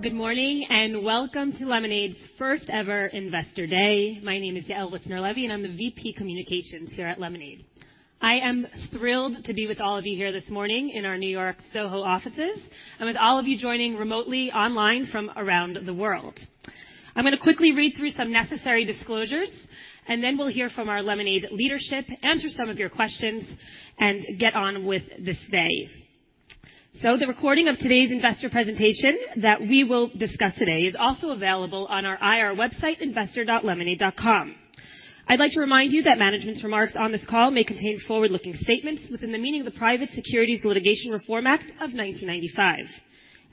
Good morning, and welcome to Lemonade's first ever Investor Day. My name is Yael Wissner-Levy, and I'm the VP Communications here at Lemonade. I am thrilled to be with all of you here this morning in our New York SoHo offices and with all of you joining remotely online from around the world. I'm gonna quickly read through some necessary disclosures, and then we'll hear from our Lemonade leadership, answer some of your questions, and get on with this day. The recording of today's investor presentation that we will discuss today is also available on our IR website, investor.lemonade.com. I'd like to remind you that management's remarks on this call may contain forward-looking statements within the meaning of the Private Securities Litigation Reform Act of 1995.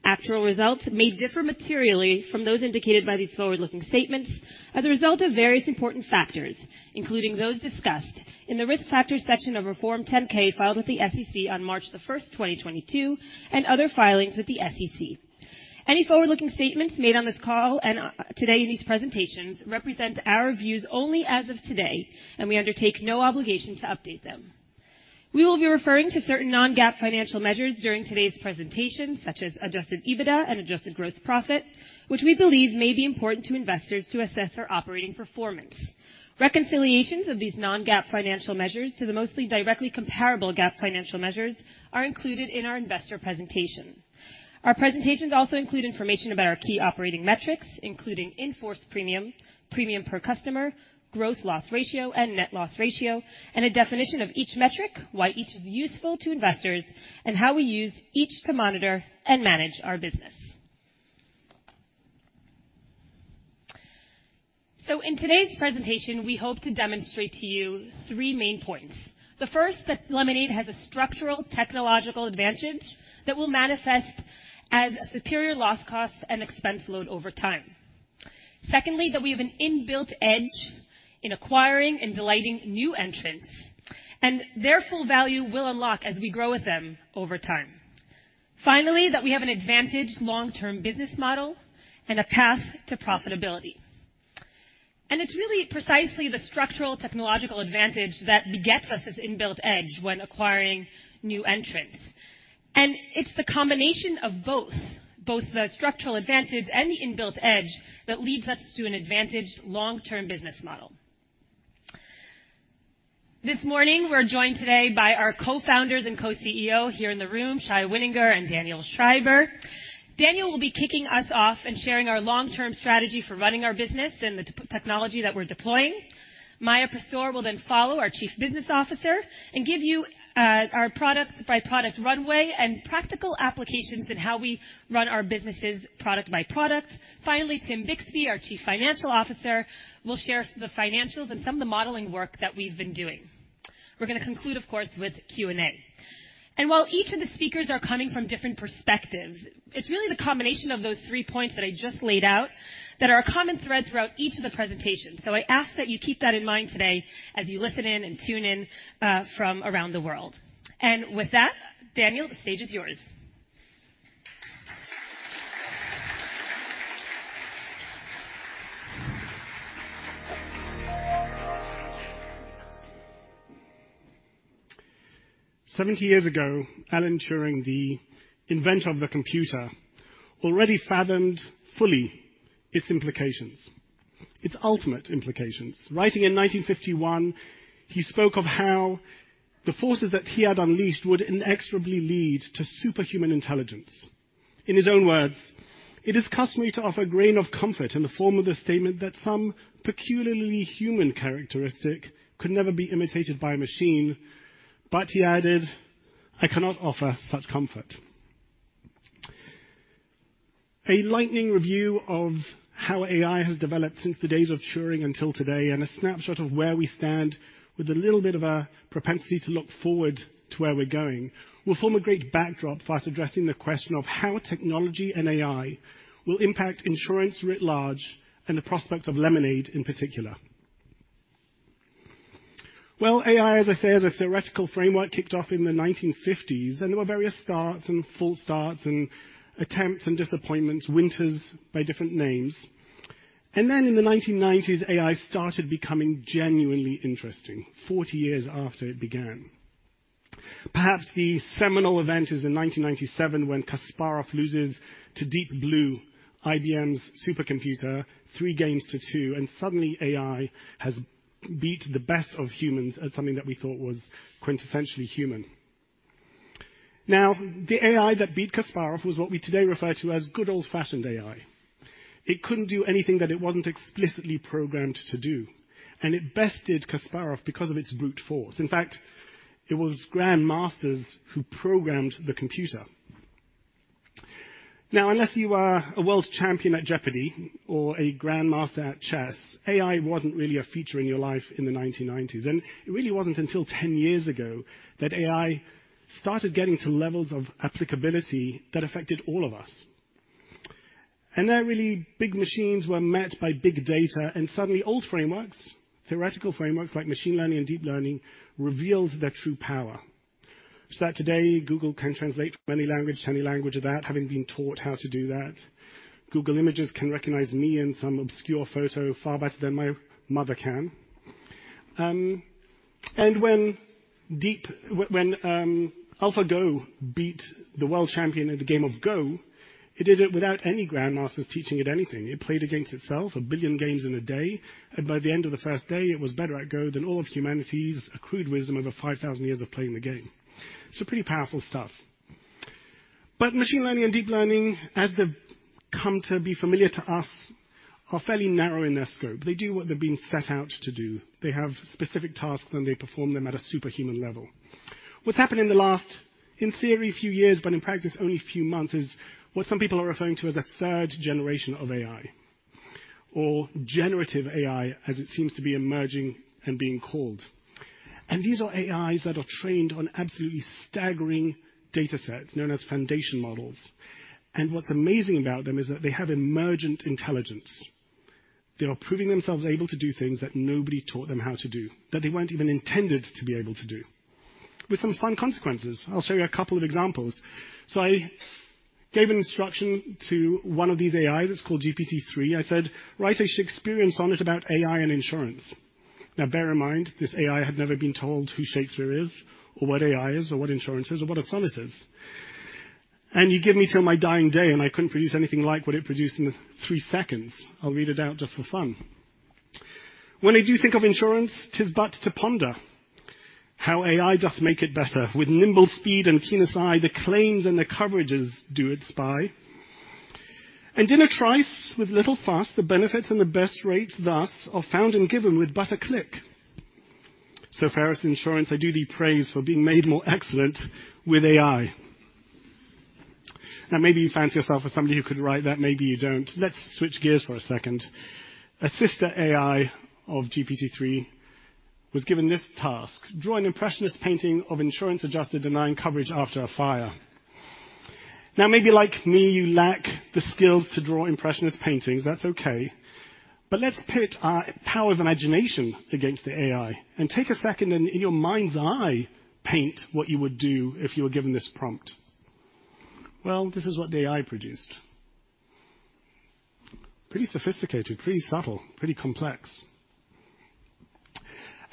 Actual results may differ materially from those indicated by these forward-looking statements as a result of various important factors, including those discussed in the Risk Factors section of our Form 10-K filed with the SEC on March 1, 2022, and other filings with the SEC. Any forward-looking statements made on this call and today in these presentations represent our views only as of today, and we undertake no obligation to update them. We will be referring to certain non-GAAP financial measures during today's presentation, such as adjusted EBITDA and adjusted gross profit, which we believe may be important to investors to assess our operating performance. Reconciliations of these non-GAAP financial measures to the most directly comparable GAAP financial measures are included in our investor presentation. Our presentations also include information about our key operating metrics, including in-force premium per customer, gross loss ratio and net loss ratio, and a definition of each metric, why each is useful to investors, and how we use each to monitor and manage our business. In today's presentation, we hope to demonstrate to you three main points. The first, that Lemonade has a structural technological advantage that will manifest as superior loss costs and expense load over time. Secondly, that we have an in-built edge in acquiring and delighting new entrants, and their full value will unlock as we grow with them over time. Finally, that we have an advantaged long-term business model and a path to profitability. It's really precisely the structural technological advantage that begets us this in-built edge when acquiring new entrants. It's the combination of both the structural advantage and the in-built edge that leads us to an advantaged long-term business model. This morning, we're joined today by our co-founders and co-CEO here in the room, Shai Wininger and Daniel Schreiber. Daniel will be kicking us off and sharing our long-term strategy for running our business and the technology that we're deploying. Maya Prosor will then follow, our Chief Business Officer, and give you our product by product runway and practical applications in how we run our businesses product by product. Finally, Tim Bixby, our Chief Financial Officer, will share the financials and some of the modeling work that we've been doing. We're gonna conclude, of course, with Q&A. While each of the speakers are coming from different perspectives, it's really the combination of those three points that I just laid out that are a common thread throughout each of the presentations. I ask that you keep that in mind today as you listen in and tune in from around the world. With that, Daniel, the stage is yours. 70 years ago, Alan Turing, the inventor of the computer, already fathomed fully its implications, its ultimate implications. Writing in 1951, he spoke of how the forces that he had unleashed would inexorably lead to superhuman intelligence. In his own words, "It is customary to offer a grain of comfort in the form of the statement that some peculiarly human characteristic could never be imitated by a machine." He added, "I cannot offer such comfort." A lightning review of how AI has developed since the days of Turing until today and a snapshot of where we stand with a little bit of a propensity to look forward to where we're going will form a great backdrop for us addressing the question of how technology and AI will impact insurance writ large and the prospects of Lemonade in particular. Well, AI, as I say, is a theoretical framework kicked off in the 1950s, and there were various starts and false starts and attempts and disappointments, winters by different names. In the 1990s, AI started becoming genuinely interesting 40 years after it began. Perhaps the seminal event is in 1997 when Kasparov loses to Deep Blue, IBM's supercomputer, three games to two, and suddenly AI has beat the best of humans at something that we thought was quintessentially human. Now, the AI that beat Kasparov was what we today refer to as good old-fashioned AI. It couldn't do anything that it wasn't explicitly programmed to do, and it bested Kasparov because of its brute force. In fact, it was grand masters who programmed the computer. Now, unless you are a world champion at Jeopardy! or a grand master at chess, AI wasn't really a feature in your life in the 1990s, and it really wasn't until 10 years ago that AI started getting to levels of applicability that affected all of us. Then really big machines were met by big data, and suddenly old frameworks, theoretical frameworks like machine learning and deep learning revealed their true power. That today Google can translate from any language to any language without having been taught how to do that. Google Images can recognize me in some obscure photo far better than my mother can. When AlphaGo beat the world champion at the game of Go, it did it without any grandmasters teaching it anything. It played against itself a billion games in a day, and by the end of the first day, it was better at Go than all of humanity's accrued wisdom over 5,000 years of playing the game. Pretty powerful stuff. Machine learning and deep learning, as they've come to be familiar to us, are fairly narrow in their scope. They do what they're being set out to do. They have specific tasks, and they perform them at a superhuman level. What's happened in the last, in theory, few years, but in practice only a few months, is what some people are referring to as a third generation of AI, or generative AI, as it seems to be emerging and being called. These are AIs that are trained on absolutely staggering data sets known as foundation models. What's amazing about them is that they have emergent intelligence. They are proving themselves able to do things that nobody taught them how to do, that they weren't even intended to be able to do, with some fun consequences. I'll show you a couple of examples. I gave an instruction to one of these AIs. It's called GPT-3. I said, "Write a Shakespearean sonnet about AI and insurance." Now, bear in mind, this AI had never been told who Shakespeare is or what AI is or what insurance is or what a sonnet is. You give me till my dying day, and I couldn't produce anything like what it produced in three seconds. I'll read it out just for fun. "When I do think of insurance, 'tis but to ponder. How AI doth make it better. With nimble speed and keenest eye, the claims and the coverages do it spy. In a trice with little fuss, the benefits and the best rates thus are found and given with but a click. Fair is insurance, I do thee praise for being made more excellent with AI. Now, maybe you fancy yourself as somebody who could write that. Maybe you don't. Let's switch gears for a second. A sister AI of GPT-3 was given this task: Draw an impressionist painting of insurance adjuster denying coverage after a fire. Now, maybe like me, you lack the skills to draw impressionist paintings. That's okay. Let's pit our power of imagination against the AI and take a second and in your mind's eye, paint what you would do if you were given this prompt. Well, this is what the AI produced. Pretty sophisticated, pretty subtle, pretty complex.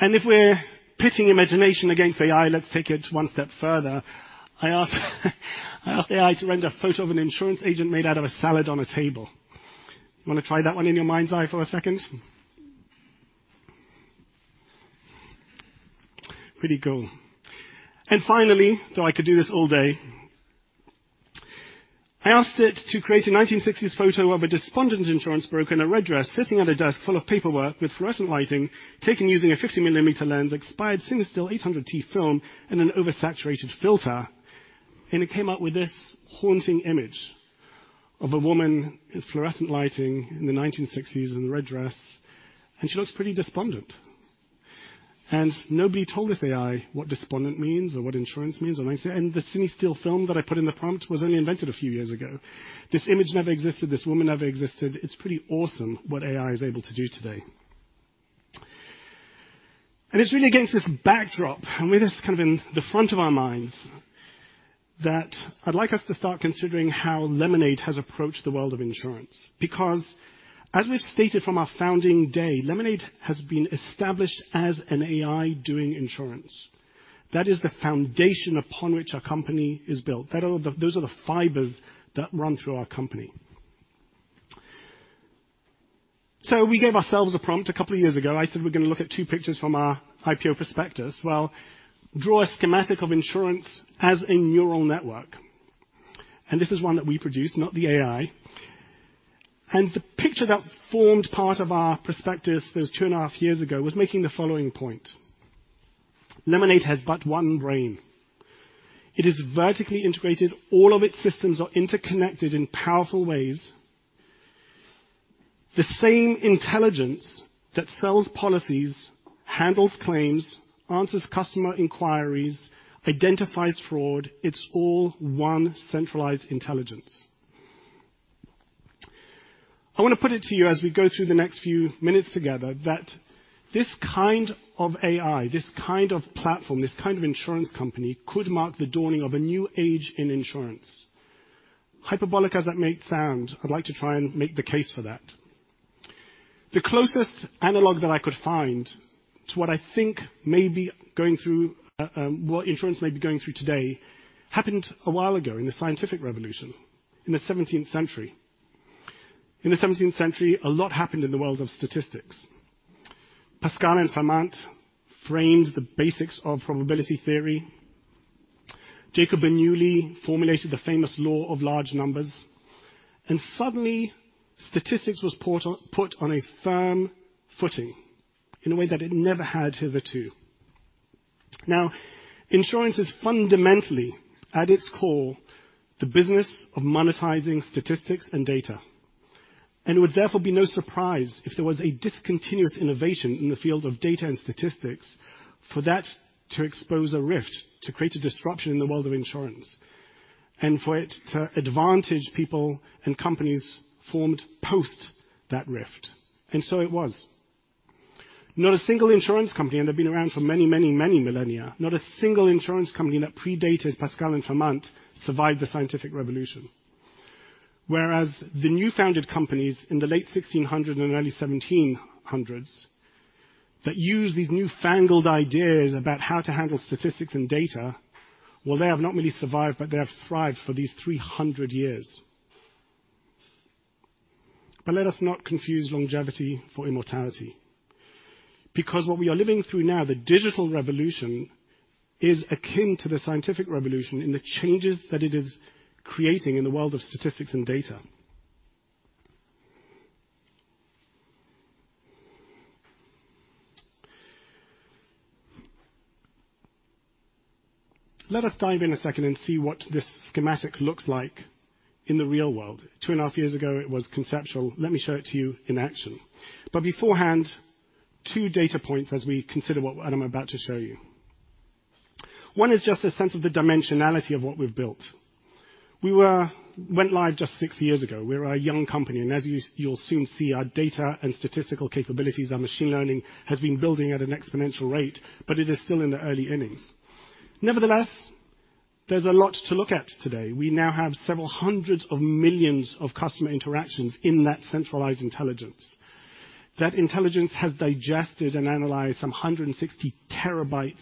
If we're pitting imagination against AI, let's take it one step further. I asked AI to render a photo of an insurance agent made out of a salad on a table. You wanna try that one in your mind's eye for a second? Pretty cool. Finally, though I could do this all day, I asked it to create a 1960s photo of a despondent insurance broker in a red dress sitting at a desk full of paperwork with fluorescent lighting, taken using a 50-millimeter lens, expired CineStill 800T film and an oversaturated filter. It came up with this haunting image of a woman in fluorescent lighting in the 1960s in a red dress, and she looks pretty despondent. Nobody told this AI what despondent means or what insurance means. The CineStill film that I put in the prompt was only invented a few years ago. This image never existed. This woman never existed. It's pretty awesome what AI is able to do today. It's really against this backdrop, and with this kind of in the front of our minds, that I'd like us to start considering how Lemonade has approached the world of insurance. Because as we've stated from our founding day, Lemonade has been established as an AI doing insurance. That is the foundation upon which our company is built. Those are the fibers that run through our company. We gave ourselves a prompt a couple of years ago. I said, "We're gonna look at two pictures from our IPO prospectus." Well, draw a schematic of insurance as a neural network. This is one that we produced, not the AI. The picture that formed part of our prospectus those two and a half years ago was making the following point. Lemonade has but one brain. It is vertically integrated. All of its systems are interconnected in powerful ways. The same intelligence that sells policies, handles claims, answers customer inquiries, identifies fraud, it's all one centralized intelligence. I wanna put it to you as we go through the next few minutes together, that this kind of AI, this kind of platform, this kind of insurance company could mark the dawning of a new age in insurance. Hyperbolic as that may sound, I'd like to try and make the case for that. The closest analog that I could find to what I think may be going through, what insurance may be going through today happened a while ago in the scientific revolution in the seventeenth century. In the seventeenth century, a lot happened in the world of statistics. Pascal and Fermat framed the basics of probability theory. Jacob Bernoulli formulated the famous law of large numbers, and suddenly statistics was put on a firm footing in a way that it never had hitherto. Now, insurance is fundamentally at its core, the business of monetizing statistics and data, and it would therefore be no surprise if there was a discontinuous innovation in the field of data and statistics for that to expose a rift, to create a disruption in the world of insurance and for it to advantage people and companies formed post that rift. It was. Not a single insurance company, and they've been around for many, many, many millennia. Not a single insurance company that predated Pascal and Fermat survived the scientific revolution. Whereas the newly founded companies in the late 1600 and early 1700s that use these newfangled ideas about how to handle statistics and data, well, they have not only survived, but they have thrived for these 300 years. Let us not confuse longevity for immortality, because what we are living through now, the digital revolution, is akin to the scientific revolution in the changes that it is creating in the world of statistics and data. Let us dive in a second and see what this schematic looks like in the real world. 2.5 years ago, it was conceptual. Let me show it to you in action. Beforehand, two data points as we consider what I'm about to show you. One is just a sense of the dimensionality of what we've built. We went live just six years ago. We're a young company, and as you'll soon see, our data and statistical capabilities, our machine learning has been building at an exponential rate, but it is still in the early innings. Nevertheless, there's a lot to look at today. We now have several hundreds of millions of customer interactions in that centralized intelligence. That intelligence has digested and analyzed some 160 TB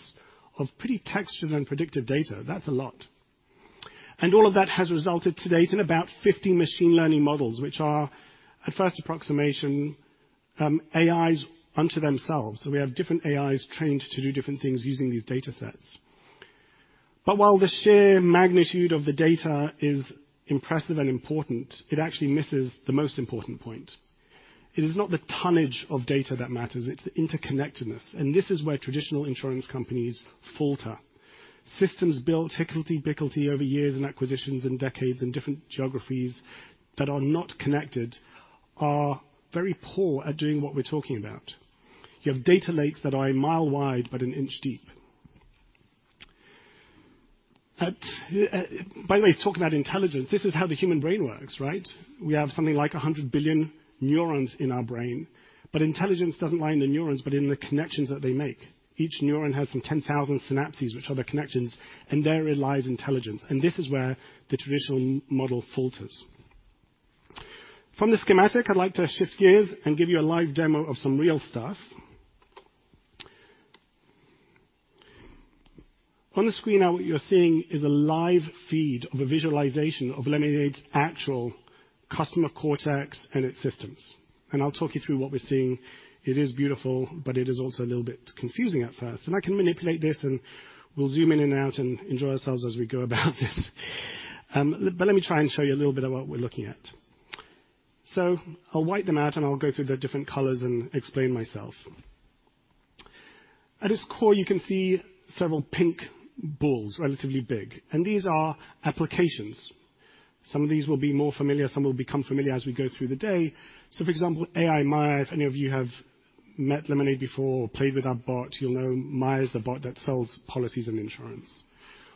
of pretty textured and predictive data. That's a lot. All of that has resulted to date in about 50 machine learning models which are at first approximation AIs unto themselves. We have different AIs trained to do different things using these datasets. While the sheer magnitude of the data is impressive and important, it actually misses the most important point. It is not the tonnage of data that matters, it's the interconnectedness. This is where traditional insurance companies falter. Systems built higgledy-piggledy over years, and acquisitions in decades, in different geographies that are not connected are very poor at doing what we're talking about. You have data lakes that are a mile wide but an inch deep. By the way, talking about intelligence, this is how the human brain works, right? We have something like 100 billion neurons in our brain, but intelligence doesn't lie in the neurons, but in the connections that they make. Each neuron has some 10,000 synapses, which are the connections, and therein lies intelligence. This is where the traditional model falters. From the schematic, I'd like to shift gears and give you a live demo of some real stuff. On the screen now, what you're seeing is a live feed of a visualization of Lemonade's actual Customer Cortex and its systems. I'll talk you through what we're seeing. It is beautiful, but it is also a little bit confusing at first. I can manipulate this, and we'll zoom in and out and enjoy ourselves as we go about this. But let me try and show you a little bit of what we're looking at. I'll wipe them out and I'll go through the different colors and explain myself. At its core, you can see several pink balls, relatively big, and these are applications. Some of these will be more familiar, some will become familiar as we go through the day. For example, AI Maya, if any of you have met Lemonade before or played with our bot, you'll know Maya is the bot that sells policies and insurance.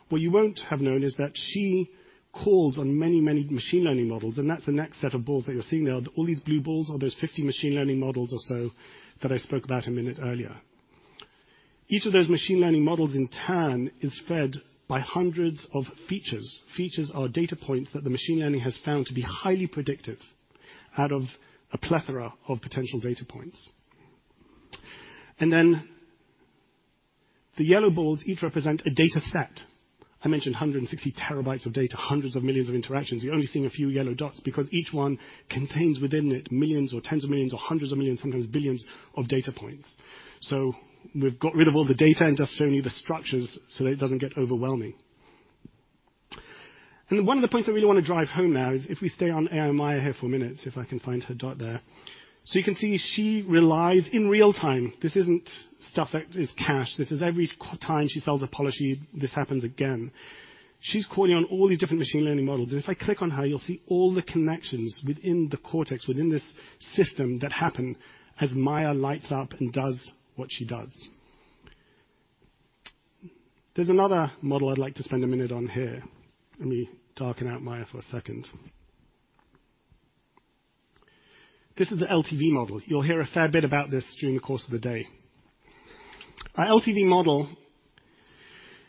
What you won't have known is that she calls on many, many machine learning models, and that's the next set of balls that you're seeing there. All these blue balls are those 50 machine learning models or so that I spoke about a minute earlier. Each of those machine learning models, in turn, is fed by hundreds of features. Features are data points that the machine learning has found to be highly predictive out of a plethora of potential data points. The yellow balls each represent a dataset. I mentioned 160 TB of data, hundreds of millions of interactions. You're only seeing a few yellow dots because each one contains within it millions or tens of millions or hundreds of millions, sometimes billions of data points. We've got rid of all the data and just showing you the structures so that it doesn't get overwhelming. One of the points I really want to drive home now is if we stay on AI Maya here for a minute, if I can find her dot there. You can see she relies in real-time. This isn't stuff that is cached. This is every time she sells a policy, this happens again. She's calling on all these different machine learning models. If I click on her, you'll see all the connections within the cortex, within this system that happen as Maya lights up and does what she does. There's another model I'd like to spend a minute on here. Let me darken out Maya for a second. This is the LTV model. You'll hear a fair bit about this during the course of the day. Our LTV model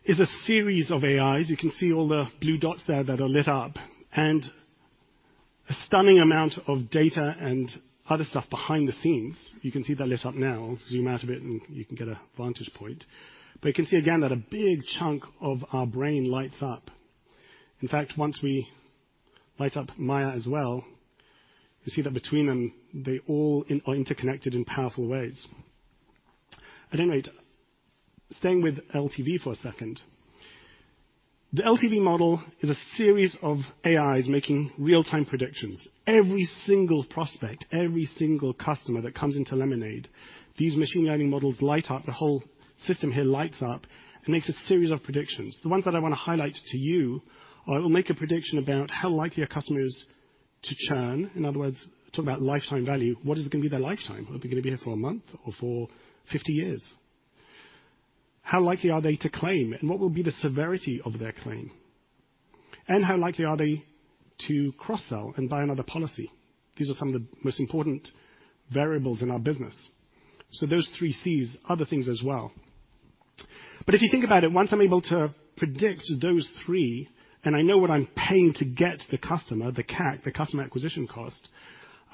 is a series of AIs. You can see all the blue dots there that are lit up, and a stunning amount of data and other stuff behind the scenes. You can see they're lit up now. Zoom out a bit and you can get a vantage point. You can see again that a big chunk of our brain lights up. In fact, once we light up Maya as well, you see that between them, they all are interconnected in powerful ways. At any rate, staying with LTV for a second. The LTV model is a series of AIs making real-time predictions. Every single prospect, every single customer that comes into Lemonade, these machine learning models light up. The whole system here lights up and makes a series of predictions. The ones that I wanna highlight to you are it will make a prediction about how likely a customer is to churn. In other words, talk about lifetime value. What is gonna be their lifetime? Are they gonna be here for a month or for 50 years? How likely are they to claim, and what will be the severity of their claim? And how likely are they to cross-sell and buy another policy? These are some of the most important variables in our business. Those three Cs, other things as well. If you think about it, once I'm able to predict those three, and I know what I'm paying to get the customer, the CAC, the customer acquisition cost,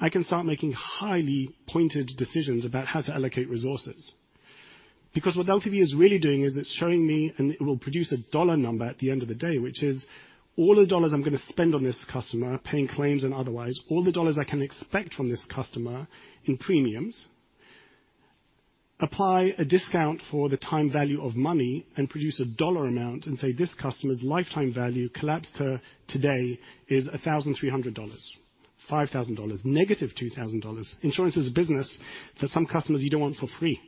I can start making highly pointed decisions about how to allocate resources. Because what LTV is really doing is it's showing me, and it will produce a dollar number at the end of the day, which is all the dollars I'm gonna spend on this customer, paying claims and otherwise, all the dollars I can expect from this customer in premiums. Apply a discount for the time value of money and produce a dollar amount and say this customer's lifetime value collapsed to today is $1,300, $5,000, -$2,000. Insurance is a business for some customers you don't want for free.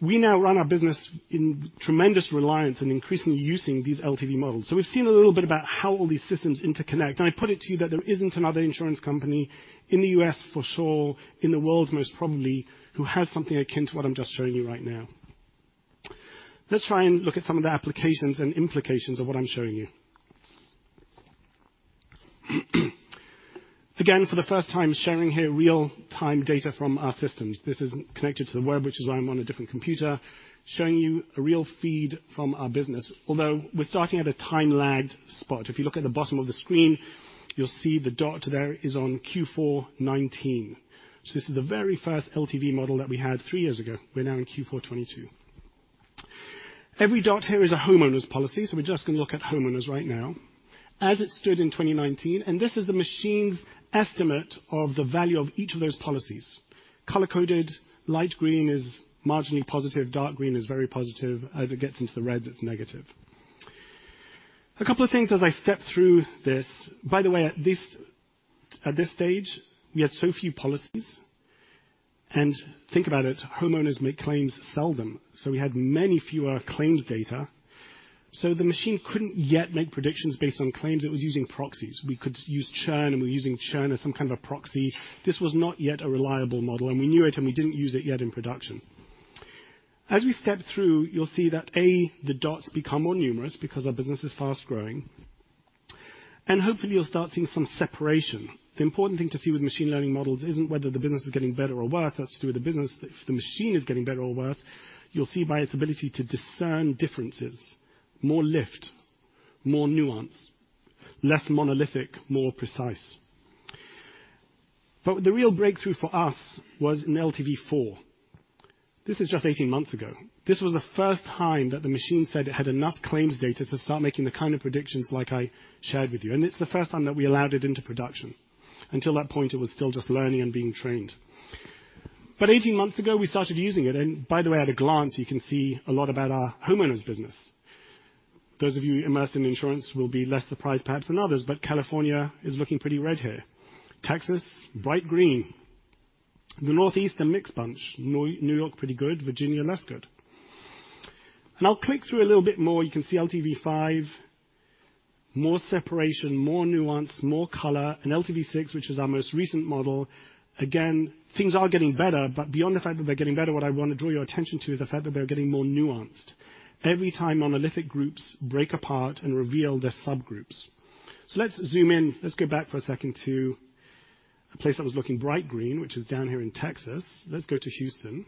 We now run our business in tremendous reliance on increasingly using these LTV models. We've seen a little bit about how all these systems interconnect, and I put it to you that there isn't another insurance company in the U.S., for sure, in the world most probably, who has something akin to what I'm just showing you right now. Let's try and look at some of the applications and implications of what I'm showing you. Again, for the first time, sharing here real-time data from our systems. This is connected to the web, which is why I'm on a different computer, showing you a real feed from our business. Although we're starting at a time-lagged spot. If you look at the bottom of the screen, you'll see the dot there is on Q4 2019. This is the very first LTV model that we had three years ago. We're now in Q4 2022. Every dot here is a homeowner's policy, so we're just gonna look at homeowners right now. As it stood in 2019, and this is the machine's estimate of the value of each of those policies. Color-coded, light green is marginally positive, dark green is very positive. As it gets into the red, it's negative. A couple of things as I step through this. By the way, at this stage, we had so few policies. Think about it, homeowners make claims seldom. We had many fewer claims data. The machine couldn't yet make predictions based on claims. It was using proxies. We could use churn, and we're using churn as some kind of a proxy. This was not yet a reliable model, and we knew it, and we didn't use it yet in production. As we step through, you'll see that, A, the dots become more numerous because our business is fast-growing. Hopefully, you'll start seeing some separation. The important thing to see with machine learning models isn't whether the business is getting better or worse. That's to do with the business. If the machine is getting better or worse, you'll see by its ability to discern differences, more lift, more nuance, less monolithic, more precise. The real breakthrough for us was in LTV 4. This is just 18 months ago. This was the first time that the machine said it had enough claims data to start making the kind of predictions like I shared with you. It's the first time that we allowed it into production. Until that point, it was still just learning and being trained. 18 months ago, we started using it. By the way, at a glance, you can see a lot about our homeowners business. Those of you immersed in insurance will be less surprised perhaps than others, but California is looking pretty red here. Texas, bright green. The Northeast, a mixed bunch. New York, pretty good. Virginia, less good. I'll click through a little bit more. You can see LTV 5, more separation, more nuance, more color. LTV 6, which is our most recent model. Again, things are getting better, but beyond the fact that they're getting better, what I wanna draw your attention to is the fact that they're getting more nuanced. Every time monolithic groups break apart and reveal their subgroups. Let's zoom in. Let's go back for a second to a place that was looking bright green, which is down here in Texas. Let's go to Houston.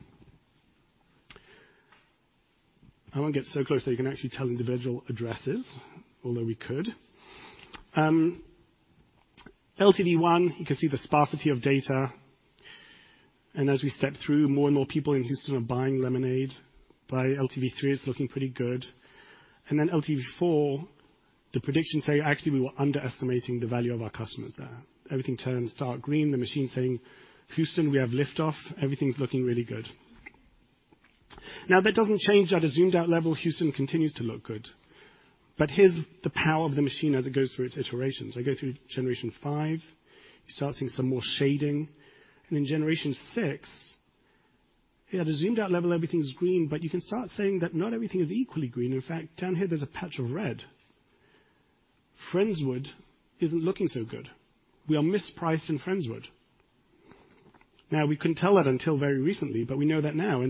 I won't get so close that you can actually tell individual addresses, although we could. LTV 1, you can see the sparsity of data. As we step through, more and more people in Houston are buying Lemonade. By LTV 3, it's looking pretty good. Then LTV 4, the predictions say actually we were underestimating the value of our customers there. Everything turns dark green. The machine's saying, "Houston, we have liftoff. Everything's looking really good." Now, that doesn't change at a zoomed-out level. Houston continues to look good. Here's the power of the machine as it goes through its iterations. I go through generation 5. You start seeing some more shading. In generation six, yeah, at a zoomed-out level, everything's green, but you can start saying that not everything is equally green. In fact, down here there's a patch of red. Friendswood isn't looking so good. We are mispriced in Friendswood. Now, we couldn't tell that until very recently, but we know that now.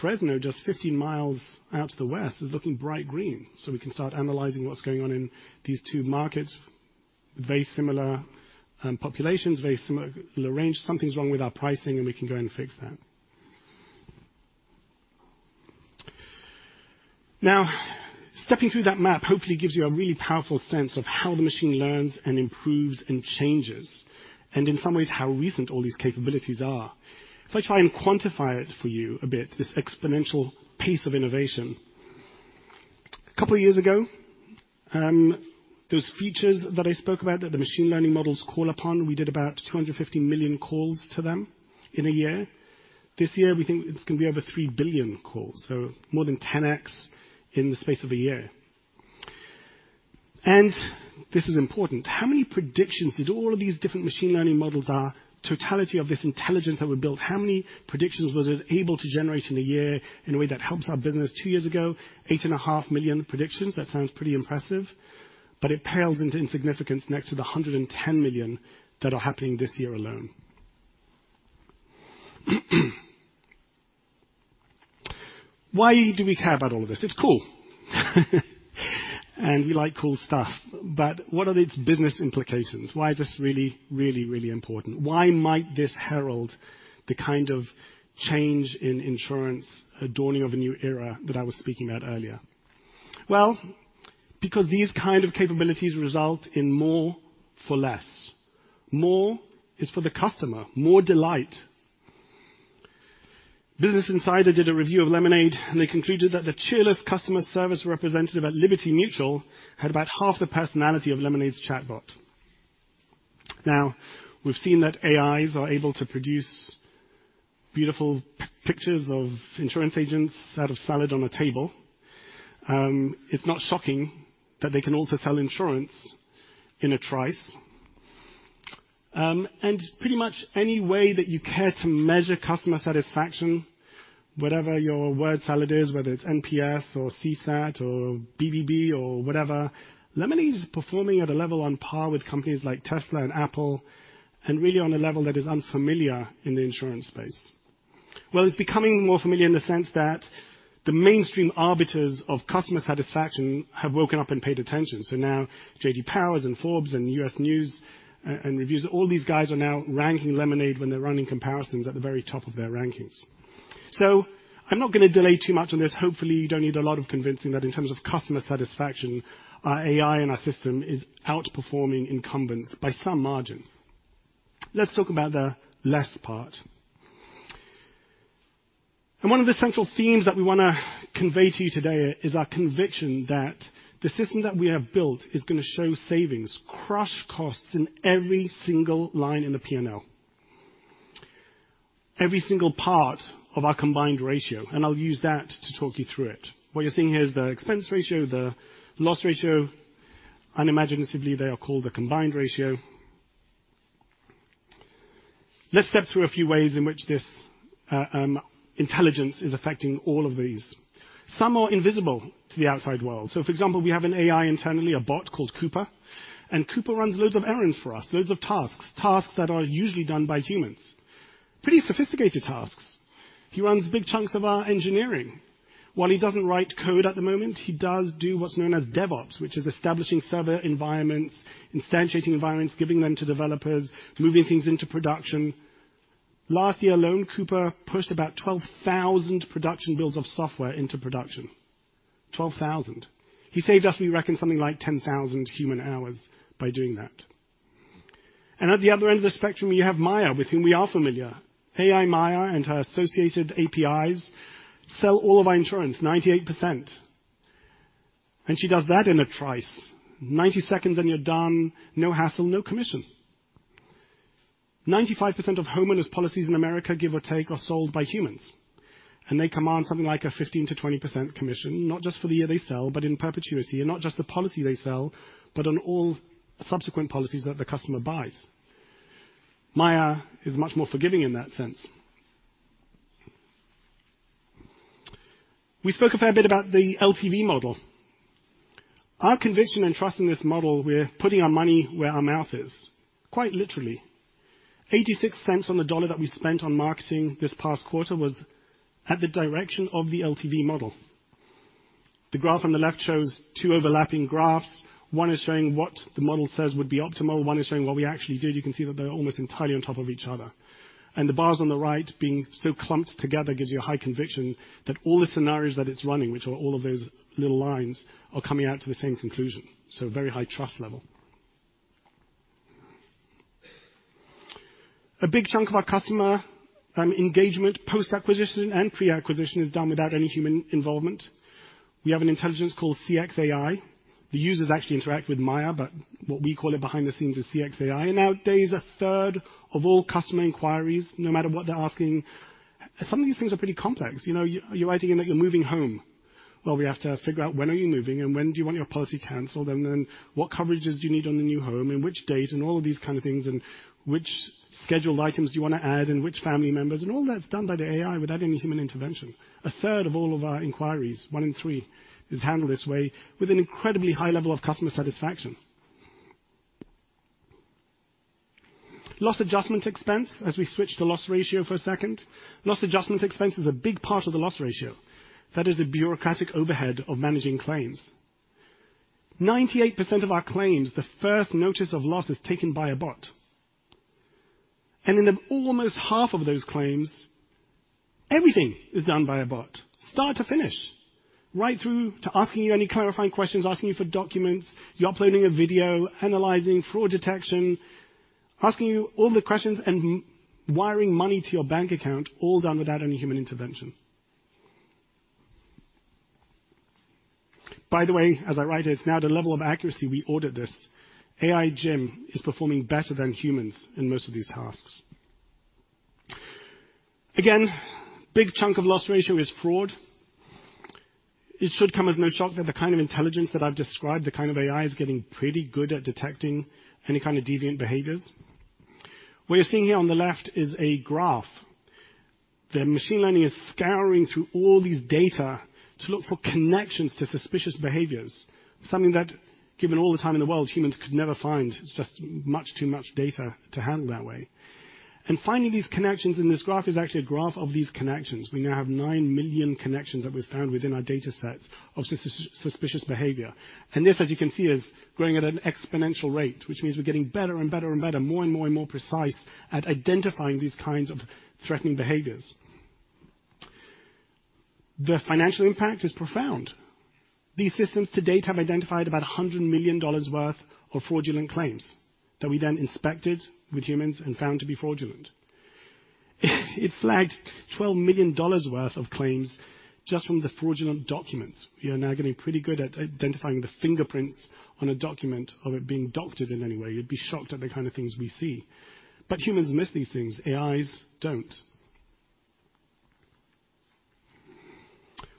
Fresno, just 15 miles out to the west, is looking bright green. We can start analyzing what's going on in these two markets. Very similar populations, very similar range. Something's wrong with our pricing, and we can go in and fix that. Now, stepping through that map hopefully gives you a really powerful sense of how the machine learns and improves and changes, and in some ways, how recent all these capabilities are. If I try and quantify it for you a bit, this exponential pace of innovation. A couple of years ago, those features that I spoke about that the machine learning models call upon, we did about 250 million calls to them in a year. This year we think it's gonna be over three billion calls, so more than 10x in the space of a year. This is important. How many predictions did all of these different machine learning models, our totality of this intelligence that we built, how many predictions was it able to generate in a year in a way that helps our business? Two years ago, 8.5 million predictions. That sounds pretty impressive, but it pales into insignificance next to the 110 million that are happening this year alone. Why do we care about all of this? It's cool. We like cool stuff, but what are its business implications? Why is this really, really, really important? Why might this herald the kind of change in insurance, a dawning of a new era that I was speaking about earlier? Well, because these kind of capabilities result in more for less. More is for the customer, more delight. Business Insider did a review of Lemonade, and they concluded that the cheerless customer service representative at Liberty Mutual had about half the personality of Lemonade's chatbot. Now, we've seen that AIs are able to produce beautiful pictures of insurance agents out of salad on a table. It's not shocking that they can also sell insurance in a trice. Pretty much any way that you care to measure customer satisfaction, whatever your word salad is, whether it's NPS or CSAT or BBB or whatever, Lemonade is performing at a level on par with companies like Tesla and Apple and really on a level that is unfamiliar in the insurance space. Well, it's becoming more familiar in the sense that the mainstream arbiters of customer satisfaction have woken up and paid attention. Now J.D. Power and Forbes and U.S. News & World Report, all these guys are now ranking Lemonade when they're running comparisons at the very top of their rankings. I'm not gonna delay too much on this. Hopefully, you don't need a lot of convincing that in terms of customer satisfaction, our AI and our system is outperforming incumbents by some margin. Let's talk about the loss part. One of the central themes that we wanna convey to you today is our conviction that the system that we have built is gonna show savings, crush costs in every single line in the P&L. Every single part of our combined ratio, and I'll use that to talk you through it. What you're seeing here is the expense ratio, the loss ratio. Unimaginatively, they are called the combined ratio. Let's step through a few ways in which this intelligence is affecting all of these. Some are invisible to the outside world. For example, we have an AI internally, a bot called Cooper, and Cooper runs loads of errands for us, loads of tasks that are usually done by humans. Pretty sophisticated tasks. He runs big chunks of our engineering. While he doesn't write code at the moment, he does do what's known as DevOps, which is establishing server environments, instantiating environments, giving them to developers, moving things into production. Last year alone, Cooper pushed about 12,000 production builds of software into production. 12,000. He saved us, we reckon, something like 10,000 human hours by doing that. At the other end of the spectrum, you have Maya, with whom we are familiar. AI Maya and her associated APIs sell all of our insurance, 98%, and she does that in a trice. 90 seconds and you're done. No hassle, no commission. 95% of homeowners' policies in America, give or take, are sold by humans, and they command something like a 15%-20% commission, not just for the year they sell, but in perpetuity, and not just the policy they sell, but on all subsequent policies that the customer buys. Maya is much more forgiving in that sense. We spoke a fair bit about the LTV model. Our conviction in trusting this model, we're putting our money where our mouth is, quite literally. 86 cents on the dollar that we spent on marketing this past quarter was at the direction of the LTV model. The graph on the left shows two overlapping graphs. One is showing what the model says would be optimal, one is showing what we actually did. You can see that they're almost entirely on top of each other. The bars on the right being so clumped together gives you a high conviction that all the scenarios that it's running, which are all of those little lines, are coming out to the same conclusion, so very high trust level. A big chunk of our customer engagement, post-acquisition and pre-acquisition, is done without any human involvement. We have an intelligence called CX.AI. The users actually interact with Maya, but what we call it behind the scenes is CX.AI. Nowadays, a third of all customer inquiries, no matter what they're asking. Some of these things are pretty complex. You know, you're writing in that you're moving home. Well, we have to figure out when are you moving and when do you want your policy canceled, and then what coverages do you need on the new home and which date and all of these kind of things, and which scheduled items do you wanna add and which family members, and all that's done by the AI without any human intervention. A third of all of our inquiries, one in three, is handled this way with an incredibly high level of customer satisfaction. Loss adjustment expense, as we switch to loss ratio for a second. Loss adjustment expense is a big part of the loss ratio. That is the bureaucratic overhead of managing claims. 98% of our claims, the first notice of loss is taken by a bot. In almost half of those claims, everything is done by a bot, start to finish, right through to asking you any clarifying questions, asking you for documents, you uploading a video, analyzing fraud detection, asking you all the questions and wiring money to your bank account, all done without any human intervention. By the way, as I write it's now the level of accuracy we audit this. AI Jim is performing better than humans in most of these tasks. Again, big chunk of loss ratio is fraud. It should come as no shock that the kind of intelligence that I've described, the kind of AI, is getting pretty good at detecting any kind of deviant behaviors. What you're seeing here on the left is a graph. The machine learning is scouring through all these data to look for connections to suspicious behaviors, something that, given all the time in the world, humans could never find. It's just much too much data to handle that way. Finding these connections in this graph is actually a graph of these connections. We now have nine million connections that we've found within our data sets of suspicious behavior. This, as you can see, is growing at an exponential rate, which means we're getting better and better and better, more and more and more precise at identifying these kinds of threatening behaviors. The financial impact is profound. These systems to date have identified about $100 million worth of fraudulent claims that we then inspected with humans and found to be fraudulent. It flagged $12 million worth of claims just from the fraudulent documents. We are now getting pretty good at identifying the fingerprints on a document of it being doctored in any way. You'd be shocked at the kind of things we see. But humans miss these things, AIs don't.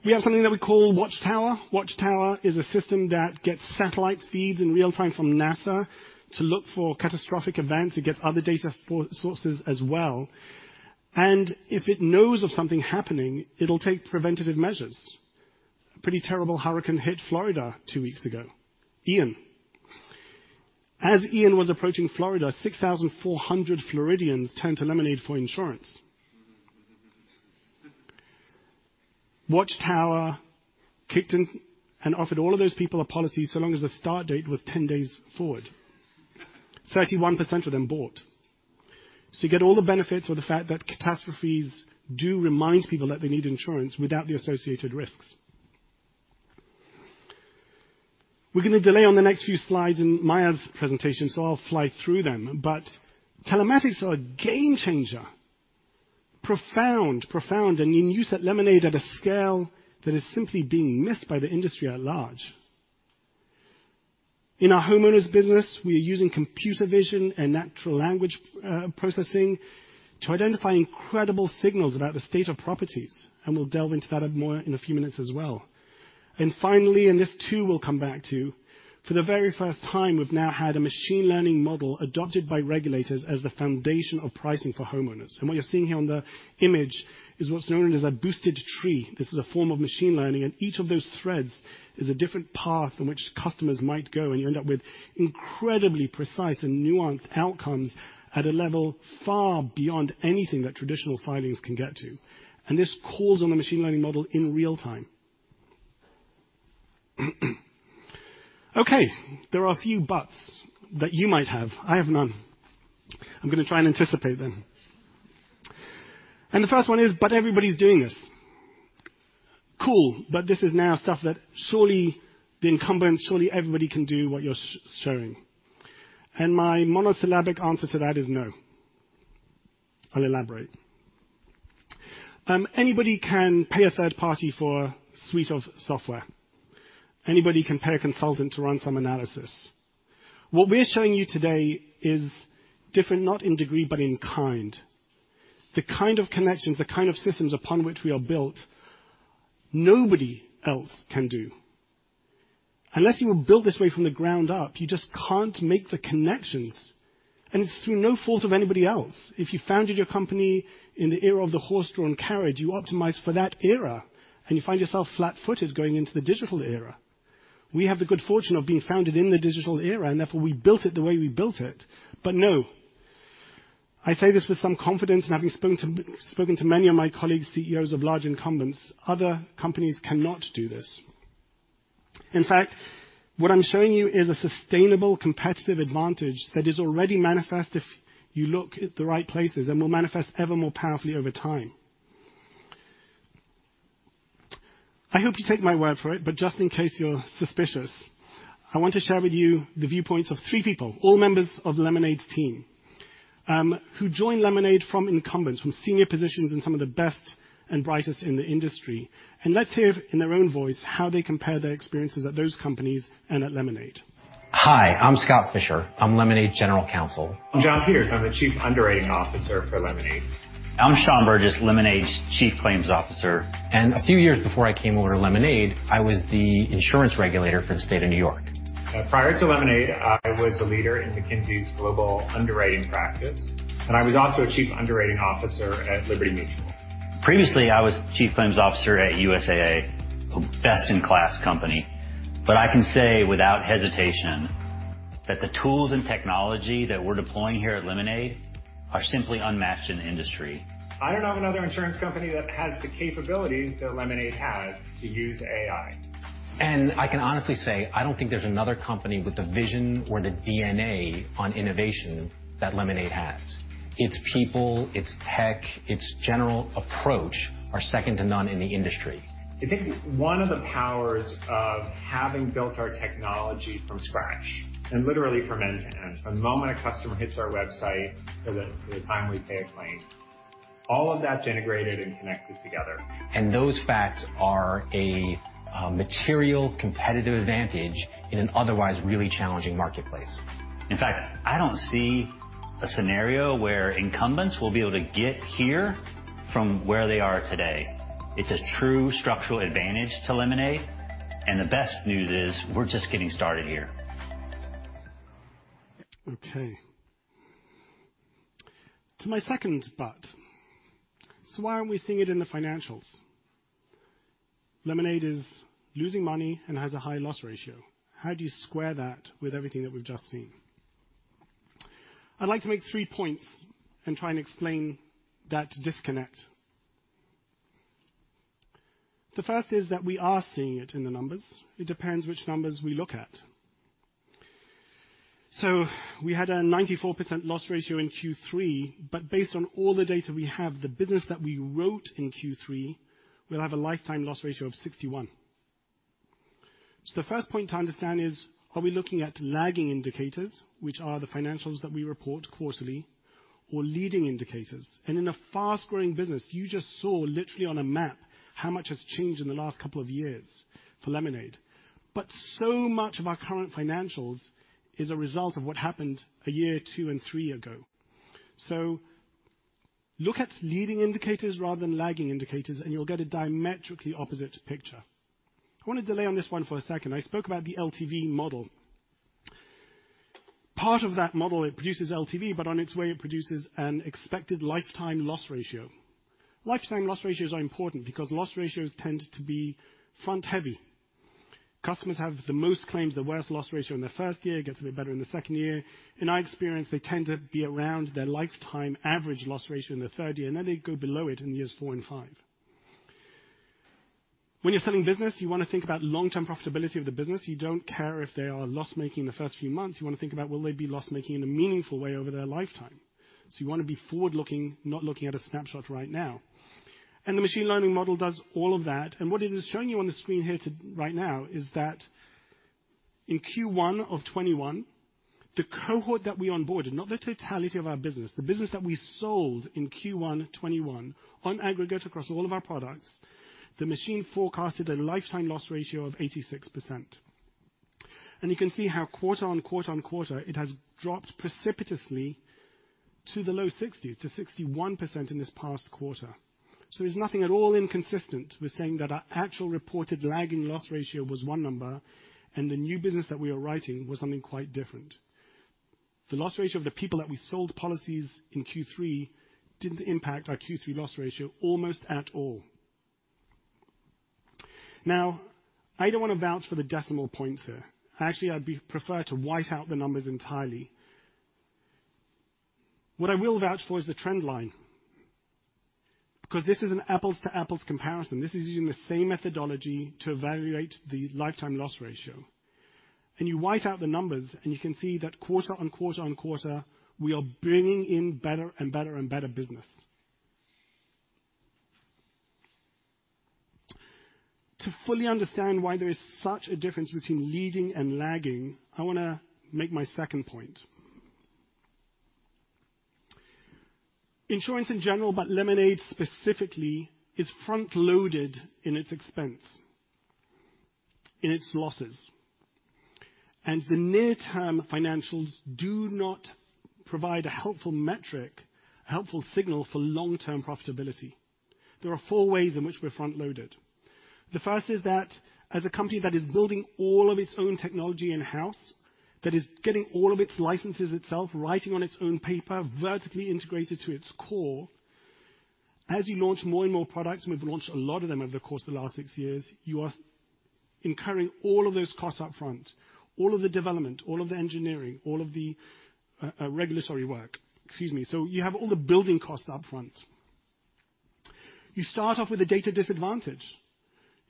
We have something that we call Watchtower. Watchtower is a system that gets satellite feeds in real time from NASA to look for catastrophic events. It gets other data from sources as well. If it knows of something happening, it'll take preventative measures. A pretty terrible hurricane hit Florida two weeks ago, Ian. As Ian was approaching Florida, 6,400 Floridians turned to Lemonade for insurance. Watchtower kicked in and offered all of those people a policy so long as the start date was 10 days forward. 31% of them bought. You get all the benefits of the fact that catastrophes do remind people that they need insurance without the associated risks. We're gonna delay on the next few slides in Maya's presentation, so I'll fly through them. Telematics are a game changer. Profound, and in use at Lemonade at a scale that is simply being missed by the industry at large. In our homeowners business, we are using computer vision and natural language processing to identify incredible signals about the state of properties, and we'll delve into that more in a few minutes as well. Finally, and this too we'll come back to, for the very first time, we've now had a machine learning model adopted by regulators as the foundation of pricing for homeowners. What you're seeing here on the image is what's known as a boosted tree. This is a form of machine learning, and each of those threads is a different path in which customers might go, and you end up with incredibly precise and nuanced outcomes at a level far beyond anything that traditional filings can get to. This calls on the machine learning model in real time. Okay, there are a few buts that you might have. I have none. I'm gonna try and anticipate them. The first one is, "But everybody's doing this." Cool, but this is now stuff that surely the incumbents, surely everybody can do what you're showing. My monosyllabic answer to that is no. I'll elaborate. Anybody can pay a third party for a suite of software. Anybody can pay a consultant to run some analysis. What we're showing you today is different, not in degree, but in kind. The kind of connections, the kind of systems upon which we are built, nobody else can do. Unless you were built this way from the ground up, you just can't make the connections, and it's through no fault of anybody else. If you founded your company in the era of the horse-drawn carriage, you optimized for that era, and you find yourself flat-footed going into the digital era. We have the good fortune of being founded in the digital era, and therefore, we built it the way we built it. No, I say this with some confidence in having spoken to many of my colleagues, CEOs of large incumbents. Other companies cannot do this. In fact, what I'm showing you is a sustainable competitive advantage that is already manifest if you look at the right places and will manifest ever more powerfully over time. I hope you take my word for it, but just in case you're suspicious, I want to share with you the viewpoints of three people, all members of Lemonade's team, who joined Lemonade from incumbents, from senior positions in some of the best and brightest in the industry. Let's hear in their own voice how they compare their experiences at those companies and at Lemonade. Hi, I'm Scott Fischer. I'm Lemonade's General Counsel. I'm John Peters. I'm the Chief Underwriting Officer for Lemonade. I'm Sean Burgess, Lemonade's Chief Claims Officer. A few years before I came over to Lemonade, I was the insurance regulator for the State of New York. Prior to Lemonade, I was a leader in McKinsey's global underwriting practice, and I was also a chief underwriting officer at Liberty Mutual. Previously, I was Chief Claims Officer at USAA, a best-in-class company. I can say without hesitation that the tools and technology that we're deploying here at Lemonade are simply unmatched in the industry. I don't know of another insurance company that has the capabilities that Lemonade has to use AI. I can honestly say I don't think there's another company with the vision or the DNA on innovation that Lemonade has. Its people, its tech, its general approach are second to none in the industry. I think one of the powers of having built our technology from scratch and literally from end to end, from the moment a customer hits our website to the time we pay a claim, all of that's integrated and connected together. Those facts are a material competitive advantage in an otherwise really challenging marketplace. In fact, I don't see a scenario where incumbents will be able to get here from where they are today. It's a true structural advantage to Lemonade, and the best news is we're just getting started here. Why aren't we seeing it in the financials? Lemonade is losing money and has a high loss ratio. How do you square that with everything that we've just seen? I'd like to make three points and try and explain that disconnect. The first is that we are seeing it in the numbers. It depends which numbers we look at. We had a 94% loss ratio in Q3, but based on all the data we have, the business that we wrote in Q3 will have a lifetime loss ratio of 61%. The first point to understand is, are we looking at lagging indicators, which are the financials that we report quarterly or leading indicators? In a fast-growing business, you just saw literally on a map how much has changed in the last couple of years for Lemonade. So much of our current financials is a result of what happened a year, two, and three ago. Look at leading indicators rather than lagging indicators, and you'll get a diametrically opposite picture. I wanna dwell on this one for a second. I spoke about the LTV model. Part of that model, it produces LTV, but on its way it produces an expected lifetime loss ratio. Lifetime loss ratios are important because loss ratios tend to be front heavy. Customers have the most claims, the worst loss ratio in their first year, gets a bit better in the second year. In our experience, they tend to be around their lifetime average loss ratio in the third year, and then they go below it in years four and five. When you're selling business, you wanna think about long-term profitability of the business. You don't care if they are loss-making the first few months. You wanna think about will they be loss-making in a meaningful way over their lifetime. You wanna be forward-looking, not looking at a snapshot right now. The machine learning model does all of that. What it is showing you on the screen here right now is that in Q1 of 2021, the cohort that we onboarded, not the totality of our business, the business that we sold in Q1 2021 on aggregate across all of our products, the machine forecasted a lifetime loss ratio of 86%. You can see how quarter-on-quarter-on-quarter it has dropped precipitously to the low 60s to 61% in this past quarter. There's nothing at all inconsistent with saying that our actual reported lagging loss ratio was one number, and the new business that we were writing was something quite different. The loss ratio of the people that we sold policies in Q3 didn't impact our Q3 loss ratio almost at all. Now, I don't wanna vouch for the decimal point here. Actually, I'd prefer to white out the numbers entirely. What I will vouch for is the trend line, because this is an apples to apples comparison. This is using the same methodology to evaluate the lifetime loss ratio. You white out the numbers, and you can see that quarter-over-quarter, we are bringing in better and better and better business. To fully understand why there is such a difference between leading and lagging, I wanna make my second point. Insurance in general, but Lemonade specifically, is front loaded in its expense, in its losses. The near-term financials do not provide a helpful metric, a helpful signal for long-term profitability. There are four ways in which we're front loaded. The first is that as a company that is building all of its own technology in-house, that is getting all of its licenses itself, writing on its own paper, vertically integrated to its core, as you launch more and more products, and we've launched a lot of them over the course of the last six years, you are incurring all of those costs up front, all of the development, all of the engineering, all of the regulatory work. Excuse me. You have all the building costs up front. You start off with a data disadvantage.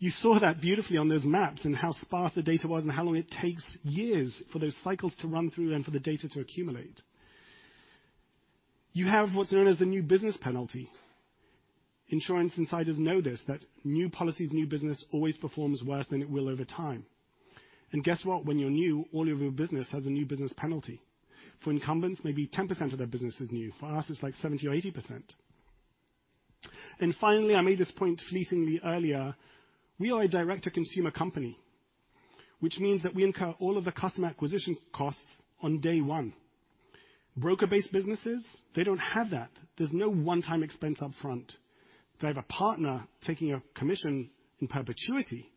You saw that beautifully on those maps and how sparse the data was and how long it takes, years for those cycles to run through and for the data to accumulate. You have what's known as the new business penalty. Insurance insiders know this, that new policies, new business always performs worse than it will over time. Guess what? When you're new, all of your business has a new business penalty. For incumbents, maybe 10% of their business is new. For us, it's like 70% or 80%. Finally, I made this point fleetingly earlier, we are a direct-to-consumer company, which means that we incur all of the customer acquisition costs on day one. Broker-based businesses, they don't have that. There's no one-time expense up front. They have a partner taking a commission in perpetuity.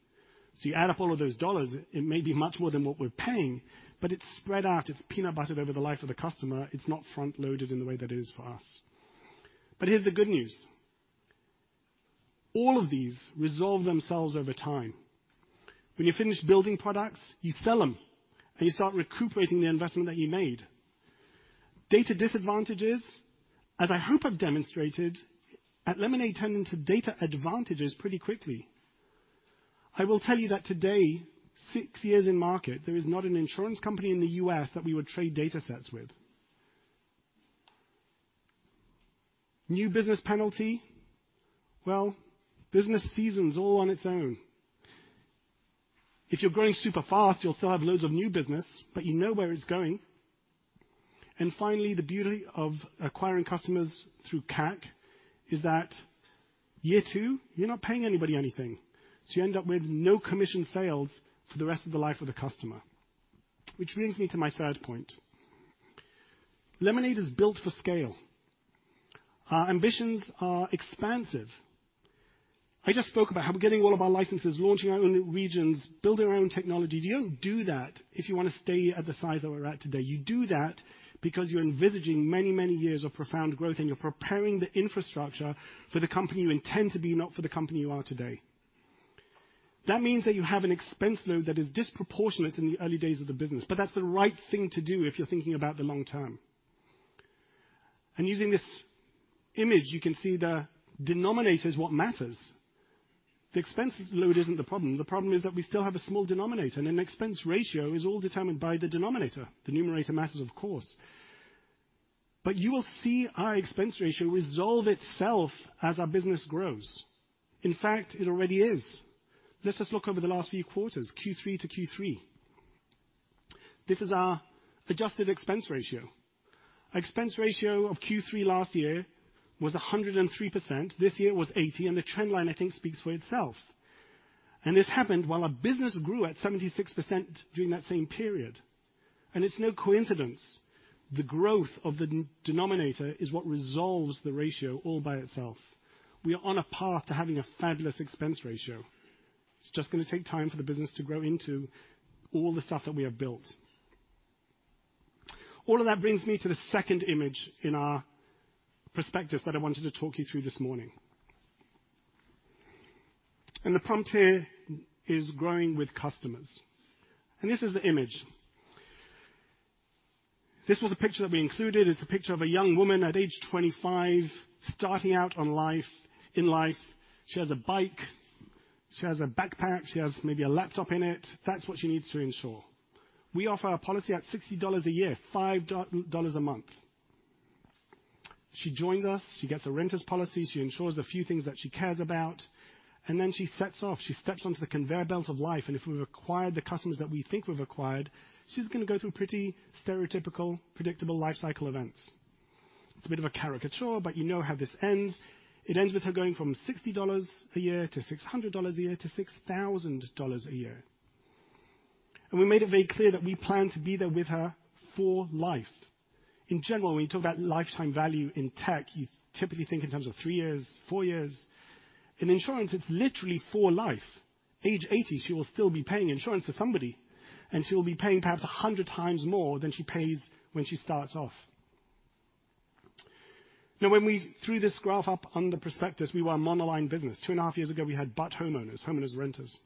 You add up all of those dollars, it may be much more than what we're paying, but it's spread out. It's peanut buttered over the life of the customer. It's not front-loaded in the way that it is for us. Here's the good news. All of these resolve themselves over time. When you're finished building products, you sell them, and you start recuperating the investment that you made. Data disadvantages, as I hope I've demonstrated, at Lemonade, turn into data advantages pretty quickly. I will tell you that today, six years in market, there is not an insurance company in the U.S. that we would trade datasets with. New business penalty? Well, business seasons all on its own. If you're growing super fast, you'll still have loads of new business, but you know where it's going. Finally, the beauty of acquiring customers through CAC is that year two, you're not paying anybody anything. You end up with no commission sales for the rest of the life of the customer. Which brings me to my third point. Lemonade is built for scale. Our ambitions are expansive. I just spoke about how we're getting all of our licenses, launching our own new regions, building our own technologies. You don't do that if you wanna stay at the size that we're at today. You do that because you're envisaging many, many years of profound growth, and you're preparing the infrastructure for the company you intend to be, not for the company you are today. That means that you have an expense load that is disproportionate in the early days of the business, but that's the right thing to do if you're thinking about the long term. Using this image, you can see the denominator is what matters. The expense load isn't the problem. The problem is that we still have a small denominator, and an expense ratio is all determined by the denominator. The numerator matters, of course. You will see our expense ratio resolve itself as our business grows. In fact, it already is. Let us look over the last few quarters, Q3 to Q3. This is our adjusted expense ratio. Expense ratio of Q3 last year was 103%. This year was 80%, and the trend line, I think, speaks for itself. This happened while our business grew at 76% during that same period. It's no coincidence. The growth of the denominator is what resolves the ratio all by itself. We are on a path to having a fabulous expense ratio. It's just gonna take time for the business to grow into all the stuff that we have built. All of that brings me to the second image in our prospectus that I wanted to talk you through this morning. The prompt here is growing with customers. This is the image. This was a picture that we included. It's a picture of a young woman at age 25, starting out on life, in life. She has a bike. She has a backpack. She has maybe a laptop in it. That's what she needs to insure. We offer our policy at $60 a year, $50 a month. She joins us, she gets a renter's policy, she insures the few things that she cares about, and then she sets off. She steps onto the conveyor belt of life, and if we've acquired the customers that we think we've acquired, she's gonna go through pretty stereotypical, predictable lifecycle events. It's a bit of a caricature, but you know how this ends. It ends with her going from $60 a year to $600 a year to $6,000 a year. We made it very clear that we plan to be there with her for life. In general, when you talk about lifetime value in tech, you typically think in terms of three years, four years. In insurance, it's literally for life. Age 80, she will still be paying insurance to somebody, and she will be paying perhaps 100 times more than she pays when she starts off. Now, when we threw this graph up on the prospectus, we were a monoline business. 2.5 years ago, we had but homeowners, renters.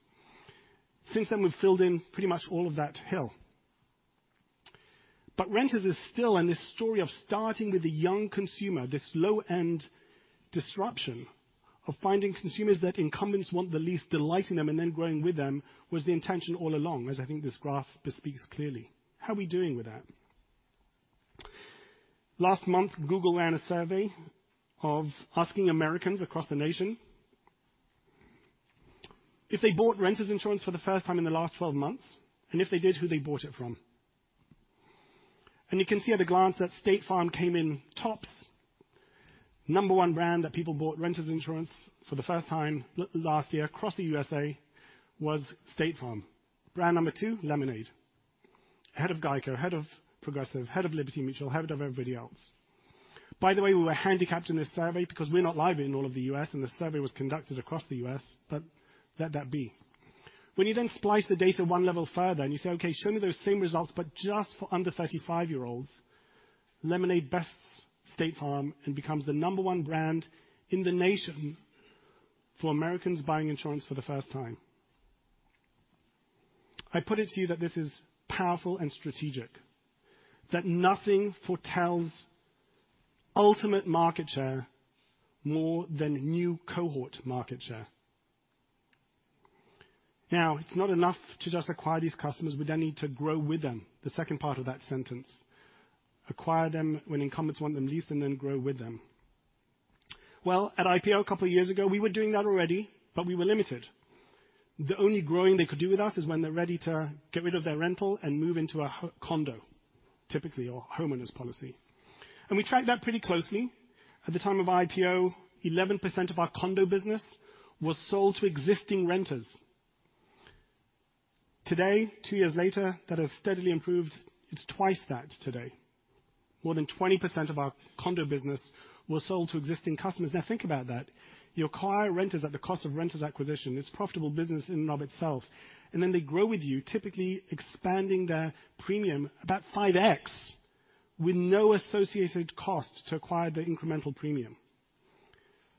Since then, we've filled in pretty much all of that hill. Renters is still in this story of starting with the young consumer, this low-end disruption of finding consumers that incumbents want the least delight in them and then growing with them was the intention all along, as I think this graph bespeaks clearly. How are we doing with that? Last month, Google ran a survey of asking Americans across the nation if they bought renters insurance for the first time in the last 12 months, and if they did, who they bought it from. You can see at a glance that State Farm came in tops. Number one brand that people bought renters insurance for the first time last year across the USA was State Farm. Brand number two, Lemonade. Ahead of GEICO, ahead of Progressive, ahead of Liberty Mutual, ahead of everybody else. By the way, we were handicapped in this survey because we're not live in all of the U.S., and the survey was conducted across the U.S., but let that be. When you then splice the data one level further and you say, "Okay, show me those same results, but just for under 35-year-olds," Lemonade bests State Farm and becomes the number one brand in the nation for Americans buying insurance for the first time. I put it to you that this is powerful and strategic, that nothing foretells ultimate market share more than new cohort market share. Now, it's not enough to just acquire these customers. We then need to grow with them. The second part of that sentence. Acquire them when incumbents want them least and then grow with them. Well, at IPO a couple of years ago, we were doing that already, but we were limited. The only growth they could do with us is when they're ready to get rid of their rental and move into a condo, typically or homeowners policy. We tracked that pretty closely. At the time of IPO, 11% of our condo business was sold to existing renters. Today, two years later, that has steadily improved. It's twice that today. More than 20% of our condo business was sold to existing customers. Now think about that. You acquire renters at the cost of renter acquisition. It's profitable business in and of itself. They grow with you, typically expanding their premium about 5x, with no associated cost to acquire the incremental premium.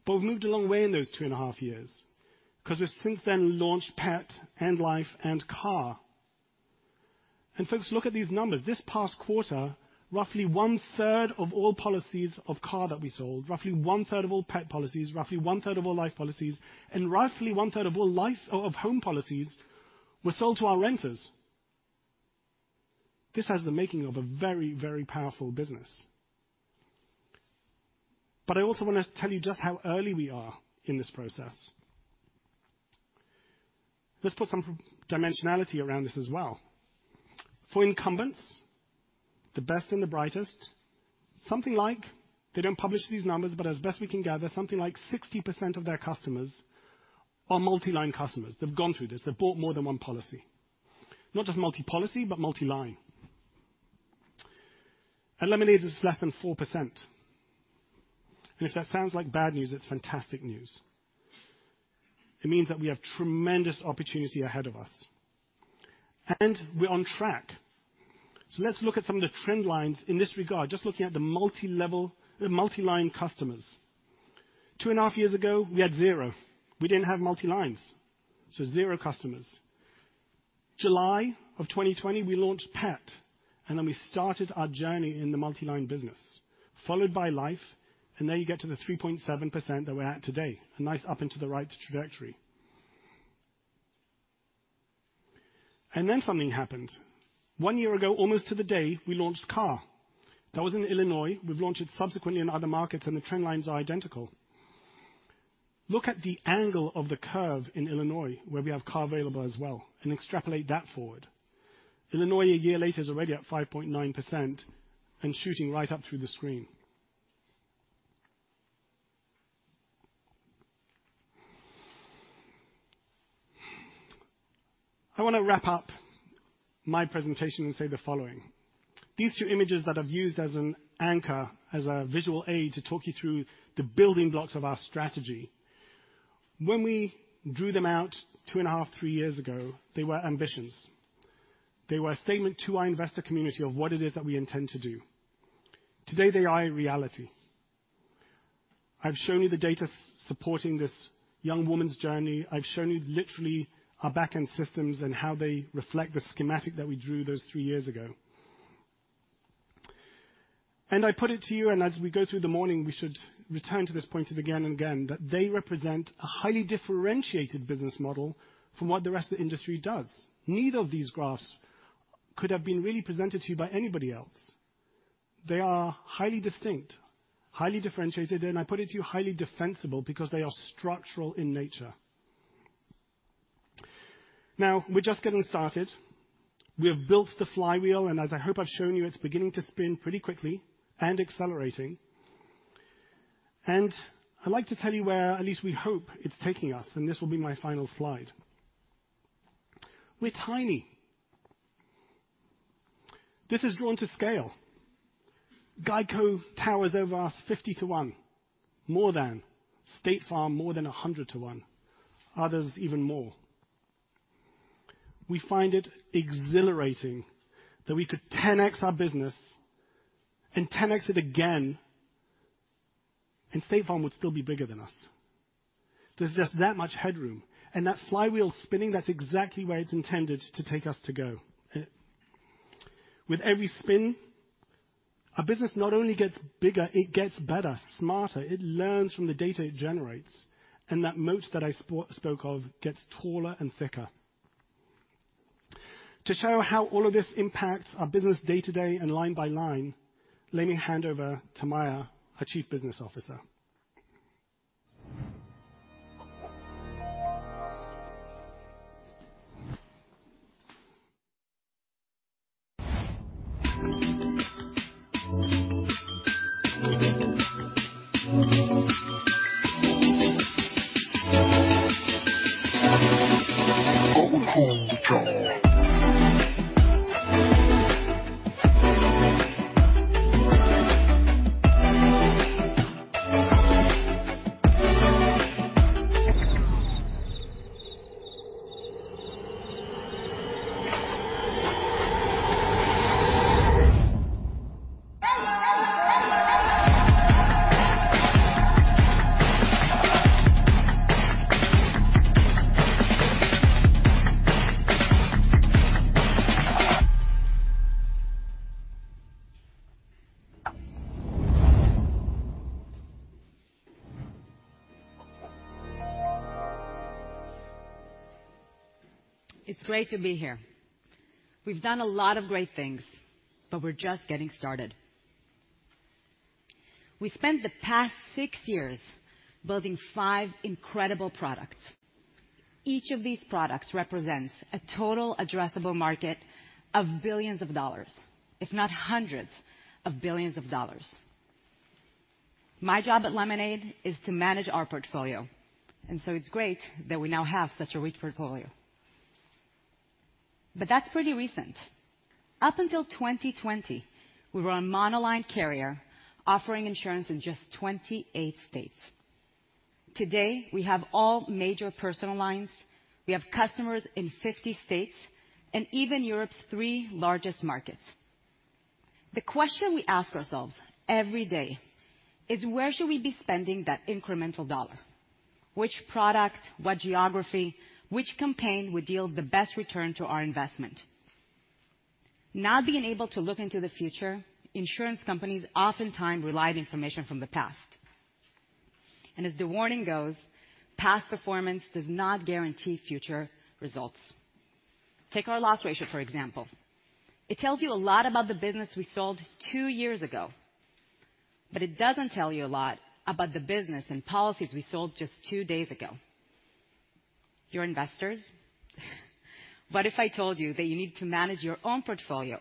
We've moved a long way in those two and a half years, 'cause we've since then launched Pet and Life and Car. Folks, look at these numbers. This past quarter, roughly 1/3 of all car policies that we sold, roughly 1/3 of all pet policies, roughly 1/3 of all Life policies, and roughly 1/3 of all Home policies were sold to our renters. This has the making of a very, very powerful business. I also wanna tell you just how early we are in this process. Let's put some dimensionality around this as well. For incumbents, the best and the brightest, something like, they don't publish these numbers, but as best we can gather, something like 60% of their customers are multi-line customers. They've gone through this. They've bought more than one policy. Not just multi-policy, but multi-line. At Lemonade, it's less than 4%. If that sounds like bad news, it's fantastic news. It means that we have tremendous opportunity ahead of us. We're on track. Let's look at some of the trend lines in this regard, just looking at the multiline customers. 2.5 years ago, we had zero. We didn't have multilines, so zero customers. July 2020, we launched pet, and then we started our journey in the multi-line business, followed by Life, and there you get to the 3.7% that we're at today. A nice up and to the right trajectory. Then something happened. One year ago, almost to the day, we launched Car. That was in Illinois. We've launched it subsequently in other markets, and the trend lines are identical. Look at the angle of the curve in Illinois, where we have car available as well, and extrapolate that forward. Illinois, a year later, is already at 5.9% and shooting right up through the screen. I wanna wrap up my presentation and say the following: these two images that I've used as an anchor, as a visual aid to talk you through the building blocks of our strategy, when we drew them out 2.5, three years ago, they were ambitions. They were a statement to our investor community of what it is that we intend to do. Today, they are a reality. I've shown you the data supporting this young woman's journey. I've shown you literally our back-end systems and how they reflect the schematic that we drew those three years ago. I put it to you, and as we go through the morning, we should return to this point again and again, that they represent a highly differentiated business model from what the rest of the industry does. Neither of these graphs could have been really presented to you by anybody else. They are highly distinct, highly differentiated, and I put it to you, highly defensible because they are structural in nature. Now, we're just getting started. We have built the flywheel, and as I hope I've shown you, it's beginning to spin pretty quickly and accelerating. I'd like to tell you where at least we hope it's taking us, and this will be my final slide. We're tiny. This is drawn to scale. GEICO towers over us 50-1, more than. State Farm, more than 100-1. Others, even more. We find it exhilarating that we could 10x our business and 10x it again, and State Farm would still be bigger than us. There's just that much headroom. That flywheel spinning, that's exactly where it's intended to take us to go. With every spin, our business not only gets bigger, it gets better, smarter. It learns from the data it generates, and that moat that I spoke of gets taller and thicker. To show how all of this impacts our business day-to-day and line by line, let me hand over to Maya, our Chief Business Officer. It's great to be here. We've done a lot of great things, but we're just getting started. We spent the past six years building five incredible products. Each of these products represents a total addressable market of billions of dollars, if not hundreds of billions of dollars. My job at Lemonade is to manage our portfolio, and so it's great that we now have such a rich portfolio. That's pretty recent. Up until 2020, we were a monoline carrier offering insurance in just 28 states. Today, we have all major personal lines. We have customers in 50 states and even Europe's three largest markets. The question we ask ourselves every day is, where should we be spending that incremental dollar? Which product, what geography, which campaign would yield the best return to our investment? Not being able to look into the future, insurance companies oftentimes relied on information from the past. As the warning goes, past performance does not guarantee future results. Take our loss ratio, for example. It tells you a lot about the business we sold two years ago, but it doesn't tell you a lot about the business and policies we sold just two days ago. You're investors, but if I told you that you need to manage your own portfolio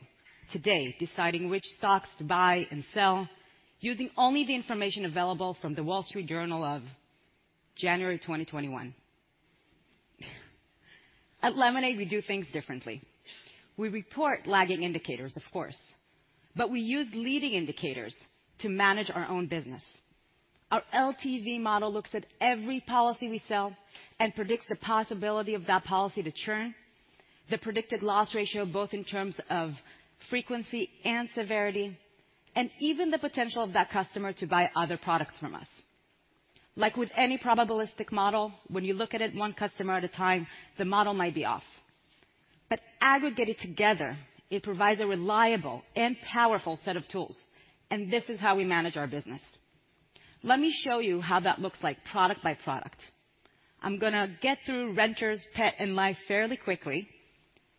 today, deciding which stocks to buy and sell, using only the information available from The Wall Street Journal of January 2021. At Lemonade, we do things differently. We report lagging indicators, of course, but we use leading indicators to manage our own business. Our LTV model looks at every policy we sell and predicts the possibility of that policy to churn, the predicted loss ratio, both in terms of frequency and severity, and even the potential of that customer to buy other products from us. Like with any probabilistic model, when you look at it one customer at a time, the model might be off. Aggregated together, it provides a reliable and powerful set of tools, and this is how we manage our business. Let me show you how that looks like product by product. I'm gonna get through Renters, Pet, and Life fairly quickly,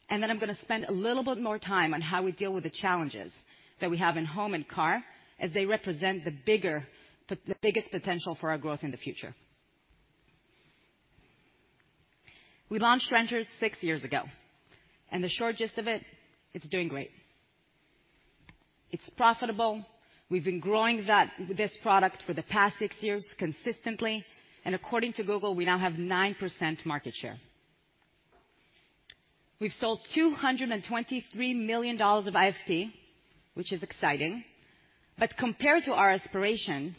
and then I'm gonna spend a little bit more time on how we deal with the challenges that we have in Home and Car as they represent the biggest potential for our growth in the future. We launched Renters six years ago, and the short gist of it's doing great. It's profitable. We've been growing this product for the past six years consistently, and according to Google, we now have 9% market share. We've sold $223 million of IFP, which is exciting, but compared to our aspirations,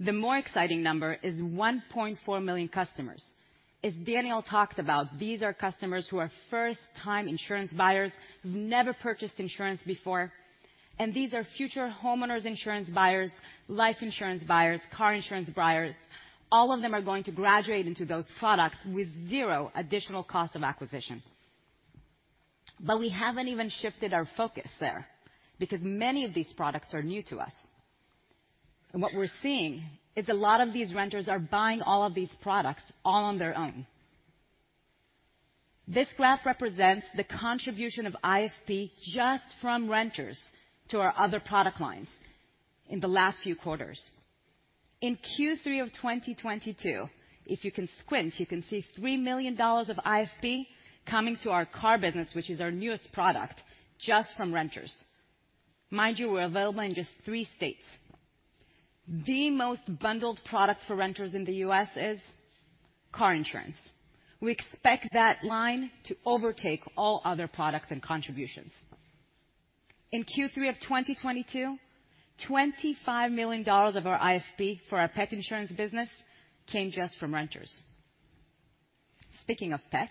the more exciting number is 1.4 million customers. As Daniel talked about, these are customers who are first-time insurance buyers who've never purchased insurance before, and these are future homeowners insurance buyers, Life Insurance buyers, Car Insurance buyers. All of them are going to graduate into those products with zero additional cost of acquisition. We haven't even shifted our focus there because many of these products are new to us, and what we're seeing is a lot of these renters are buying all of these products all on their own. This graph represents the contribution of IFP just from Renters to our other product lines in the last few quarters. In Q3 of 2022, if you can squint, you can see $3 million of IFP coming to our Car business, which is our newest product, just from Renters. Mind you, we're available in just three states. The most bundled product for Renters in the U.S. is Car Insurance. We expect that line to overtake all other products and contributions. In Q3 of 2022, $25 million of our IFP for our Pet Insurance business came just from Renters. Speaking of Pet,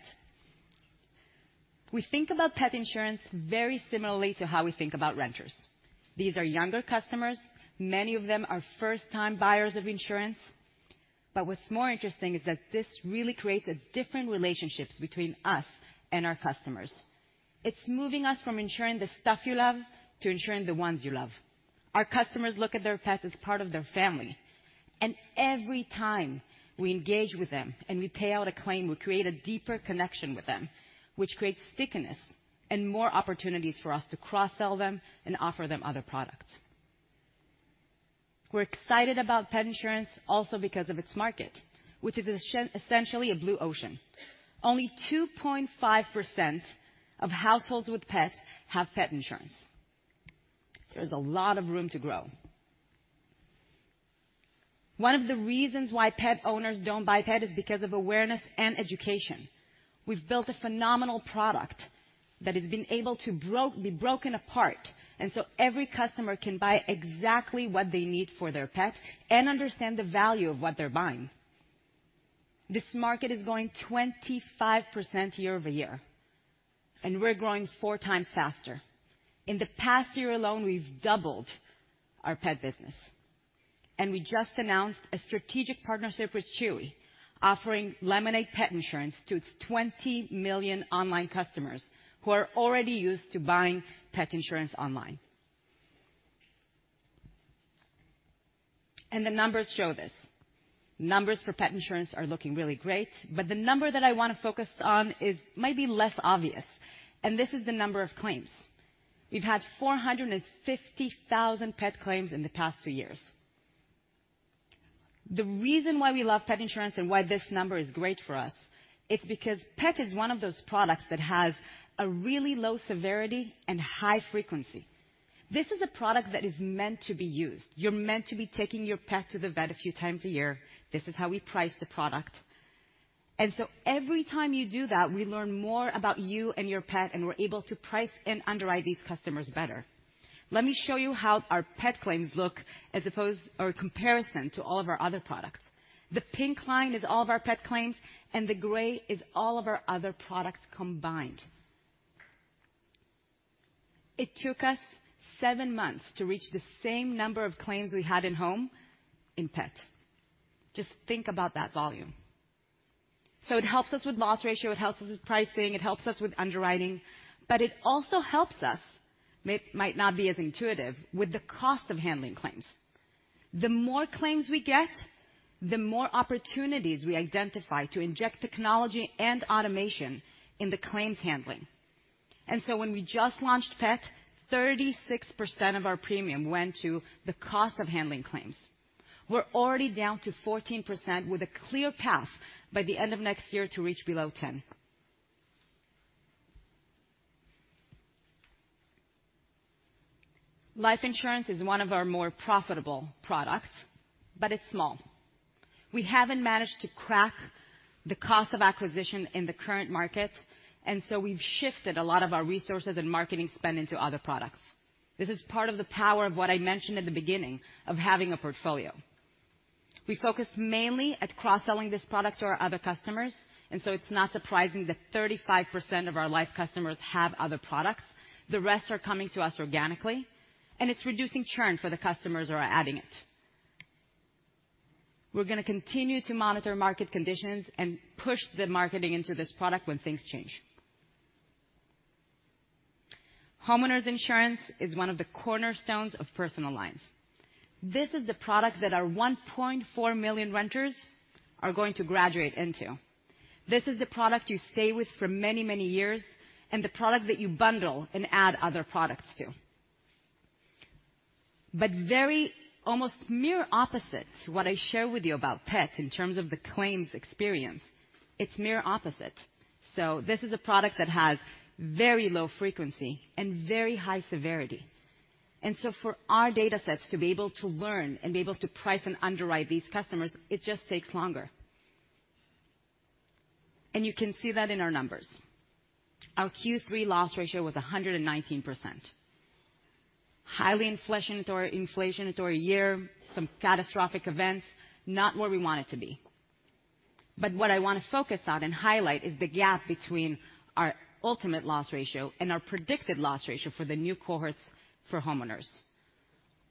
we think about Pet Insurance very similarly to how we think about Renters. These are younger customers, many of them are first-time buyers of insurance. What's more interesting is that this really creates a different relationship between us and our customers. It's moving us from insuring the stuff you love to insuring the ones you love. Our customers look at their pets as part of their family. Every time we engage with them and we pay out a claim, we create a deeper connection with them, which creates stickiness and more opportunities for us to cross-sell them and offer them other products. We're excited about pet insurance also because of its market, which is essentially a blue ocean. Only 2.5% of households with pets have Pet Insurance. There's a lot of room to grow. One of the reasons why pet owners don't buy Pet is because of awareness and education. We've built a phenomenal product that has been able to be broken apart, and so every customer can buy exactly what they need for their pet and understand the value of what they're buying. This market is growing 25% year-over-year, and we're growing four times faster. In the past year alone, we've doubled our Pet business. We just announced a strategic partnership with Chewy, offering Lemonade Pet Insurance to its 20 million online customers who are already used to buying Pet Insurance online. The numbers show this. Numbers for Pet Insurance are looking really great, but the number that I wanna focus on is might be less obvious, and this is the number of claims. We've had 450,000 Pet claims in the past two years. The reason why we love Pet Insurance and why this number is great for us, it's because Pet is one of those products that has a really low severity and high frequency. This is a product that is meant to be used. You're meant to be taking your pet to the vet a few times a year. This is how we price the product. Every time you do that, we learn more about you and your pet, and we're able to price and underwrite these customers better. Let me show you how our Pet claims look as opposed or comparison to all of our other products. The pink line is all of our Pet claims, and the gray is all of our other products combined. It took us seven months to reach the same number of claims we had in Home and Pet. Just think about that volume. It helps us with loss ratio, it helps us with pricing, it helps us with underwriting, but it also helps us, might not be as intuitive, with the cost of handling claims. The more claims we get, the more opportunities we identify to inject technology and automation in the claims handling. When we just launched Pet, 36% of our premium went to the cost of handling claims. We're already down to 14% with a clear path by the end of next year to reach below 10. Life Insurance is one of our more profitable products, but it's small. We haven't managed to crack the cost of acquisition in the current market, and so we've shifted a lot of our resources and marketing spend into other products. This is part of the power of what I mentioned at the beginning of having a portfolio. We focus mainly at cross-selling this product to our other customers, and so it's not surprising that 35% of our Life customers have other products. The rest are coming to us organically, and it's reducing churn for the customers who are adding it. We're gonna continue to monitor market conditions and push the marketing into this product when things change. Homeowners insurance is one of the cornerstones of personal lines. This is the product that our 1.4 million renters are going to graduate into. This is the product you stay with for many, many years, and the product that you bundle and add other products to. Very, almost mirror opposite to what I shared with you about pets in terms of the claims experience, it's mirror opposite. This is a product that has very low frequency and very high severity. For our datasets to be able to learn and be able to price and underwrite these customers, it just takes longer. You can see that in our numbers. Our Q3 loss ratio was 119%. Highly inflationary year, some catastrophic events, not where we want it to be. What I want to focus on and highlight is the gap between our ultimate loss ratio and our predicted loss ratio for the new cohorts for homeowners.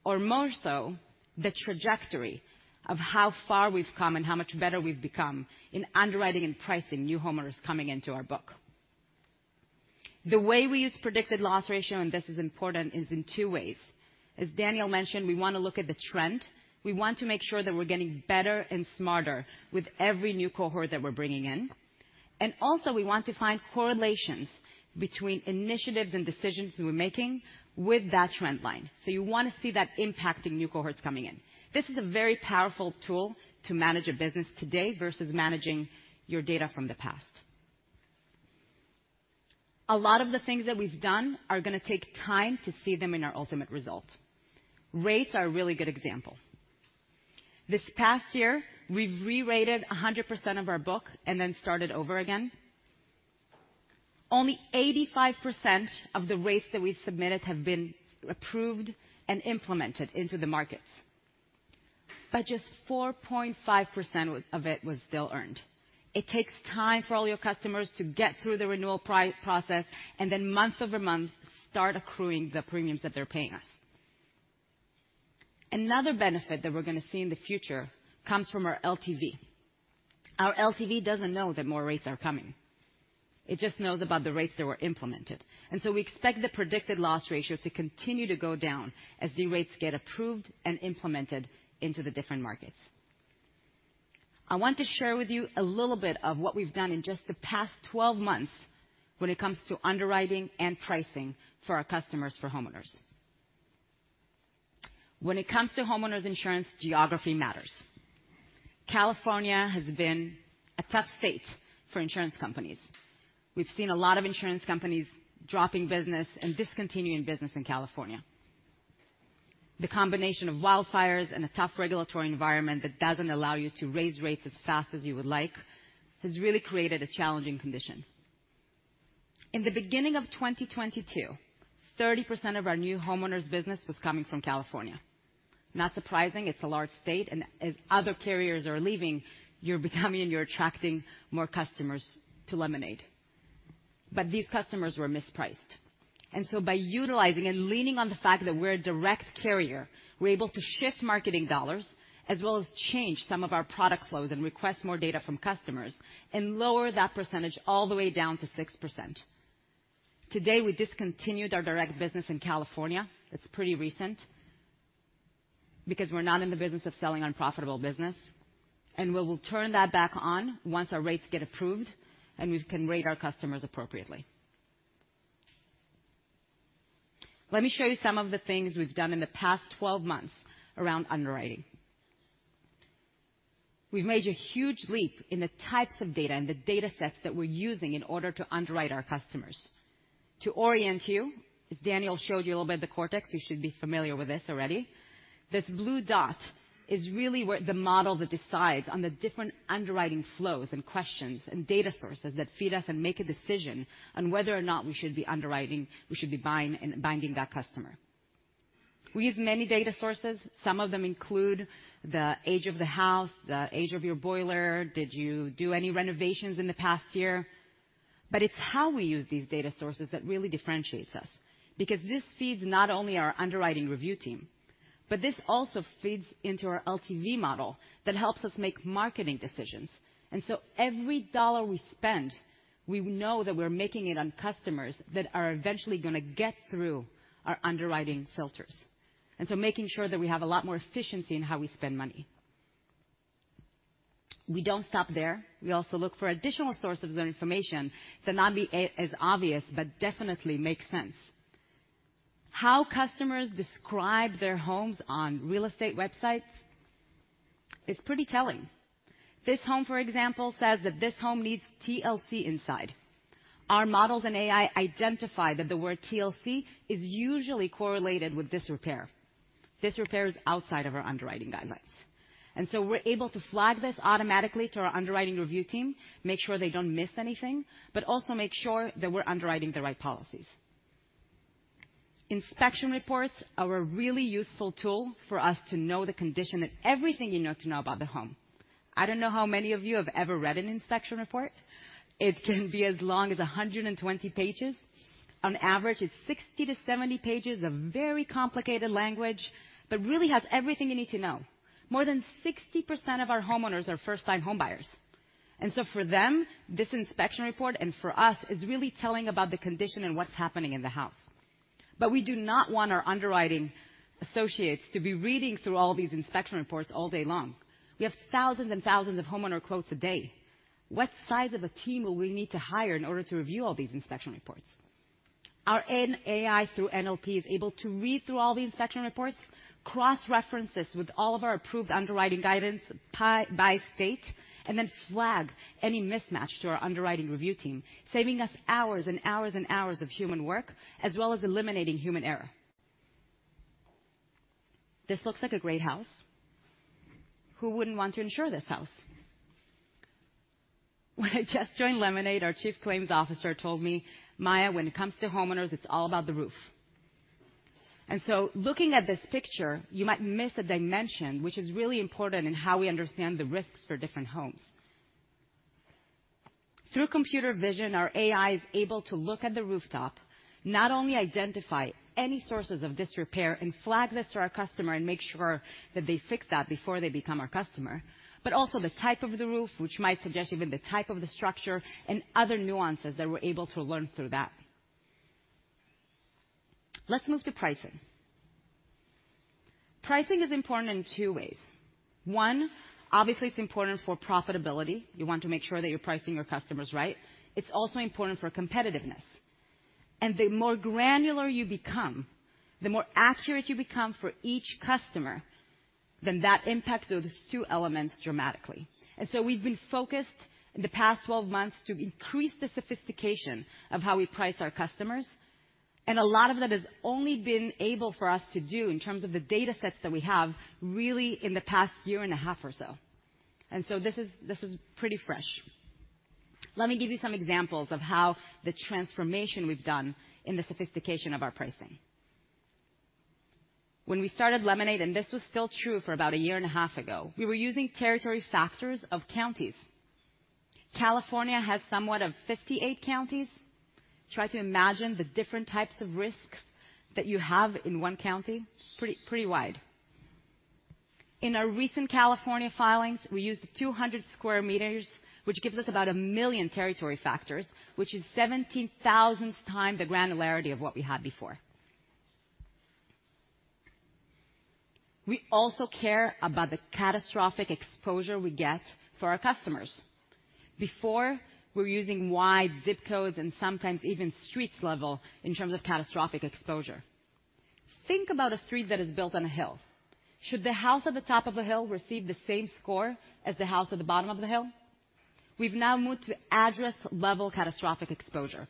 More so, the trajectory of how far we've come and how much better we've become in underwriting and pricing new homeowners coming into our book. The way we use predicted loss ratio, and this is important, is in two ways. As Daniel mentioned, we wanna look at the trend. We want to make sure that we're getting better and smarter with every new cohort that we're bringing in. Also, we want to find correlations between initiatives and decisions that we're making with that trend line. You wanna see that impacting new cohorts coming in. This is a very powerful tool to manage a business today versus managing your data from the past. A lot of the things that we've done are gonna take time to see them in our ultimate result. Rates are a really good example. This past year, we've rerated 100% of our book and then started over again. Only 85% of the rates that we've submitted have been approved and implemented into the markets. But just 4.5% of it was still earned. It takes time for all your customers to get through the renewal process and then month-over-month, start accruing the premiums that they're paying us. Another benefit that we're gonna see in the future comes from our LTV. Our LTV doesn't know that more rates are coming. It just knows about the rates that were implemented. We expect the predicted loss ratio to continue to go down as the rates get approved and implemented into the different markets. I want to share with you a little bit of what we've done in just the past 12 months when it comes to underwriting and pricing for our customers for homeowners. When it comes to homeowners insurance, geography matters. California has been a tough state for insurance companies. We've seen a lot of insurance companies dropping business and discontinuing business in California. The combination of wildfires and a tough regulatory environment that doesn't allow you to raise rates as fast as you would like has really created a challenging condition. In the beginning of 2022, 30% of our new homeowners business was coming from California. Not surprising, it's a large state, and as other carriers are leaving, you're attracting more customers to Lemonade. These customers were mispriced. By utilizing and leaning on the fact that we're a direct carrier, we're able to shift marketing dollars as well as change some of our product flows and request more data from customers and lower that percentage all the way down to 6%. Today, we discontinued our direct business in California. It's pretty recent. Because we're not in the business of selling unprofitable business. We will turn that back on once our rates get approved, and we can rate our customers appropriately. Let me show you some of the things we've done in the past 12 months around underwriting. We've made a huge leap in the types of data and the datasets that we're using in order to underwrite our customers. To orient you, as Daniel showed you a little bit the Cortex, you should be familiar with this already. This blue dot is really where the model that decides on the different underwriting flows and questions and data sources that feed us and make a decision on whether or not we should be underwriting, we should be binding that customer. We use many data sources. Some of them include the age of the house, the age of your boiler, did you do any renovations in the past year? It's how we use these data sources that really differentiates us because this feeds not only our underwriting review team, but this also feeds into our LTV model that helps us make marketing decisions. Every dollar we spend, we know that we're making it on customers that are eventually gonna get through our underwriting filters. Making sure that we have a lot more efficiency in how we spend money. We don't stop there. We also look for additional sources of information that may not be as obvious, but definitely make sense. How customers describe their homes on real estate websites is pretty telling. This home, for example, says that this home needs TLC inside. Our models in AI identify that the word TLC is usually correlated with disrepair. Disrepair is outside of our underwriting guidelines. We're able to flag this automatically to our underwriting review team, make sure they don't miss anything, but also make sure that we're underwriting the right policies. Inspection reports are a really useful tool for us to know the condition and everything you need to know about the home. I don't know how many of you have ever read an inspection report. It can be as long as 120 pages. On average, it's 60-70 pages of very complicated language, but really has everything you need to know. More than 60% of our homeowners are first-time home buyers. For them, this inspection report and for us is really telling about the condition and what's happening in the house. We do not want our underwriting associates to be reading through all these inspection reports all day long. We have thousands and thousands of homeowner quotes a day. What size of a team will we need to hire in order to review all these inspection reports? Our AI through NLP is able to read through all the inspection reports, cross-reference this with all of our approved underwriting guidance by state, and then flag any mismatch to our underwriting review team, saving us hours and hours and hours of human work, as well as eliminating human error. This looks like a great house. Who wouldn't want to insure this house? When I just joined Lemonade, our chief claims officer told me, "Maya, when it comes to homeowners, it's all about the roof." Looking at this picture, you might miss a dimension which is really important in how we understand the risks for different homes. Through computer vision, our AI is able to look at the rooftop, not only identify any sources of disrepair and flag this to our customer and make sure that they fix that before they become our customer, but also the type of the roof, which might suggest even the type of the structure and other nuances that we're able to learn through that. Let's move to pricing. Pricing is important in two ways. One, obviously it's important for profitability. You want to make sure that you're pricing your customers right. It's also important for competitiveness. The more granular you become, the more accurate you become for each customer, then that impacts those two elements dramatically. We've been focused in the past 12 months to increase the sophistication of how we price our customers. A lot of that has only been able for us to do in terms of the datasets that we have really in the past year and a half or so. This is pretty fresh. Let me give you some examples of how the transformation we've done in the sophistication of our pricing. When we started Lemonade, and this was still true for about a year and a half ago, we were using territory factors of counties. California has somewhat of 58 counties. Try to imagine the different types of risks that you have in one county, pretty wide. In our recent California filings, we used 200 square meters, which gives us about a million territory factors, which is 17,000th time the granularity of what we had before. We also care about the catastrophic exposure we get for our customers. Before, we were using wide zip codes and sometimes even street level in terms of catastrophic exposure. Think about a street that is built on a hill. Should the house at the top of the hill receive the same score as the house at the bottom of the hill? We've now moved to address-level catastrophic exposure.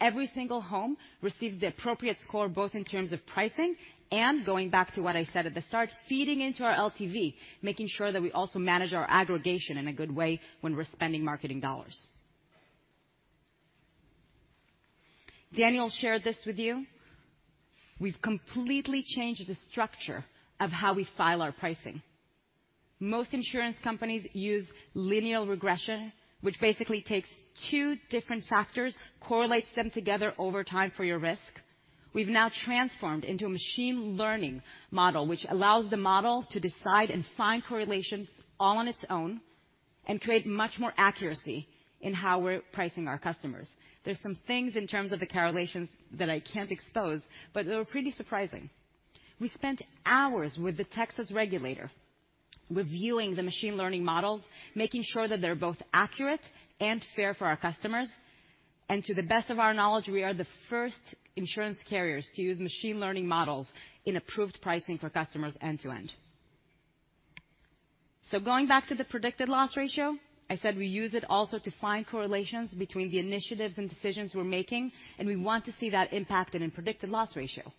Every single home receives the appropriate score, both in terms of pricing and going back to what I said at the start, feeding into our LTV, making sure that we also manage our aggregation in a good way when we're spending marketing dollars. Daniel shared this with you. We've completely changed the structure of how we file our pricing. Most insurance companies use linear regression, which basically takes two different factors, correlates them together over time for your risk. We've now transformed into a machine learning model, which allows the model to decide and find correlations all on its own and create much more accuracy in how we're pricing our customers. There's some things in terms of the correlations that I can't expose, but they were pretty surprising. We spent hours with the Texas regulator reviewing the machine learning models, making sure that they're both accurate and fair for our customers. To the best of our knowledge, we are the first insurance carriers to use machine learning models in approved pricing for customers end to end. Going back to the predicted loss ratio, I said we use it also to find correlations between the initiatives and decisions we're making, and we want to see that impact in a predicted loss ratio.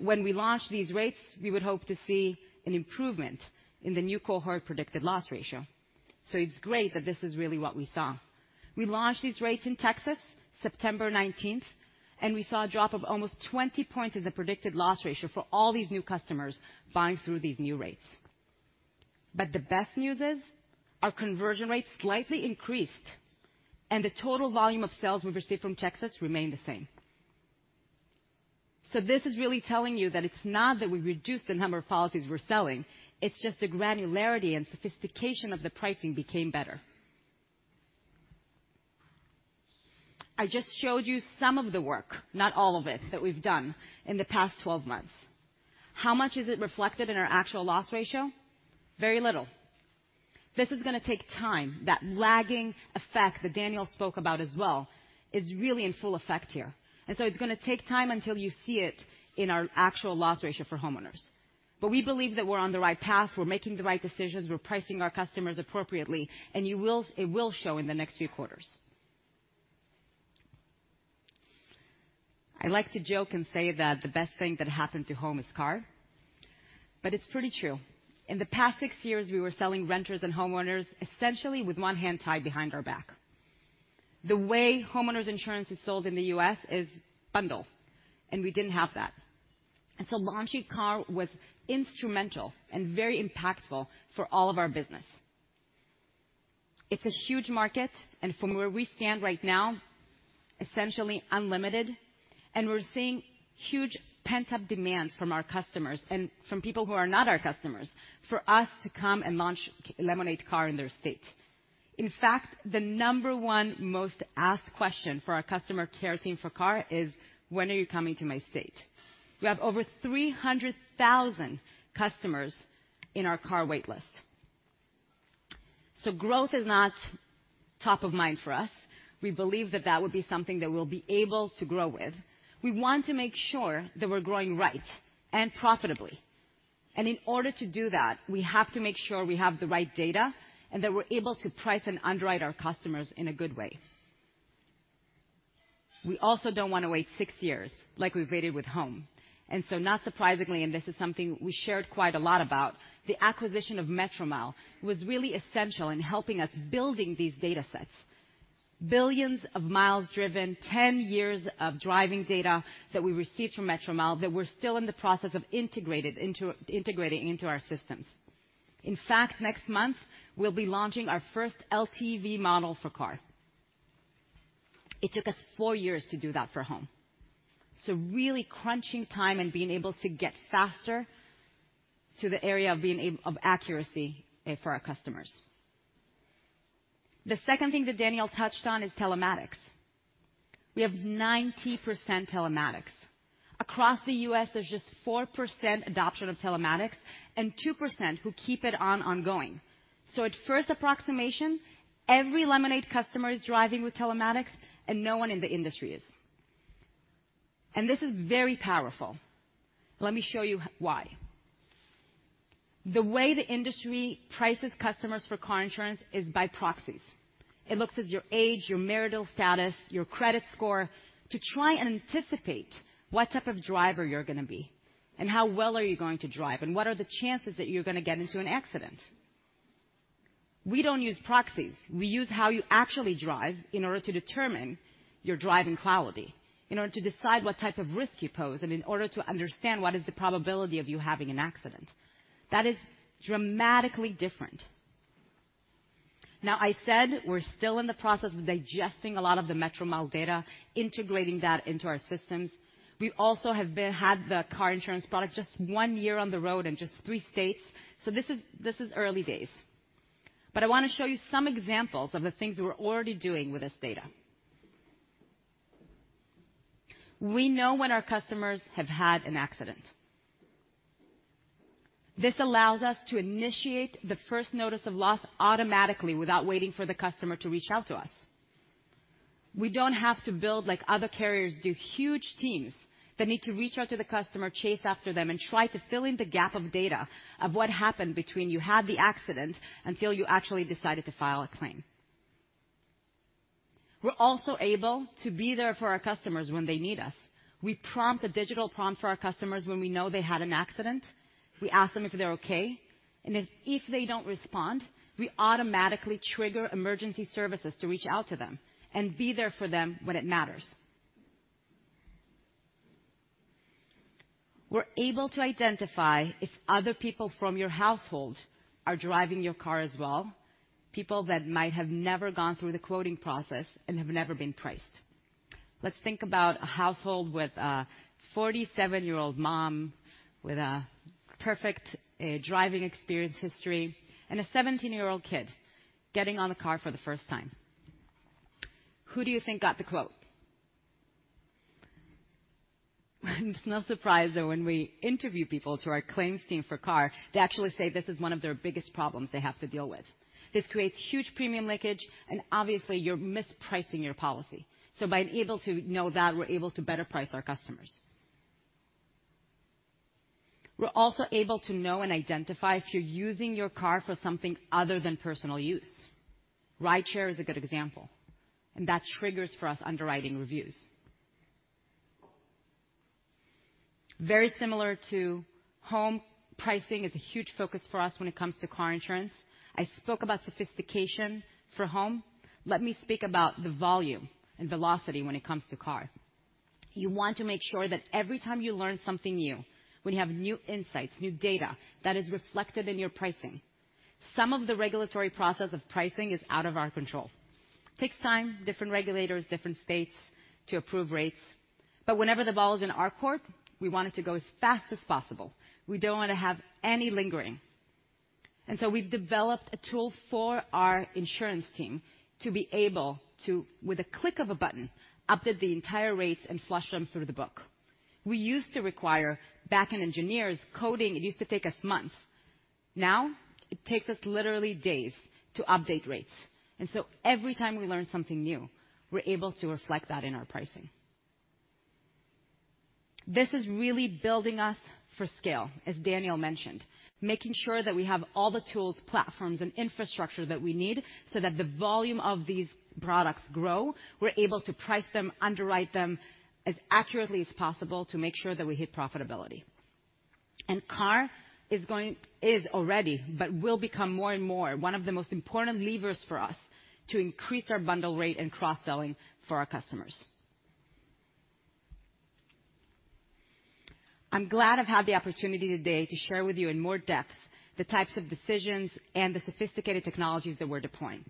When we launch these rates, we would hope to see an improvement in the new cohort predicted loss ratio. It's great that this is really what we saw. We launched these rates in Texas, September 19, and we saw a drop of almost 20 points in the predicted loss ratio for all these new customers buying through these new rates. The best news is our conversion rate slightly increased and the total volume of sales we've received from Texas remained the same. This is really telling you that it's not that we reduced the number of policies we're selling, it's just the granularity and sophistication of the pricing became better. I just showed you some of the work, not all of it, that we've done in the past 12 months. How much is it reflected in our actual loss ratio? Very little. This is gonna take time. That lagging effect that Daniel spoke about as well is really in full effect here. It's gonna take time until you see it in our actual loss ratio for homeowners. We believe that we're on the right path, we're making the right decisions, we're pricing our customers appropriately, and you will see it will show in the next few quarters. I like to joke and say that the best thing that happened to home is car, but it's pretty true. In the past six years, we were selling renters and homeowners essentially with one hand tied behind our back. The way homeowners insurance is sold in the U.S. is bundled, and we didn't have that. Launching car was instrumental and very impactful for all of our business. It's a huge market, and from where we stand right now, essentially unlimited, and we're seeing huge pent-up demand from our customers and from people who are not our customers for us to come and launch Lemonade Car in their state. In fact, the number one most asked question for our customer care team for Car is, "When are you coming to my state?" We have over 300,000 customers in our car wait list. Growth is not top of mind for us. We believe that would be something that we'll be able to grow with. We want to make sure that we're growing right and profitably. In order to do that, we have to make sure we have the right data and that we're able to price and underwrite our customers in a good way. We also don't wanna wait six years like we waited with home. Not surprisingly, and this is something we shared quite a lot about, the acquisition of Metromile was really essential in helping us building these datasets. Billions of miles driven, 10 years of driving data that we received from Metromile that we're still in the process of integrating into our systems. In fact, next month we'll be launching our first LTV model for car. It took us four years to do that for home. Really crunching time and being able to get faster to the area of accuracy for our customers. The second thing that Daniel touched on is telematics. We have 90% telematics. Across the U.S., there's just 4% adoption of telematics and 2% who keep it on ongoing. At first approximation, every Lemonade customer is driving with telematics and no one in the industry is. This is very powerful. Let me show you why. The way the industry prices customers for car insurance is by proxies. It looks at your age, your marital status, your credit score to try and anticipate what type of driver you're gonna be and how well are you going to drive and what are the chances that you're gonna get into an accident. We don't use proxies. We use how you actually drive in order to determine your driving quality, in order to decide what type of risk you pose, and in order to understand what is the probability of you having an accident. That is dramatically different. Now I said we're still in the process of digesting a lot of the Metromile data, integrating that into our systems. We also had the car insurance product just one year on the road in just three states, so this is early days. I wanna show you some examples of the things we're already doing with this data. We know when our customers have had an accident. This allows us to initiate the first notice of loss automatically without waiting for the customer to reach out to us. We don't have to build, like other carriers do, huge teams that need to reach out to the customer, chase after them, and try to fill in the gap of data of what happened between when you had the accident until you actually decided to file a claim. We're also able to be there for our customers when they need us. We prompt a digital prompt for our customers when we know they had an accident. We ask them if they're okay, and if they don't respond, we automatically trigger emergency services to reach out to them and be there for them when it matters. We're able to identify if other people from your household are driving your car as well, people that might have never gone through the quoting process and have never been priced. Let's think about a household with a 47-year-old mom with a perfect driving experience history and a 17-year-old kid getting in a car for the first time. Who do you think got the quote? It's no surprise that when we interview people through our claims team for car, they actually say this is one of their biggest problems they have to deal with. This creates huge premium leakage, and obviously, you're mispricing your policy. By being able to know that, we're able to better price our customers. We're also able to know and identify if you're using your car for something other than personal use. Rideshare is a good example, and that triggers for us underwriting reviews. Very similar to home pricing is a huge focus for us when it comes to car insurance. I spoke about sophistication for home. Let me speak about the volume and velocity when it comes to car. You want to make sure that every time you learn something new, when you have new insights, new data, that is reflected in your pricing. Some of the regulatory process of pricing is out of our control. Takes time, different regulators, different states to approve rates, but whenever the ball is in our court, we want it to go as fast as possible. We don't wanna have any lingering. We've developed a tool for our insurance team to be able to, with a click of a button, update the entire rates and flush them through the book. We used to require backend engineers coding. It used to take us months. Now it takes us literally days to update rates. Every time we learn something new, we're able to reflect that in our pricing. This is really building us for scale, as Daniel mentioned, making sure that we have all the tools, platforms, and infrastructure that we need so that the volume of these products grow. We're able to price them, underwrite them as accurately as possible to make sure that we hit profitability. Car is already, but will become more and more one of the most important levers for us to increase our bundle rate and cross-selling for our customers. I'm glad I've had the opportunity today to share with you in more depth the types of decisions and the sophisticated technologies that we're deploying.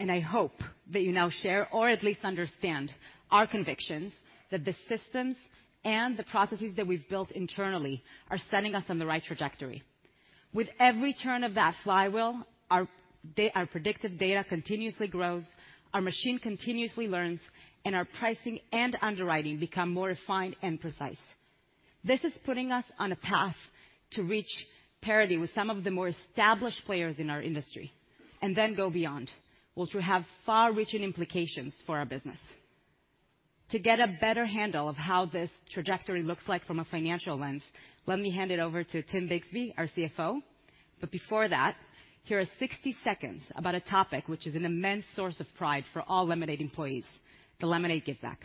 I hope that you now share, or at least understand our convictions, that the systems and the processes that we've built internally are sending us on the right trajectory. With every turn of that flywheel, our predictive data continuously grows, our machine continuously learns, and our pricing and underwriting become more refined and precise. This is putting us on a path to reach parity with some of the more established players in our industry and then go beyond, which will have far-reaching implications for our business. To get a better handle of how this trajectory looks like from a financial lens, let me hand it over to Tim Bixby, our CFO. Before that, here are 60 seconds about a topic which is an immense source of pride for all Lemonade employees, the Lemonade Giveback.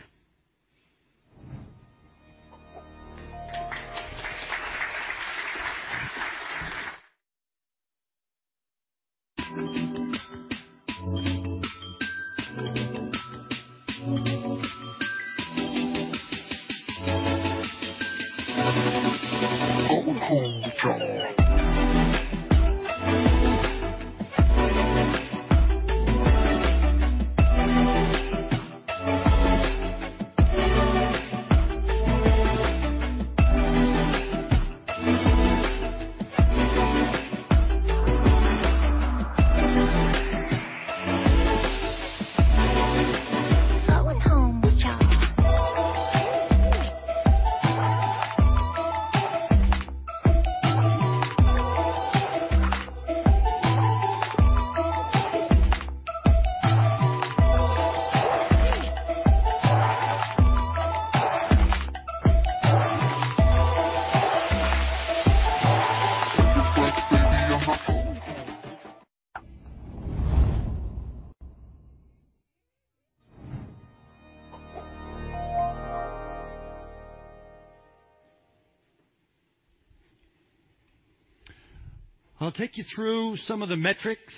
I'll take you through some of the metrics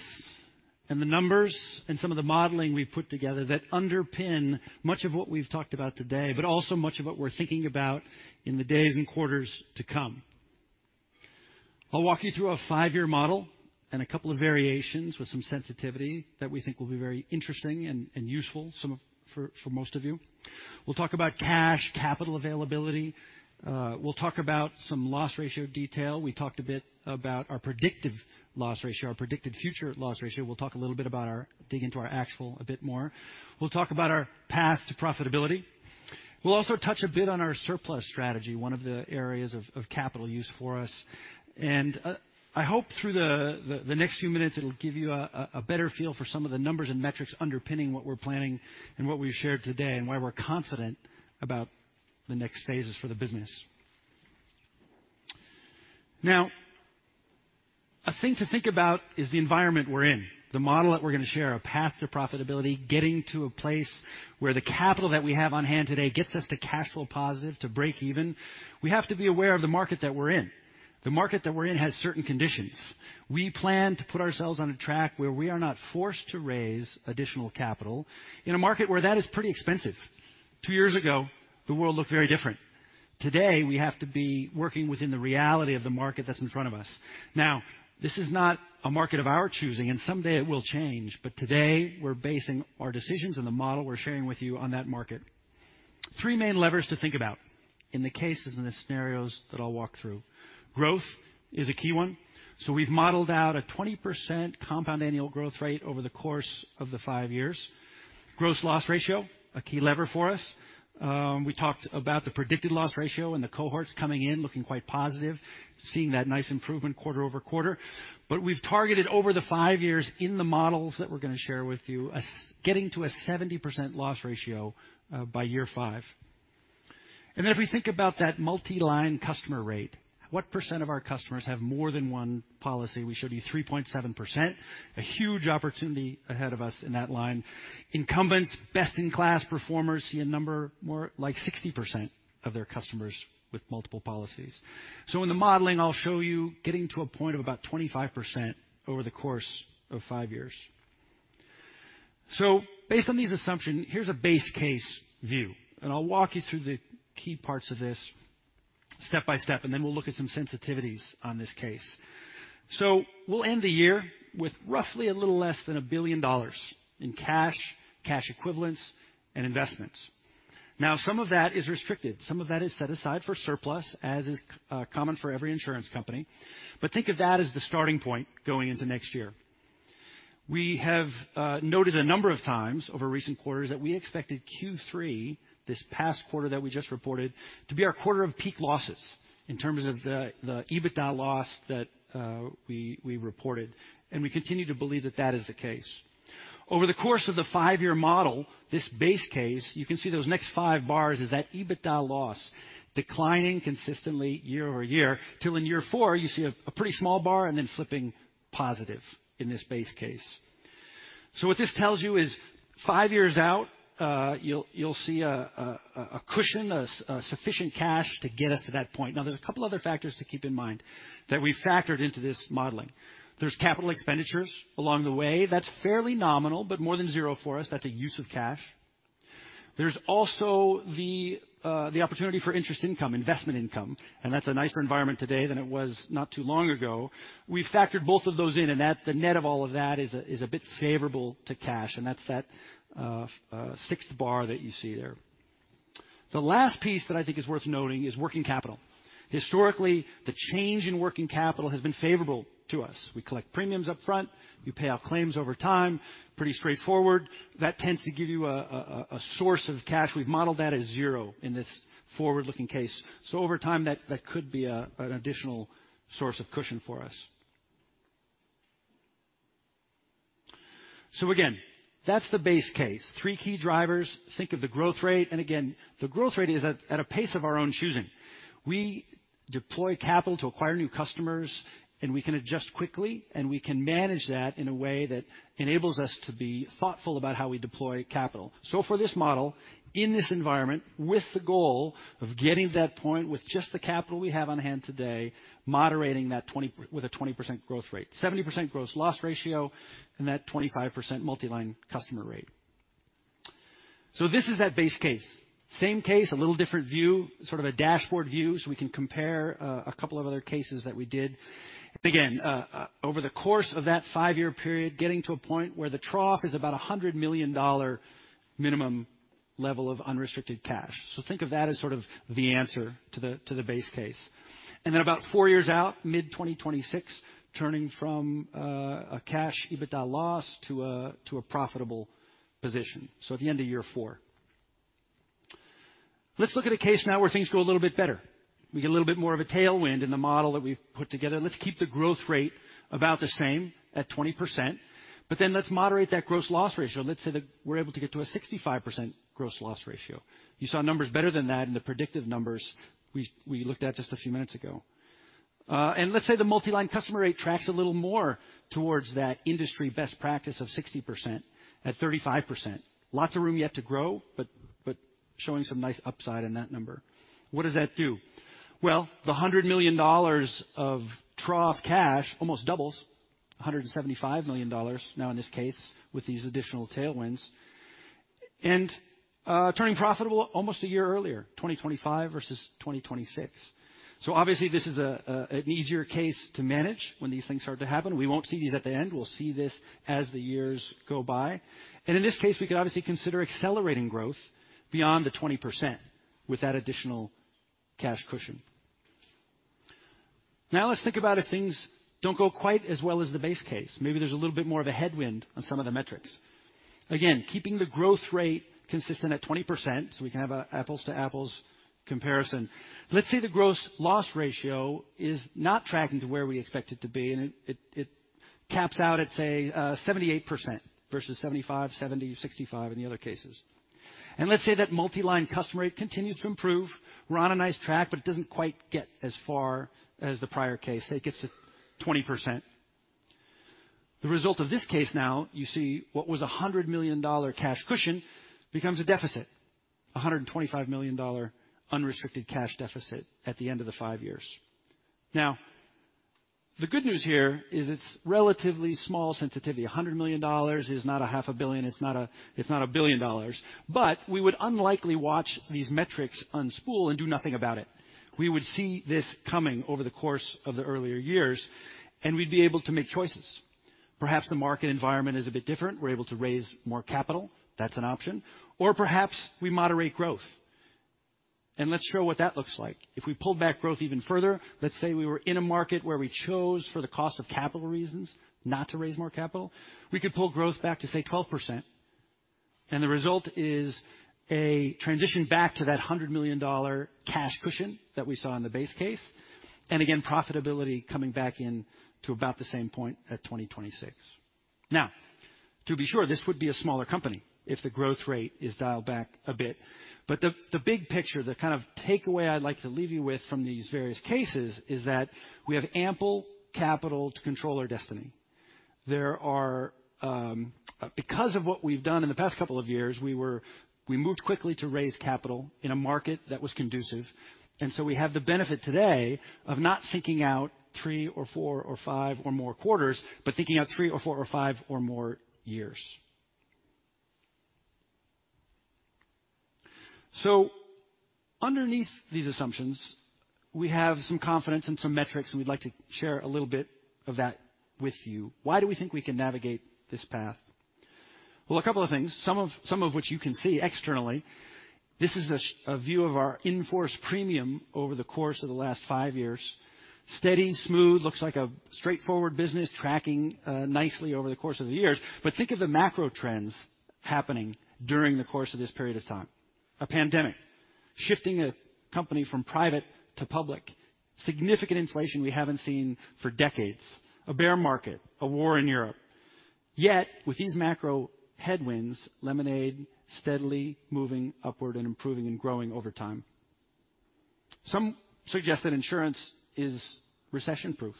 and the numbers and some of the modeling we've put together that underpin much of what we've talked about today, but also much of what we're thinking about in the days and quarters to come. I'll walk you through a five-year model and a couple of variations with some sensitivity that we think will be very interesting and useful, for most of you. We'll talk about cash, capital availability. We'll talk about some loss ratio detail. We talked a bit about our predictive loss ratio, our predicted future loss ratio. We'll talk a little bit about dig into our actual a bit more. We'll talk about our path to profitability. We'll also touch a bit on our surplus strategy, one of the areas of capital use for us. I hope through the next few minutes, it'll give you a better feel for some of the numbers and metrics underpinning what we're planning and what we've shared today, and why we're confident about the next phases for the business. Now, a thing to think about is the environment we're in. The model that we're gonna share, a path to profitability, getting to a place where the capital that we have on hand today gets us to cash flow positive, to break even, we have to be aware of the market that we're in. The market that we're in has certain conditions. We plan to put ourselves on a track where we are not forced to raise additional capital in a market where that is pretty expensive. Two years ago, the world looked very different. Today, we have to be working within the reality of the market that's in front of us. Now, this is not a market of our choosing, and someday it will change, but today we're basing our decisions and the model we're sharing with you on that market. Three main levers to think about in the cases and the scenarios that I'll walk through. Growth is a key one. We've modeled out a 20% compound annual growth rate over the course of the five years. Gross loss ratio, a key lever for us. We talked about the predicted loss ratio and the cohorts coming in looking quite positive, seeing that nice improvement quarter-over-quarter. We've targeted over the five years in the models that we're gonna share with you, getting to a 70% loss ratio by year five. If we think about that multi-line customer rate, what percent of our customers have more than one policy? We showed you 3.7%. A huge opportunity ahead of us in that line. Incumbents, best-in-class performers see a number more like 60% of their customers with multiple policies. In the modeling, I'll show you getting to a point of about 25% over the course of five years. Based on these assumptions, here's a base case view, and I'll walk you through the key parts of this step-by-step, and then we'll look at some sensitivities on this case. We'll end the year with roughly a little less than $1 billion in cash equivalents and investments. Now, some of that is restricted. Some of that is set aside for surplus, as is common for every insurance company. Think of that as the starting point going into next year. We have noted a number of times over recent quarters that we expected Q3. This past quarter that we just reported to be our quarter of peak losses in terms of the EBITDA loss that we reported. We continue to believe that that is the case. Over the course of the five-year model, this base case, you can see those next five bars is that EBITDA loss declining consistently year-over-year, till in year four you see a pretty small bar and then flipping positive in this base case. What this tells you is five years out, you'll see a cushion, a sufficient cash to get us to that point. Now there's a couple other factors to keep in mind that we factored into this modeling. There's capital expenditures along the way. That's fairly nominal, but more than zero for us. That's a use of cash. There's also the opportunity for interest income, investment income, and that's a nicer environment today than it was not too long ago. We factored both of those in, and the net of all of that is a bit favorable to cash, and that's the sixth bar that you see there. The last piece that I think is worth noting is working capital. Historically, the change in working capital has been favorable to us. We collect premiums upfront. We pay out claims over time. Pretty straightforward. That tends to give you a source of cash. We've modeled that as zero in this forward-looking case. Over time, that could be an additional source of cushion for us. Again, that's the base case. Three key drivers. Think of the growth rate. Again, the growth rate is at a pace of our own choosing. We deploy capital to acquire new customers, and we can adjust quickly, and we can manage that in a way that enables us to be thoughtful about how we deploy capital. For this model, in this environment, with the goal of getting to that point with just the capital we have on hand today, moderating with a 20% growth rate. 70% gross loss ratio and that 25% multi-line customer rate. This is that base case. Same case, a little different view, sort of a dashboard view, so we can compare a couple of other cases that we did. Again, over the course of that five-year period, getting to a point where the trough is about a $100 million minimum level of unrestricted cash. Think of that as sort of the answer to the base case. Then about four years out, mid-2026, turning from a cash EBITDA loss to a profitable position. At the end of year four. Let's look at a case now where things go a little bit better. We get a little bit more of a tailwind in the model that we've put together. Let's keep the growth rate about the same at 20%, but then let's moderate that gross loss ratio. Let's say that we're able to get to a 65% gross loss ratio. You saw numbers better than that in the predictive numbers we looked at just a few minutes ago. Let's say the multi-line customer rate tracks a little more towards that industry best practice of 60% at 35%. Lots of room yet to grow, but showing some nice upside in that number. What does that do? Well, the $100 million of trough cash almost doubles, $175 million now in this case with these additional tailwinds. Turning profitable almost a year earlier, 2025 versus 2026. Obviously, this is an easier case to manage when these things start to happen. We won't see these at the end. We'll see this as the years go by. In this case, we could obviously consider accelerating growth beyond the 20% with that additional cash cushion. Now let's think about if things don't go quite as well as the base case. Maybe there's a little bit more of a headwind on some of the metrics. Again, keeping the growth rate consistent at 20%, so we can have an apples-to-apples comparison. Let's say the gross loss ratio is not tracking to where we expect it to be, and it caps out at, say, 78% versus 75%, 70%, 65% in the other cases. Let's say that multi-line customer rate continues to improve. We're on a nice track, but it doesn't quite get as far as the prior case. Say it gets to 20%. The result of this case now, you see what was a $100 million cash cushion becomes a deficit. A $125 million unrestricted cash deficit at the end of the five years. The good news here is it's relatively small sensitivity. $100 million is not half a billion dollars. It's not a billion dollars. We would unlikely watch these metrics unspool and do nothing about it. We would see this coming over the course of the earlier years, and we'd be able to make choices. Perhaps the market environment is a bit different. We're able to raise more capital. That's an option. Or perhaps we moderate growth. Let's show what that looks like. If we pulled back growth even further, let's say we were in a market where we chose, for the cost of capital reasons, not to raise more capital. We could pull growth back to, say, 12%, and the result is a transition back to that $100 million cash cushion that we saw in the base case. Again, profitability coming back in to about the same point at 2026. Now, to be sure, this would be a smaller company if the growth rate is dialed back a bit. The big picture, the kind of takeaway I'd like to leave you with from these various cases is that we have ample capital to control our destiny. Because of what we've done in the past couple of years, we moved quickly to raise capital in a market that was conducive. We have the benefit today of not thinking out three or four or five or more quarters, but thinking out three or four or five or more years. Underneath these assumptions, we have some confidence and some metrics, and we'd like to share a little bit of that with you. Why do we think we can navigate this path? Well, a couple of things, some of which you can see externally. This is a view of our in-force premium over the course of the last five years. Steady, smooth, looks like a straightforward business tracking nicely over the course of the years. Think of the macro trends happening during the course of this period of time. A pandemic. Shifting a company from private to public. Significant inflation we haven't seen for decades. A bear market, a war in Europe. Yet, with these macro headwinds, Lemonade steadily moving upward and improving and growing over time. Some suggest that insurance is recession-proof.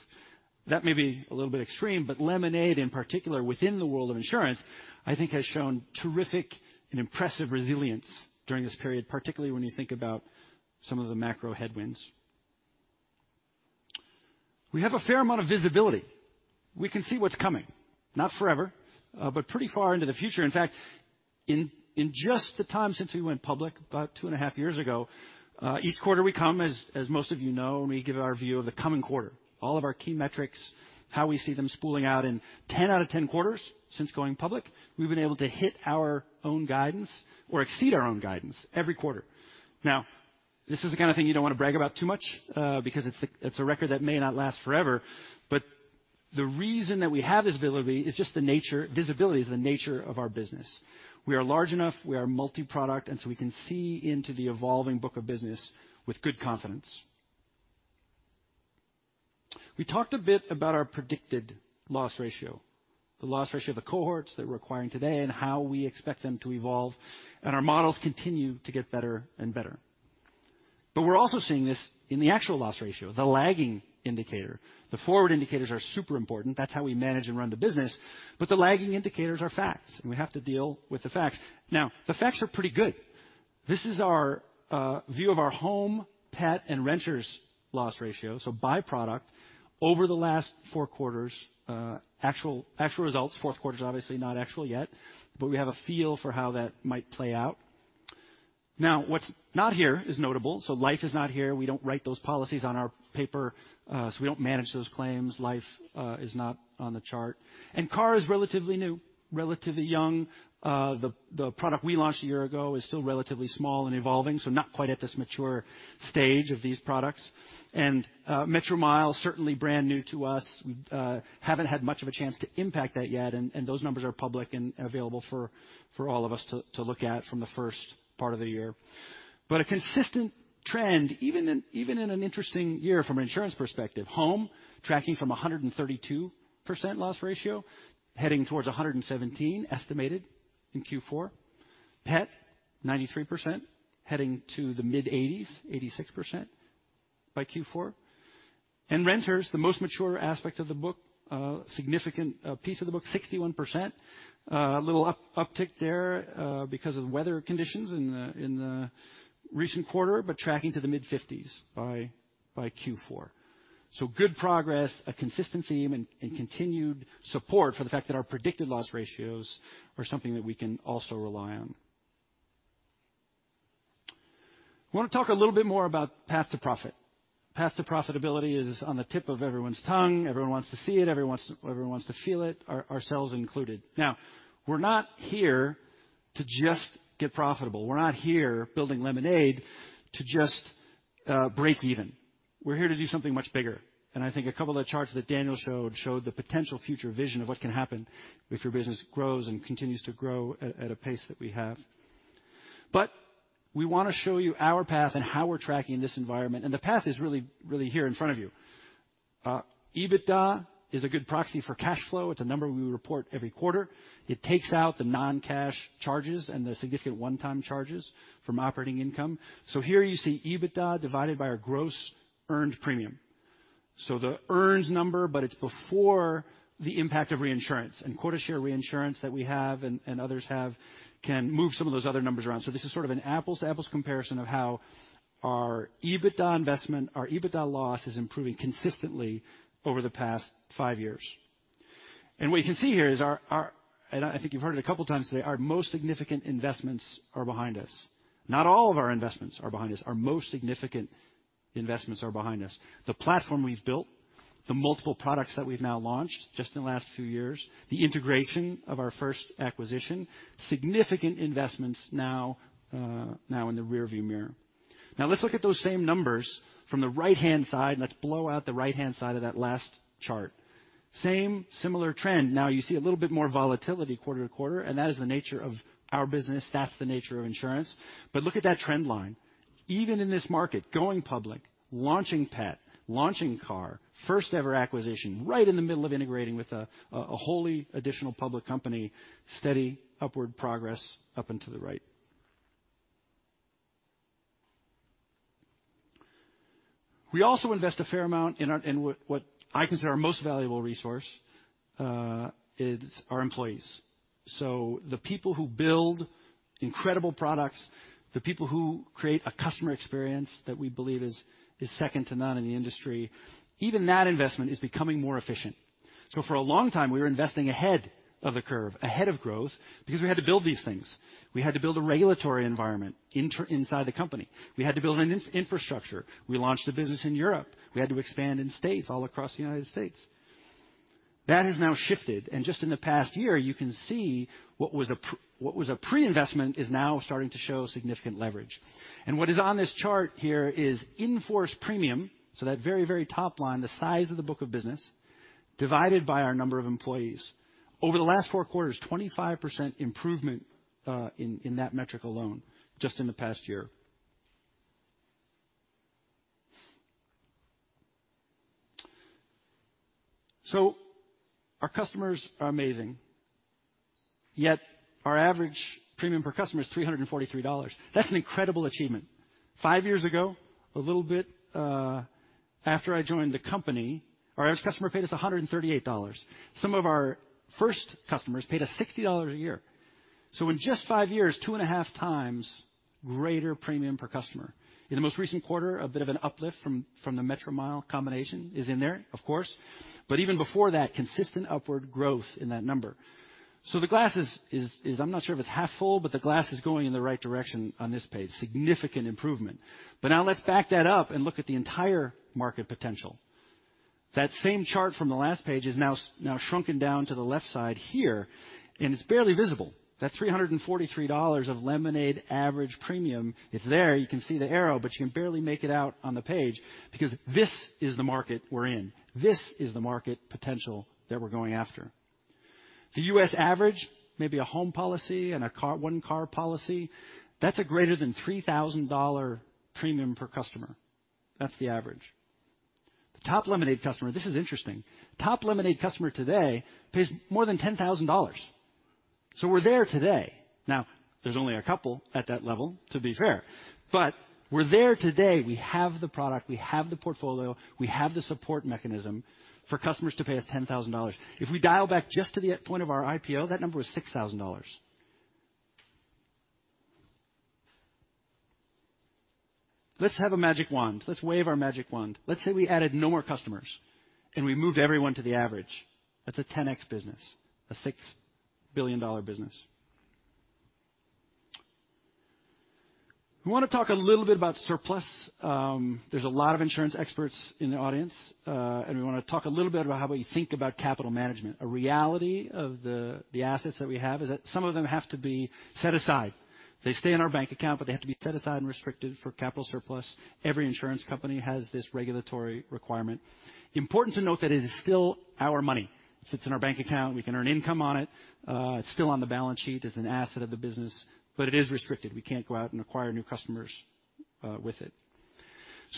That may be a little bit extreme, but Lemonade in particular within the world of insurance, I think, has shown terrific and impressive resilience during this period, particularly when you think about some of the macro headwinds. We have a fair amount of visibility. We can see what's coming, not forever, but pretty far into the future. In fact, in just the time since we went public about 2.5 years ago, each quarter we come, as most of you know, and we give our view of the coming quarter. All of our key metrics, how we see them spooling out. In 10 out of 10 quarters since going public, we've been able to hit our own guidance or exceed our own guidance every quarter. Now, this is the kind of thing you don't want to brag about too much, because it's a record that may not last forever. The reason that we have this visibility is just the nature of our business. Visibility is the nature of our business. We are large enough, we are multi-product, and so we can see into the evolving book of business with good confidence. We talked a bit about our predicted loss ratio, the loss ratio of the cohorts that we're acquiring today, and how we expect them to evolve. Our models continue to get better and better. We're also seeing this in the actual loss ratio, the lagging indicator. The forward indicators are super important. That's how we manage and run the business. The lagging indicators are facts, and we have to deal with the facts. Now, the facts are pretty good. This is our view of our Home, Pet, and Renter's loss ratio. By product over the last four quarters, actual results. Fourth quarter is obviously not actual yet, but we have a feel for how that might play out. Now, what's not here is notable. Life is not here. We don't write those policies on our paper, so we don't manage those claims. Life is not on the chart. Car is relatively new, relatively young. The product we launched a year ago is still relatively small and evolving, so not quite at this mature stage of these products. Metromile, certainly brand new to us. We haven't had much of a chance to impact that yet. Those numbers are public and available for all of us to look at from the first part of the year. A consistent trend, even in an interesting year from an insurance perspective. Home tracking from a 132% loss ratio heading towards 117% estimated in Q4. Pet, 93%, heading to the mid-80s, 86% by Q4. Renters, the most mature aspect of the book, significant piece of the book, 61%. A little uptick there because of weather conditions in the recent quarter, but tracking to the mid-50s by Q4. Good progress, a consistent theme and continued support for the fact that our predicted loss ratios are something that we can also rely on. I wanna talk a little bit more about path to profit. Path to profitability is on the tip of everyone's tongue. Everyone wants to see it, everyone wants to feel it, ourselves included. Now, we're not here to just get profitable. We're not here building Lemonade to just break even. We're here to do something much bigger. I think a couple of the charts that Daniel showed showed the potential future vision of what can happen if your business grows and continues to grow at a pace that we have. We wanna show you our path and how we're tracking this environment. The path is really here in front of you. EBITDA is a good proxy for cash flow. It's a number we report every quarter. It takes out the non-cash charges and the significant one-time charges from operating income. Here you see EBITDA divided by our gross earned premium. The earned number, but it's before the impact of reinsurance. Quota share reinsurance that we have and others have can move some of those other numbers around. This is sort of an apples-to-apples comparison of how our EBITDA investment, our EBITDA loss is improving consistently over the past five years. What you can see here is our, and I think you've heard it a couple of times today, our most significant investments are behind us. Not all of our investments are behind us. Our most significant investments are behind us. The platform we've built, the multiple products that we've now launched just in the last few years, the integration of our first acquisition, significant investments now in the rearview mirror. Now, let's look at those same numbers from the right-hand side, and let's blow out the right-hand side of that last chart. Same, similar trend. Now you see a little bit more volatility quarter-to-quarter, and that is the nature of our business. That's the nature of insurance. Look at that trend line. Even in this market, going public, launching Pet, launching Car, first ever acquisition, right in the middle of integrating with a whole additional public company, steady upward progress up and to the right. We also invest a fair amount in what I consider our most valuable resource is our employees. The people who build incredible products, the people who create a customer experience that we believe is second to none in the industry, even that investment is becoming more efficient. For a long time, we were investing ahead of the curve, ahead of growth, because we had to build these things. We had to build a regulatory environment inside the company. We had to build an infrastructure. We launched a business in Europe. We had to expand in states all across the United States. That has now shifted. Just in the past year, you can see what was a pre-investment is now starting to show significant leverage. What is on this chart here is in-force premium, so that very, very top line, the size of the book of business, divided by our number of employees. Over the last four quarters, 25% improvement in that metric alone, just in the past year. Our customers are amazing, yet our average premium per customer is $343. That's an incredible achievement. Five years ago, a little bit after I joined the company, our average customer paid us $138. Some of our first customers paid us $60 a year. In just five years, 2.5 times greater premium per customer. In the most recent quarter, a bit of an uplift from the Metromile combination is in there, of course. Even before that, consistent upward growth in that number. The glass is. I'm not sure if it's half full, but the glass is going in the right direction on this page. Significant improvement. Now let's back that up and look at the entire market potential. That same chart from the last page is now shrunken down to the left side here, and it's barely visible. That $343 of Lemonade average premium, it's there, you can see the arrow, but you can barely make it out on the page because this is the market we're in. This is the market potential that we're going after. The U.S. average, maybe a home policy and a car, one car policy, that's a greater than $3,000 premium per customer. That's the average. The top Lemonade customer, this is interesting. Top Lemonade customer today pays more than $10,000. So we're there today. Now, there's only a couple at that level, to be fair, but we're there today. We have the product, we have the portfolio, we have the support mechanism for customers to pay us $10,000. If we dial back just to the point of our IPO, that number was $6,000. Let's have a magic wand. Let's wave our magic wand. Let's say we added no more customers and we moved everyone to the average. That's a 10x business, a $6 billion business. We wanna talk a little bit about surplus. There's a lot of insurance experts in the audience, and we wanna talk a little bit about how we think about capital management. A reality of the assets that we have is that some of them have to be set aside. They stay in our bank account, but they have to be set aside and restricted for capital surplus. Every insurance company has this regulatory requirement. Important to note that it is still our money. It sits in our bank account. We can earn income on it. It's still on the balance sheet as an asset of the business, but it is restricted. We can't go out and acquire new customers with it.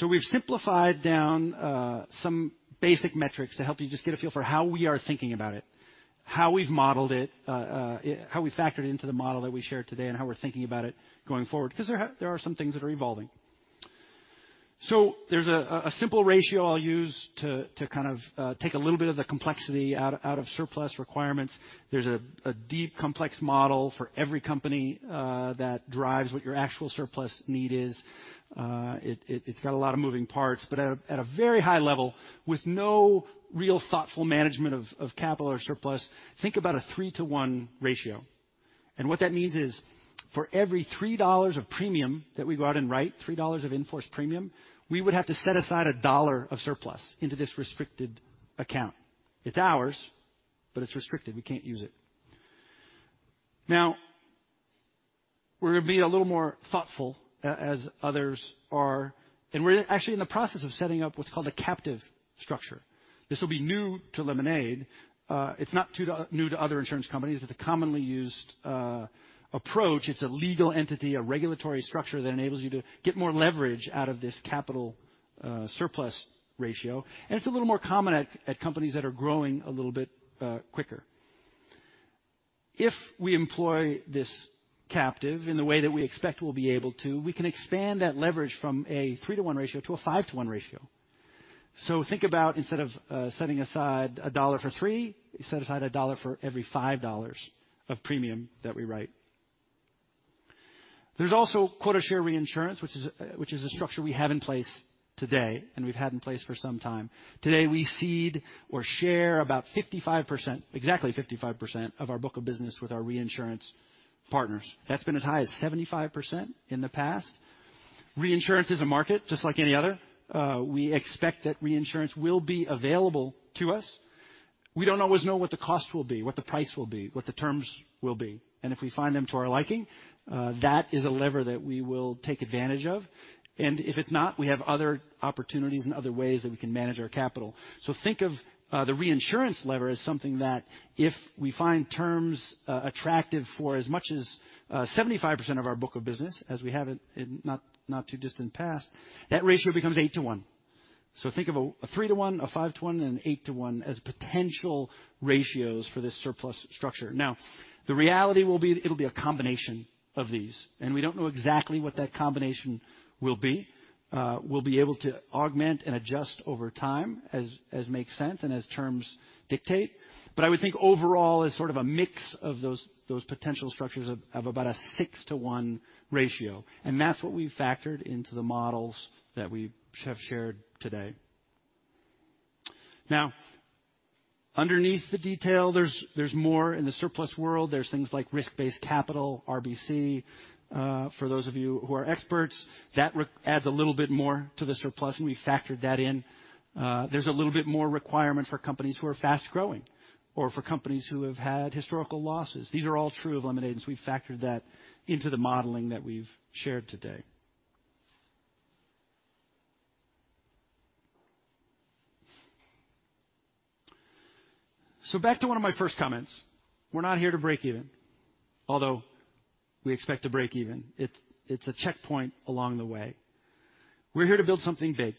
We've simplified down some basic metrics to help you just get a feel for how we are thinking about it, how we've modeled it, how we factored into the model that we shared today, and how we're thinking about it going forward, because there are some things that are evolving. There's a simple ratio I'll use to kind of take a little bit of the complexity out of surplus requirements. There's a deep, complex model for every company that drives what your actual surplus need is. It's got a lot of moving parts. At a very high level, with no real thoughtful management of capital or surplus, think about a 3-to-1 ratio. What that means is, for every $3 of premium that we go out and write, $3 of in-force premium, we would have to set aside $1 of surplus into this restricted account. It's ours, but it's restricted. We can't use it. Now, we're gonna be a little more thoughtful as others are, and we're actually in the process of setting up what's called a captive structure. This will be new to Lemonade. It's not too new to other insurance companies. It's a commonly used approach. It's a legal entity, a regulatory structure that enables you to get more leverage out of this capital surplus ratio. It's a little more common at companies that are growing a little bit quicker. If we employ this captive in the way that we expect we'll be able to, we can expand that leverage from a 3-to-1 ratio to a 5-to-1 ratio. Think about instead of setting aside $1 for 3, we set aside $1 for every $5 of premium that we write. There's also quota share reinsurance, which is a structure we have in place today and we've had in place for some time. Today, we cede or share about 55%, exactly 55% of our book of business with our reinsurance partners. That's been as high as 75% in the past. Reinsurance is a market just like any other. We expect that reinsurance will be available to us. We don't always know what the cost will be, what the price will be, what the terms will be. If we find them to our liking, that is a lever that we will take advantage of. If it's not, we have other opportunities and other ways that we can manage our capital. Think of the reinsurance lever as something that if we find terms attractive for as much as 75% of our book of business as we have in not too distant past, that ratio becomes 8-to-1. Think of a 3-to-1, a 5-to-1, and an 8-to-1 as potential ratios for this surplus structure. Now, the reality will be it'll be a combination of these, and we don't know exactly what that combination will be. We'll be able to augment and adjust over time as makes sense and as terms dictate. I would think overall is sort of a mix of those potential structures of about a 6-to-1 ratio. That's what we've factored into the models that we have shared today. Now, underneath the detail, there's more. In the surplus world, there's things like risk-based capital, RBC. For those of you who are experts, that adds a little bit more to the surplus, and we factored that in. There's a little bit more requirement for companies who are fast-growing or for companies who have had historical losses. These are all true of Lemonade, and we factored that into the modeling that we've shared today. Back to one of my first comments. We're not here to break even, although we expect to break even. It's a checkpoint along the way. We're here to build something big.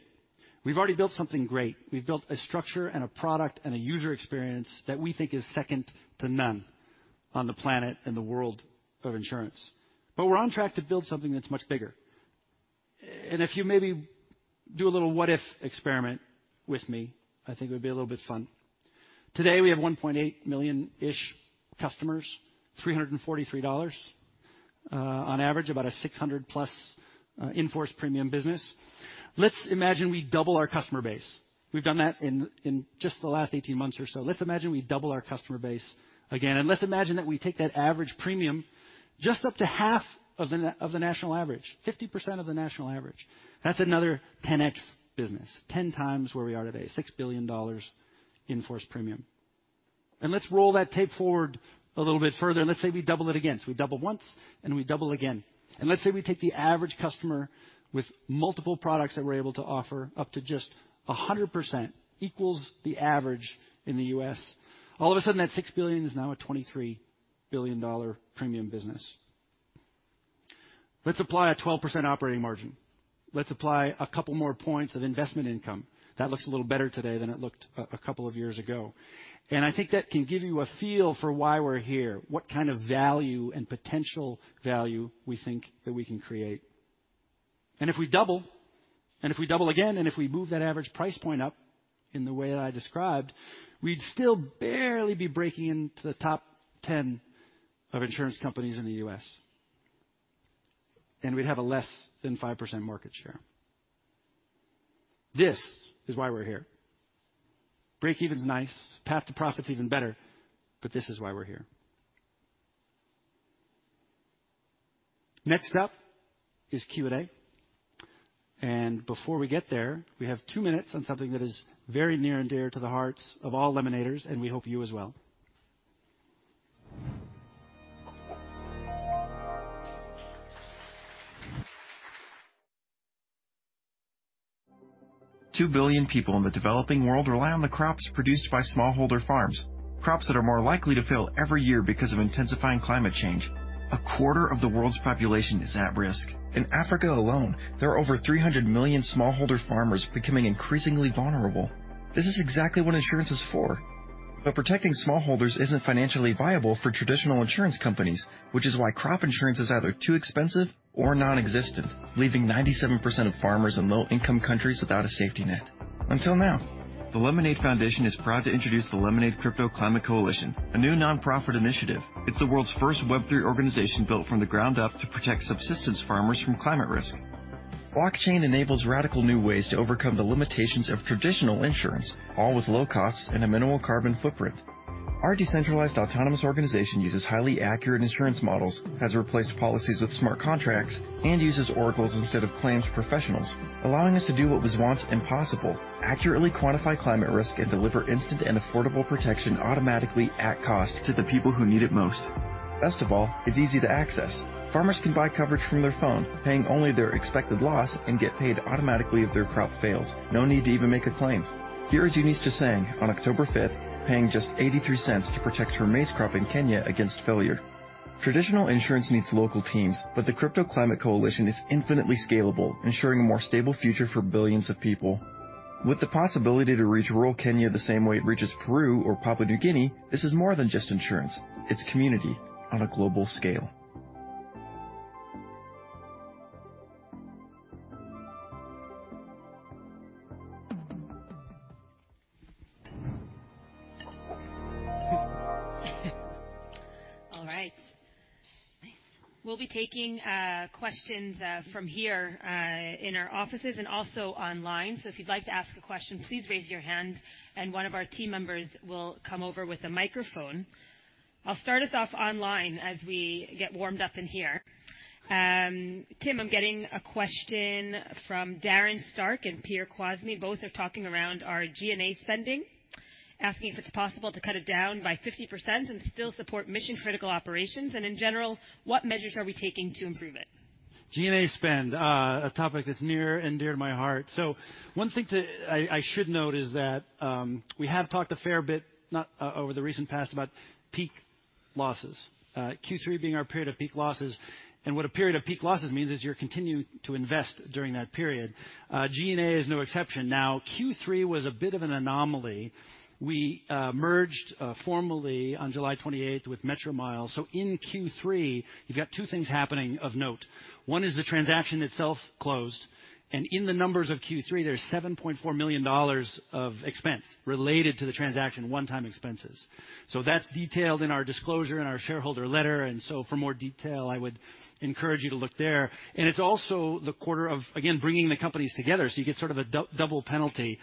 We've already built something great. We've built a structure and a product and a user experience that we think is second to none on the planet in the world of insurance. We're on track to build something that's much bigger. If you maybe do a little what if experiment with me, I think it would be a little bit fun. Today, we have 1.8 million-ish customers, $343 on average, about a $600+ in-force premium business. Let's imagine we double our customer base. We've done that in just the last 18 months or so. Let's imagine we double our customer base again, and let's imagine that we take that average premium just up to half of the national average, 50% of the national average. That's another 10x business, 10 times where we are today, $6 billion in-force premium. Let's roll that tape forward a little bit further. Let's say we double it again. We double once and we double again. Let's say we take the average customer with multiple products that we're able to offer up to just 100% equals the average in the US. All of a sudden, that $6 billion is now a $23 billion premium business. Let's apply a 12% operating margin. Let's apply a couple more points of investment income. That looks a little better today than it looked a couple of years ago. I think that can give you a feel for why we're here, what kind of value and potential value we think that we can create. If we double again, and if we move that average price point up in the way that I described, we'd still barely be breaking into the top 10 of insurance companies in the U.S. We'd have a less than 5% market share. This is why we're here. Break even is nice. Path to profit's even better, but this is why we're here. Next up is Q&A. Before we get there, we have two minutes on something that is very near and dear to the hearts of all Lemonaders, and we hope you as well. 2 billion people in the developing world rely on the crops produced by smallholder farms, crops that are more likely to fail every year because of intensifying climate change. A quarter of the world's population is at risk. In Africa alone, there are over 300 million smallholder farmers becoming increasingly vulnerable. This is exactly what insurance is for. Protecting smallholders isn't financially viable for traditional insurance companies, which is why crop insurance is either too expensive or nonexistent, leaving 97% of farmers in low-income countries without a safety net. Until now. The Lemonade Foundation is proud to introduce the Lemonade Crypto Climate Coalition, a new nonprofit initiative. It's the world's first Web3 organization built from the ground up to protect subsistence farmers from climate risk. Blockchain enables radical new ways to overcome the limitations of traditional insurance, all with low costs and a minimal carbon footprint. Our decentralized autonomous organization uses highly accurate insurance models, has replaced policies with smart contracts, and uses oracles instead of claims professionals, allowing us to do what was once impossible, accurately quantify climate risk and deliver instant and affordable protection automatically at cost to the people who need it most. Best of all, it's easy to access. Farmers can buy coverage from their phone, paying only their expected loss, and get paid automatically if their crop fails. No need to even make a claim. Here is Eunice Jesang on October fifth, paying just $0.83 to protect her maize crop in Kenya against failure. Traditional insurance needs local teams, but the Crypto Climate Coalition is infinitely scalable, ensuring a more stable future for billions of people. With the possibility to reach rural Kenya the same way it reaches Peru or Papua New Guinea, this is more than just insurance. It's community on a global scale. All right. Nice. We'll be taking questions from here in our offices and also online. So if you'd like to ask a question, please raise your hand and one of our team members will come over with a microphone. I'll start us off online as we get warmed up in here. Tim, I'm getting a question from Darren Stark and Pierre Quasney. Both are talking around our G&A spending, asking if it's possible to cut it down by 50% and still support mission-critical operations. In general, what measures are we taking to improve it? G&A spend, a topic that's near and dear to my heart. I should note that we have talked a fair bit over the recent past about peak losses. Q3 being our period of peak losses. What a period of peak losses means is you continue to invest during that period. G&A is no exception. Q3 was a bit of an anomaly. We merged formally on July 28 with Metromile. In Q3, you've got two things happening of note. One is the transaction itself closed, and in the numbers of Q3, there's $7.4 million of expense related to the transaction, one-time expenses. That's detailed in our disclosure, in our shareholder letter, and for more detail, I would encourage you to look there. It's also the quarter of, again, bringing the companies together, so you get sort of a double penalty.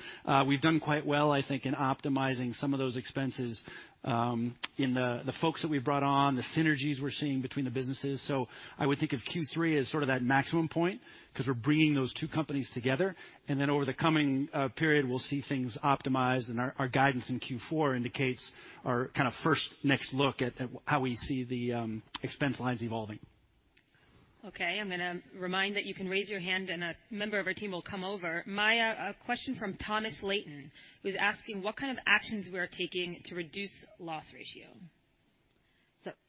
We've done quite well, I think, in optimizing some of those expenses, in the folks that we've brought on, the synergies we're seeing between the businesses. I would think of Q3 as sort of that maximum point because we're bringing those two companies together. Then over the coming period, we'll see things optimized, and our guidance in Q4 indicates our kinda first next look at how we see the expense lines evolving. Okay. I'm gonna remind that you can raise your hand and a member of our team will come over. Maya, a question from Thomas Leighton, who's asking what kind of actions we're taking to reduce loss ratio.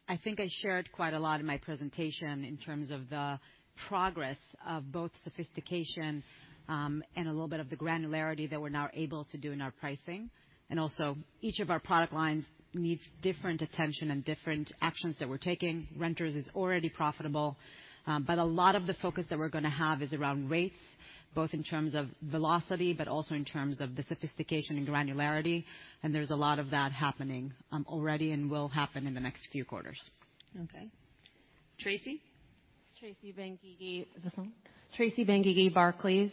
I think I shared quite a lot in my presentation in terms of the progress of both sophistication, and a little bit of the granularity that we're now able to do in our pricing. Also each of our product lines needs different attention and different actions that we're taking. Renters is already profitable. A lot of the focus that we're gonna have is around rates, both in terms of velocity, also in terms of the sophistication and granularity. There's a lot of that happening, already and will happen in the next few quarters. Okay. Tracy? Tracy Benguigui. Is this on? Tracy Benguigui, Barclays.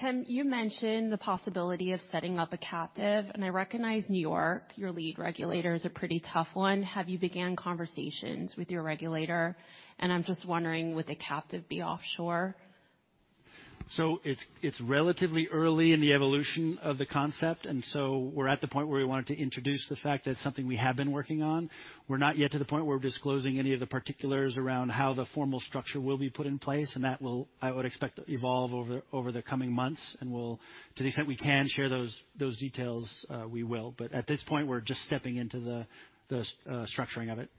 Tim, you mentioned the possibility of setting up a captive, and I recognize New York, your lead regulator, is a pretty tough one. Have you began conversations with your regulator? I'm just wondering, would the captive be offshore? It's relatively early in the evolution of the concept, and we're at the point where we wanted to introduce the fact that it's something we have been working on. We're not yet to the point where we're disclosing any of the particulars around how the formal structure will be put in place, and that will, I would expect, evolve over the coming months. We'll, to the extent we can share those details, we will. At this point, we're just stepping into the structuring of it.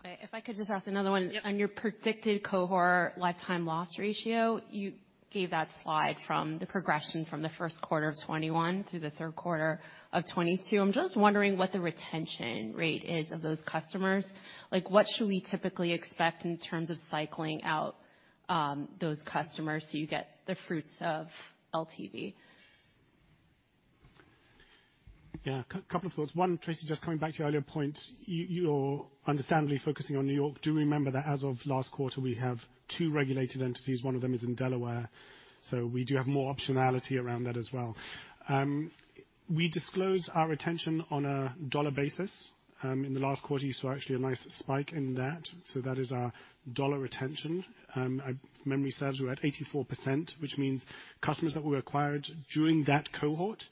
Okay. If I could just ask another one. Yep. On your predicted cohort lifetime loss ratio, you gave that slide from the progression from the first quarter of 2021 through the third quarter of 2022. I'm just wondering what the retention rate is of those customers. Like, what should we typically expect in terms of cycling out those customers, so you get the fruits of LTV? Yeah. A couple of thoughts. One, Tracy, just coming back to your earlier point, you're understandably focusing on New York. Do remember that as of last quarter, we have two regulated entities, one of them is in Delaware. We do have more optionality around that as well. We disclose our retention on a dollar basis. In the last quarter, you saw actually a nice spike in that. That is our dollar retention. If memory serves, we're at 84%, which means customers that were acquired during that cohort,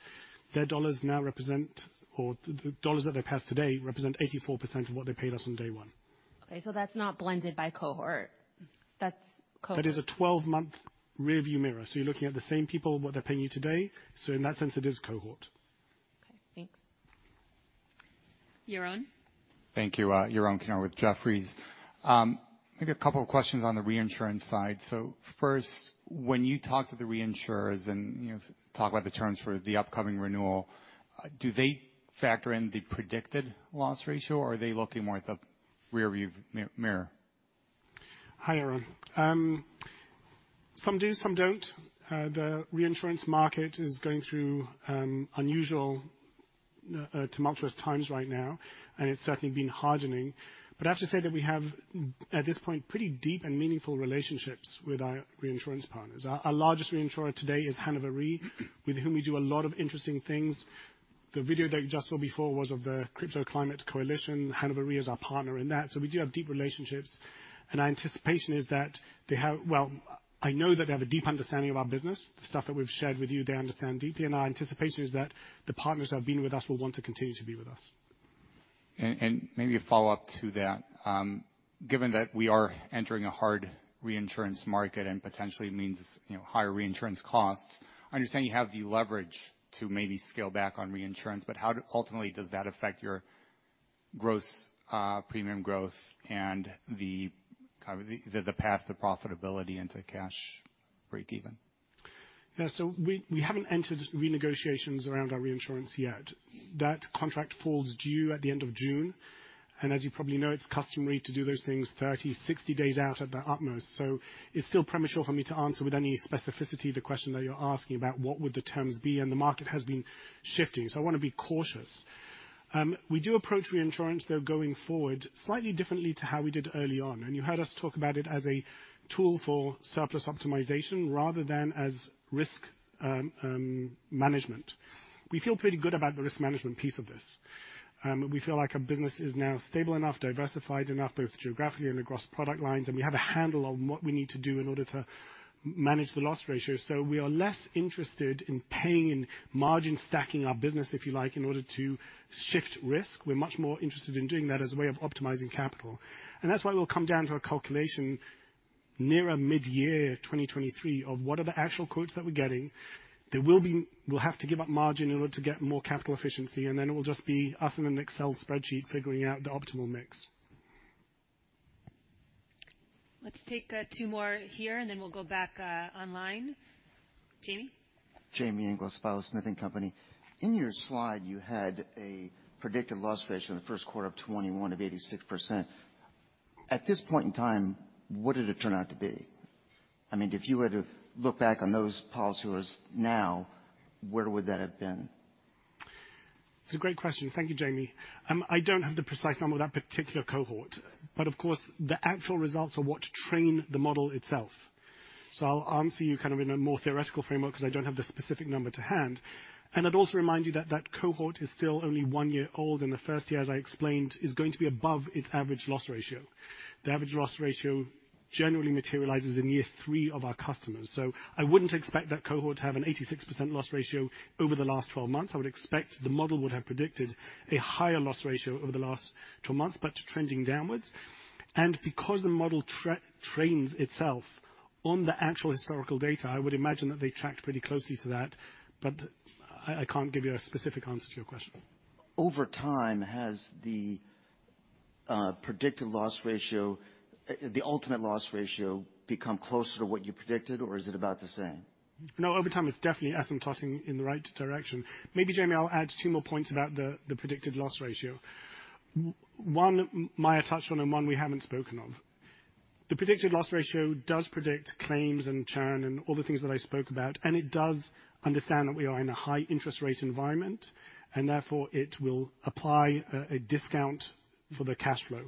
their dollars now represent, or dollars that they paid today represent 84% of what they paid us on day one. Okay. That's not blended by cohort. That's cohort. That is a 12-month rearview mirror. You're looking at the same people, what they're paying you today. In that sense, it is cohort. Okay. Thanks. Yaron? Thank you. Yaron Kinar with Jefferies. Maybe a couple of questions on the reinsurance side. First, when you talk to the reinsurers and, you know, talk about the terms for the upcoming renewal, do they factor in the predicted loss ratio, or are they looking more at the rearview mirror? Hi, Yaron. Some do, some don't. The reinsurance market is going through unusual tumultuous times right now, and it's certainly been hardening. I have to say that we have, at this point, pretty deep and meaningful relationships with our reinsurance partners. Our largest reinsurer today is Hannover Re, with whom we do a lot of interesting things. The video that you just saw before was of the Lemonade Crypto Climate Coalition. Hannover Re is our partner in that. We do have deep relationships. Our anticipation is that they have a deep understanding of our business. The stuff that we've shared with you, they understand deeply. Our anticipation is that the partners that have been with us will want to continue to be with us. Maybe a follow-up to that. Given that we are entering a hard reinsurance market and that potentially means, you know, higher reinsurance costs, I understand you have the leverage to maybe scale back on reinsurance, but how ultimately does that affect your gross premium growth and the kind of path to profitability and to cash breakeven? Yeah. We haven't entered renegotiations around our reinsurance yet. That contract falls due at the end of June. As you probably know, it's customary to do those things 30, 60 days out at the utmost. It's still premature for me to answer with any specificity the question that you're asking about what would the terms be, and the market has been shifting, so I wanna be cautious. We do approach reinsurance, though, going forward slightly differently to how we did early on. You heard us talk about it as a tool for surplus optimization rather than as risk management. We feel pretty good about the risk management piece of this. We feel like our business is now stable enough, diversified enough, both geographically and across product lines, and we have a handle on what we need to do in order to manage the loss ratio. We are less interested in paying and margin stacking our business, if you like, in order to shift risk. We're much more interested in doing that as a way of optimizing capital. That's why we'll come down to a calculation nearer midyear 2023 of what are the actual quotes that we're getting. We'll have to give up margin in order to get more capital efficiency, and then it will just be us in an Excel spreadsheet figuring out the optimal mix. Let's take two more here, and then we'll go back online. Jamie? James Inglis, PhiloSmith & Company. In your slide, you had a predicted loss ratio in the first quarter of 2021 of 86%. At this point in time, what did it turn out to be? I mean, if you were to look back on those policies now, where would that have been? It's a great question. Thank you, Jamie. I don't have the precise number of that particular cohort, but of course, the actual results are what train the model itself. So I'll answer you kind of in a more theoretical framework because I don't have the specific number to hand. I'd also remind you that that cohort is still only one year old, and the first year, as I explained, is going to be above its average loss ratio. The average loss ratio generally materializes in year three of our customers. So I wouldn't expect that cohort to have an 86% loss ratio over the last 12 months. I would expect the model would have predicted a higher loss ratio over the last two months, but trending downwards. Because the model trains itself on the actual historical data, I would imagine that they tracked pretty closely to that, but I can't give you a specific answer to your question. Over time, has the predicted loss ratio, the ultimate loss ratio become closer to what you predicted, or is it about the same? No, over time, it's definitely asymptoting in the right direction. Maybe, Jamie, I'll add two more points about the predicted loss ratio. One Maya touched on and one we haven't spoken of. The predicted loss ratio does predict claims and churn and all the things that I spoke about, and it does understand that we are in a high interest rate environment, and therefore it will apply a discount for the cash flow.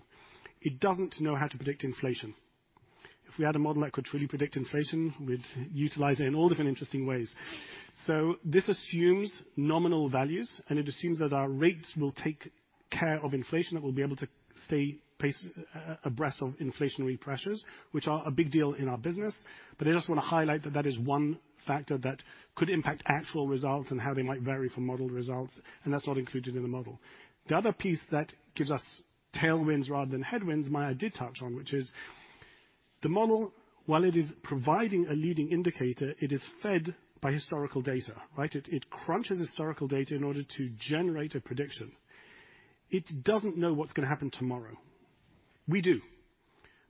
It doesn't know how to predict inflation. If we had a model that could truly predict inflation, we'd utilize it in all different interesting ways. This assumes nominal values, and it assumes that our rates will take care of inflation, that we'll be able to keep pace abreast of inflationary pressures, which are a big deal in our business. I just wanna highlight that that is one factor that could impact actual results and how they might vary from modeled results, and that's not included in the model. The other piece that gives us tailwinds rather than headwinds, Maya did touch on, which is the model, while it is providing a leading indicator, it is fed by historical data, right? It crunches historical data in order to generate a prediction. It doesn't know what's gonna happen tomorrow. We do.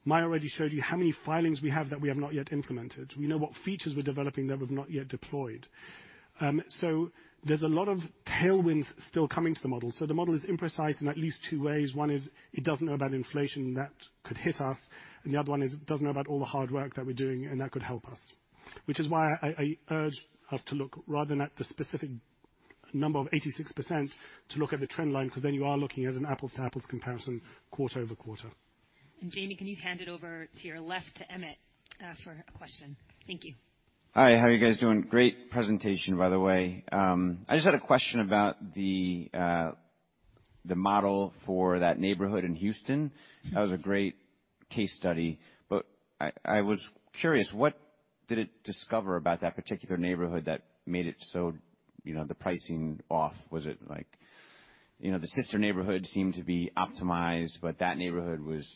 Maya already showed you how many filings we have that we have not yet implemented. We know what features we're developing that we've not yet deployed. So there's a lot of tailwinds still coming to the model. The model is imprecise in at least two ways. One is it doesn't know about inflation that could hit us, and the other one is it doesn't know about all the hard work that we're doing, and that could help us. Which is why I urge us to look rather than at the specific number of 86% to look at the trend line, 'cause then you are looking at an apples to apples comparison quarter-over-quarter. Jamie, can you hand it over to your left to Emmett for a question? Thank you. Hi. How are you guys doing? Great presentation, by the way. I just had a question about the model for that neighborhood in Houston. That was a great case study, but I was curious, what did it discover about that particular neighborhood that made it so, you know, the pricing off? Was it, like, you know, the sister neighborhood seemed to be optimized, but that neighborhood was,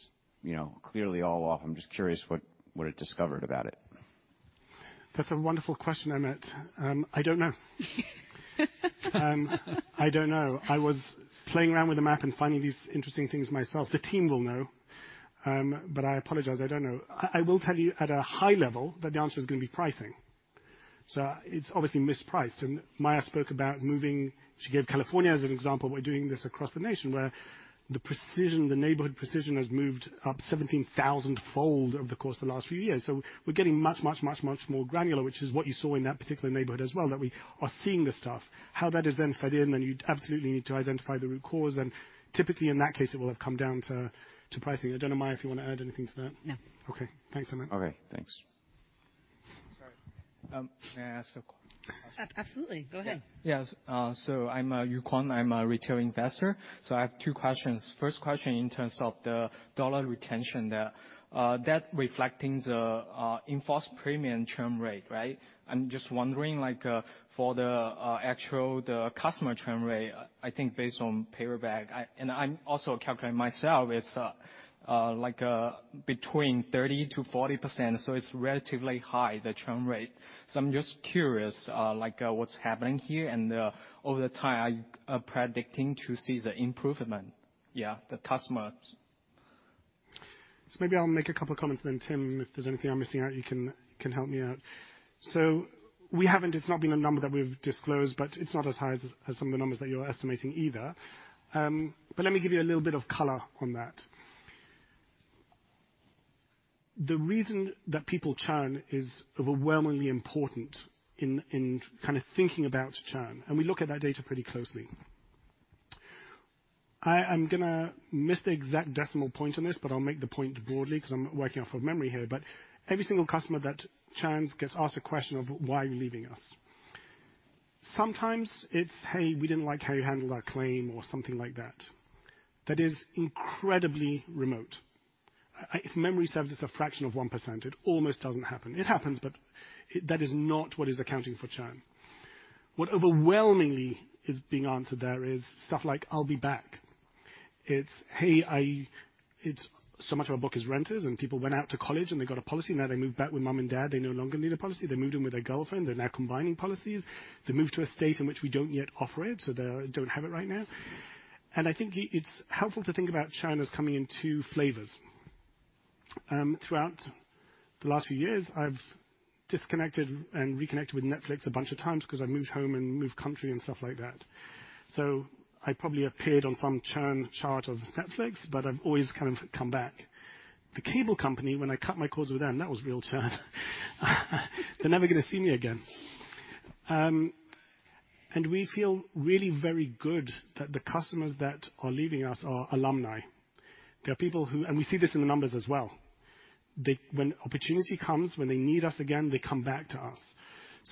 you know, clearly all off. I'm just curious what it discovered about it. That's a wonderful question, Emmett. I don't know. I was playing around with the map and finding these interesting things myself. The team will know. I apologize. I don't know. I will tell you at a high level that the answer is gonna be pricing. It's obviously mispriced. Maya spoke about moving. She gave California as an example. We're doing this across the nation where the precision, the neighborhood precision has moved up 17,000-fold over the course of the last few years. We're getting much more granular, which is what you saw in that particular neighborhood as well, that we are seeing the stuff. How that is then fed in, you absolutely need to identify the root cause. Typically in that case, it will have come down to pricing. I don't know, Maya, if you wanna add anything to that. No. Okay. Thanks, Emmett. Okay, thanks. Sorry. May I ask a question? Absolutely. Go ahead. Yes. I'm Yu Kwan. I'm a retail investor. I have two questions. First question in terms of the dollar retention there. That reflecting the in-force premium churn rate, right? I'm just wondering, like, for the actual customer churn rate, I think based on payback, and I'm also calculating myself it's like between 30%-40%, so it's relatively high, the churn rate. I'm just curious, like, what's happening here, and over time are you predicting to see the improvement? Yeah. The customers. Maybe I'll make a couple comments then, Tim, if there's anything I'm missing out, you can help me out. It's not been a number that we've disclosed, but it's not as high as some of the numbers that you're estimating either. Let me give you a little bit of color on that. The reason that people churn is overwhelmingly important in kind of thinking about churn, and we look at that data pretty closely. I'm gonna miss the exact decimal point on this, but I'll make the point broadly 'cause I'm working off of memory here. Every single customer that churns gets asked a question of, "Why are you leaving us?" Sometimes it's, "Hey, we didn't like how you handled our claim," or something like that. That is incredibly remote. If memory serves, it's a fraction of 1%. It almost doesn't happen. It happens, but that is not what is accounting for churn. What overwhelmingly is being answered there is stuff like, "I'll be back." It's, "Hey, I." It's so much of our book is renters, and people went out to college, and they got a policy. Now they moved back with mom and dad. They no longer need a policy. They moved in with their girlfriend. They're now combining policies. They moved to a state in which we don't yet operate, so they don't have it right now. I think it's helpful to think about churn as coming in two flavors. Throughout the last few years, I've disconnected and reconnected with Netflix a bunch of times 'cause I moved home and moved country and stuff like that. I probably appeared on some churn chart of Netflix, but I've always kind of come back. The cable company, when I cut my cords with them, that was real churn. They're never gonna see me again. We feel really very good that the customers that are leaving us are alumni. They are people who we see this in the numbers as well. They. When opportunity comes, when they need us again, they come back to us.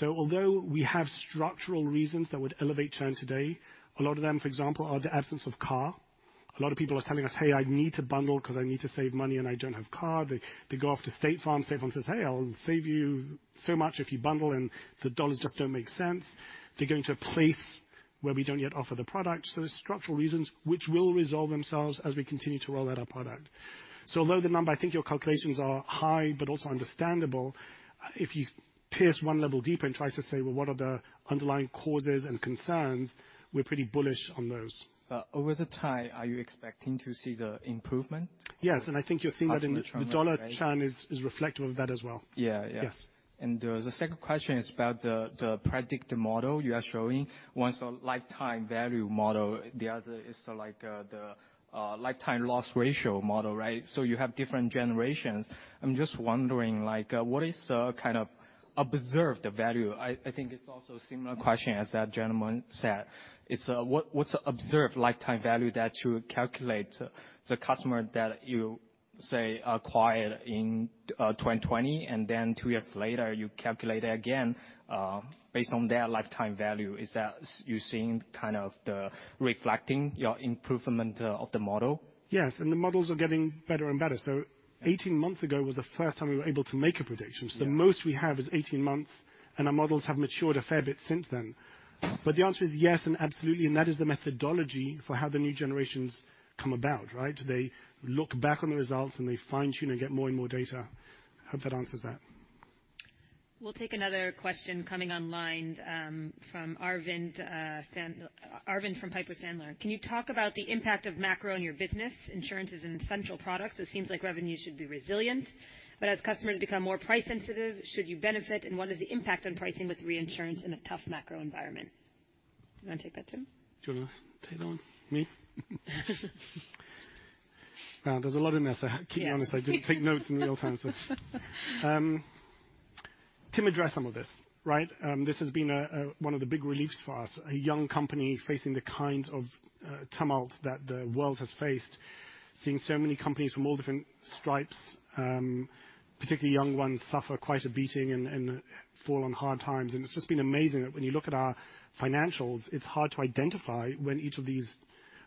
Although we have structural reasons that would elevate churn today, a lot of them, for example, are the absence of car. A lot of people are telling us, "Hey, I need to bundle 'cause I need to save money, and I don't have Car." They go off to State Farm. State Farm says, "Hey, I'll save you so much if you bundle," and the dollars just don't make sense. They're going to a place where we don't yet offer the product. There's structural reasons which will resolve themselves as we continue to roll out our product. Although the number, I think your calculations are high but also understandable, if you pierce one level deeper and try to say, well, what are the underlying causes and concerns, we're pretty bullish on those. Over the time, are you expecting to see the improvement? Yes. I think you're seeing that in the- Possible turnaround, right? -the dollar trend is reflective of that as well. Yeah. Yeah. Yes. The second question is about the predictor model you are showing. One's a lifetime value model, the other is like the lifetime loss ratio model, right? You have different generations. I'm just wondering, like, what is kind of observed value? I think it's also similar question as that gentleman said. What's observed lifetime value that you calculate the customer that you say acquired in 2020, and then two years later, you calculate it again based on their lifetime value. Is that you're seeing kind of the reflecting your improvement of the model? Yes. The models are getting better and better. 18 months ago was the first time we were able to make a prediction. Yeah. The most we have is 18 months, and our models have matured a fair bit since then. The answer is yes and absolutely, and that is the methodology for how the new generations come about, right? They look back on the results, and they fine-tune and get more and more data. Hope that answers that. We'll take another question coming online from Arvind from Piper Sandler. Can you talk about the impact of macro in your business? Insurance is an essential product, so it seems like revenue should be resilient. As customers become more price sensitive, should you benefit? And what is the impact on pricing with reinsurance in a tough macro environment? You wanna take that, Tim? Do you wanna take that one? Me? Well, there's a lot in there, so keep me honest. Yeah. I didn't take notes in real time, so Tim addressed some of this, right? This has been one of the big reliefs for us. A young company facing the kinds of tumult that the world has faced, seeing so many companies from all different stripes, particularly young ones, suffer quite a beating and fall on hard times. It's just been amazing that when you look at our financials, it's hard to identify when each of these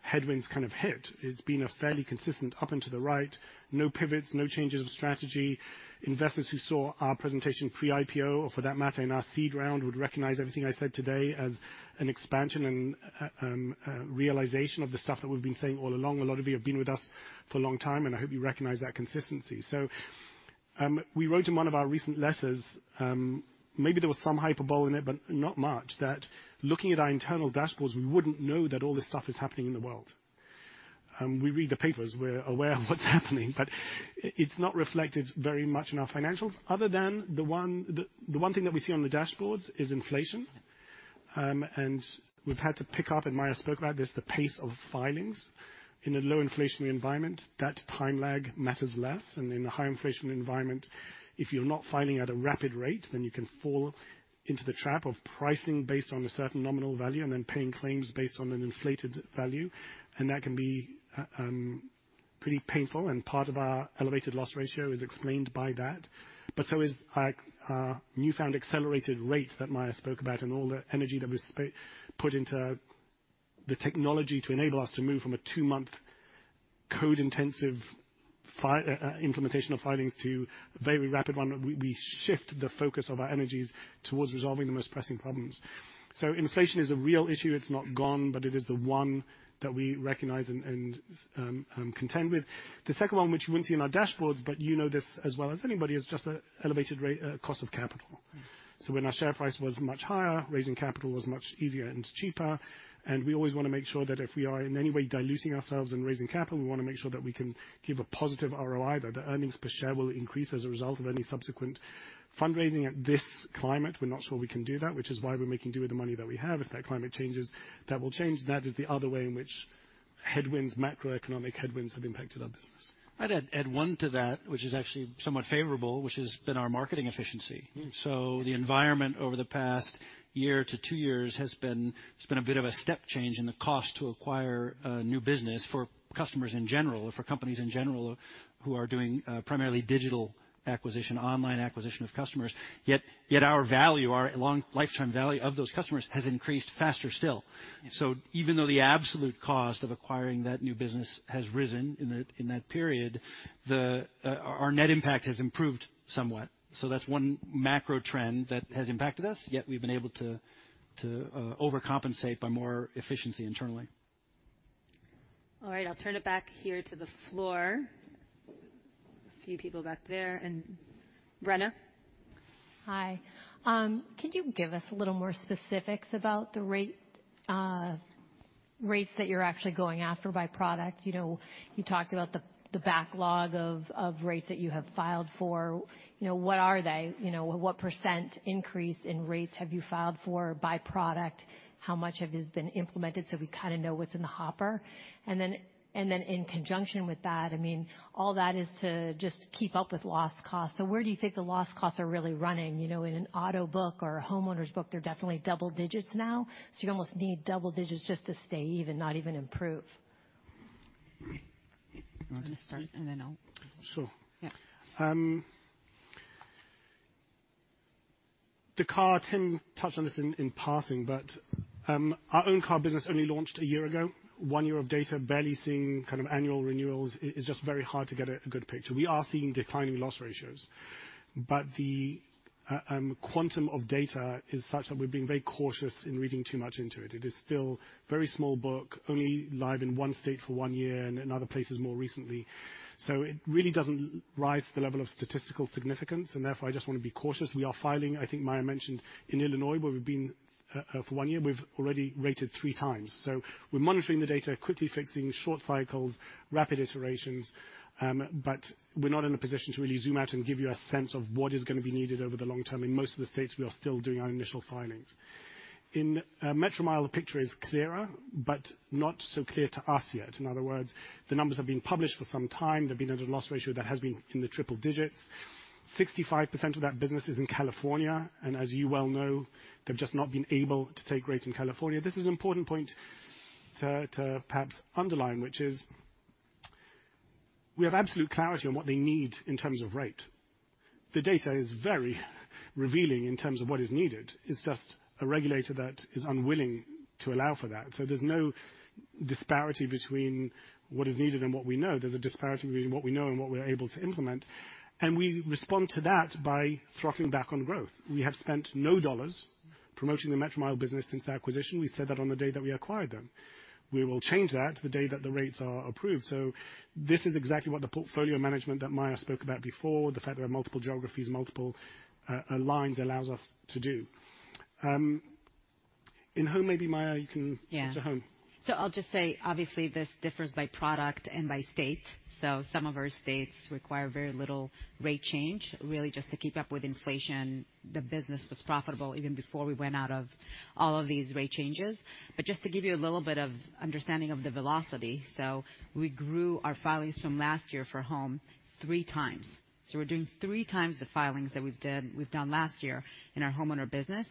headwinds kind of hit. It's been a fairly consistent up and to the right, no pivots, no changes of strategy. Investors who saw our presentation pre-IPO or for that matter in our seed round would recognize everything I said today as an expansion and a realization of the stuff that we've been saying all along. A lot of you have been with us for a long time, and I hope you recognize that consistency. We wrote in one of our recent letters, maybe there was some hyperbole in it, but not much, that looking at our internal dashboards, we wouldn't know that all this stuff is happening in the world. We read the papers, we're aware of what's happening, but it's not reflected very much in our financials other than the one thing that we see on the dashboards is inflation. We've had to pick up, and Maya spoke about this, the pace of filings. In a low inflationary environment, that time lag matters less. In a high inflationary environment, if you're not filing at a rapid rate, then you can fall into the trap of pricing based on a certain nominal value and then paying claims based on an inflated value. That can be pretty painful. Part of our elevated loss ratio is explained by that. So is, like, our newfound accelerated rate that Maya spoke about and all the energy that was put into the technology to enable us to move from a two-month code intensive implementation of filings to very rapid one. We shift the focus of our energies towards resolving the most pressing problems. Inflation is a real issue. It's not gone, but it is the one that we recognize and contend with. The second one, which you wouldn't see in our dashboards, but you know this as well as anybody, is just the elevated cost of capital. When our share price was much higher, raising capital was much easier and cheaper. We always wanna make sure that if we are in any way diluting ourselves and raising capital, we wanna make sure that we can give a positive ROI, that the earnings per share will increase as a result of any subsequent fundraising. At this climate, we're not sure we can do that, which is why we're making do with the money that we have. If that climate changes, that will change. That is the other way in which headwinds, macroeconomic headwinds, have impacted our business. I'd add one to that, which is actually somewhat favorable, which has been our marketing efficiency. Mm-hmm. The environment over the past year to two years has been a bit of a step change in the cost to acquire new business for customers in general or for companies in general who are doing primarily digital acquisition, online acquisition of customers. Yet our value, our long lifetime value of those customers has increased faster still. Yeah. Even though the absolute cost of acquiring that new business has risen in that period, our net impact has improved somewhat. That's one macro trend that has impacted us, yet we've been able to overcompensate by more efficiency internally. All right. I'll turn it back here to the floor. A few people back there and Brenna. Hi. Could you give us a little more specifics about the rate, rates that you're actually going after by product? You know, you talked about the backlog of rates that you have filed for. You know, what are they? You know, what percent increase in rates have you filed for by product? How much of this has been implemented so we kinda know what's in the hopper? In conjunction with that, I mean, all that is to just keep up with loss costs. Where do you think the loss costs are really running? You know, in an auto book or a homeowner's book, they're definitely double digits now. You almost need double digits just to stay even, not even improve. You wanna start, and then I'll. Sure. Yeah. The car, Tim touched on this in passing, but our own car business only launched one year ago. One year of data, barely seeing kind of annual renewals. It is just very hard to get a good picture. We are seeing declining loss ratios, but the quantum of data is such that we're being very cautious in reading too much into it. It is still very small book, only live in one state for one year and in other places more recently. It really doesn't rise to the level of statistical significance, and therefore, I just wanna be cautious. We are filing, I think Maya mentioned, in Illinois, where we've been for one year, we've already rated three times. We're monitoring the data, quickly fixing short cycles, rapid iterations, but we're not in a position to really zoom out and give you a sense of what is gonna be needed over the long term. In most of the states, we are still doing our initial filings. In Metromile, the picture is clearer, but not so clear to us yet. In other words, the numbers have been published for some time. They've been at a loss ratio that has been in the triple digits. 65% of that business is in California, and as you well know, they've just not been able to take rate in California. This is an important point to perhaps underline, which is we have absolute clarity on what they need in terms of rate. The data is very revealing in terms of what is needed. It's just a regulator that is unwilling to allow for that. There's no disparity between what is needed and what we know. There's a disparity between what we know and what we're able to implement, and we respond to that by throttling back on growth. We have spent no dollars promoting the Metromile business since the acquisition. We said that on the day that we acquired them. We will change that the day that the rates are approved. This is exactly what the portfolio management that Maya spoke about before, the fact that there are multiple geographies, multiple lines allows us to do. In home, maybe, Maya, you can- Yeah. -to home. I'll just say, obviously this differs by product and by state. Some of our states require very little rate change, really just to keep up with inflation. The business was profitable even before we went out of all of these rate changes. Just to give you a little bit of understanding of the velocity, we grew our filings from last year for home three times. We're doing three times the filings that we've done last year in our homeowner business.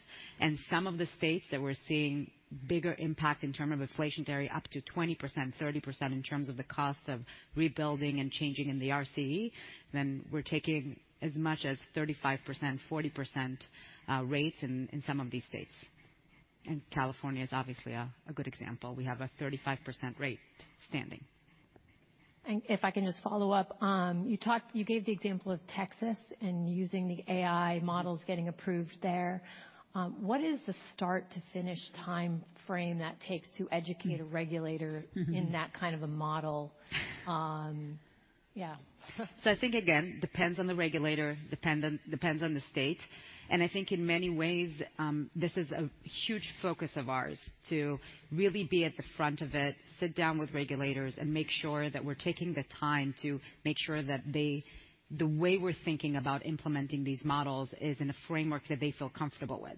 Some of the states that we're seeing bigger impact in terms of inflationary up to 20%, 30% in terms of the cost of rebuilding and changing in the RCE, then we're taking as much as 35%, 40% rates in some of these states. California is obviously a good example, we have a 35% rate standing. If I can just follow up. You talked. You gave the example of Texas and using the AI models getting approved there. What is the start to finish timeframe that takes to educate a regulator? Mm-hmm. In that kind of a model? Yeah. I think, again, depends on the regulator, depends on the state. I think in many ways, this is a huge focus of ours to really be at the front of it, sit down with regulators, and make sure that we're taking the time to make sure the way we're thinking about implementing these models is in a framework that they feel comfortable with.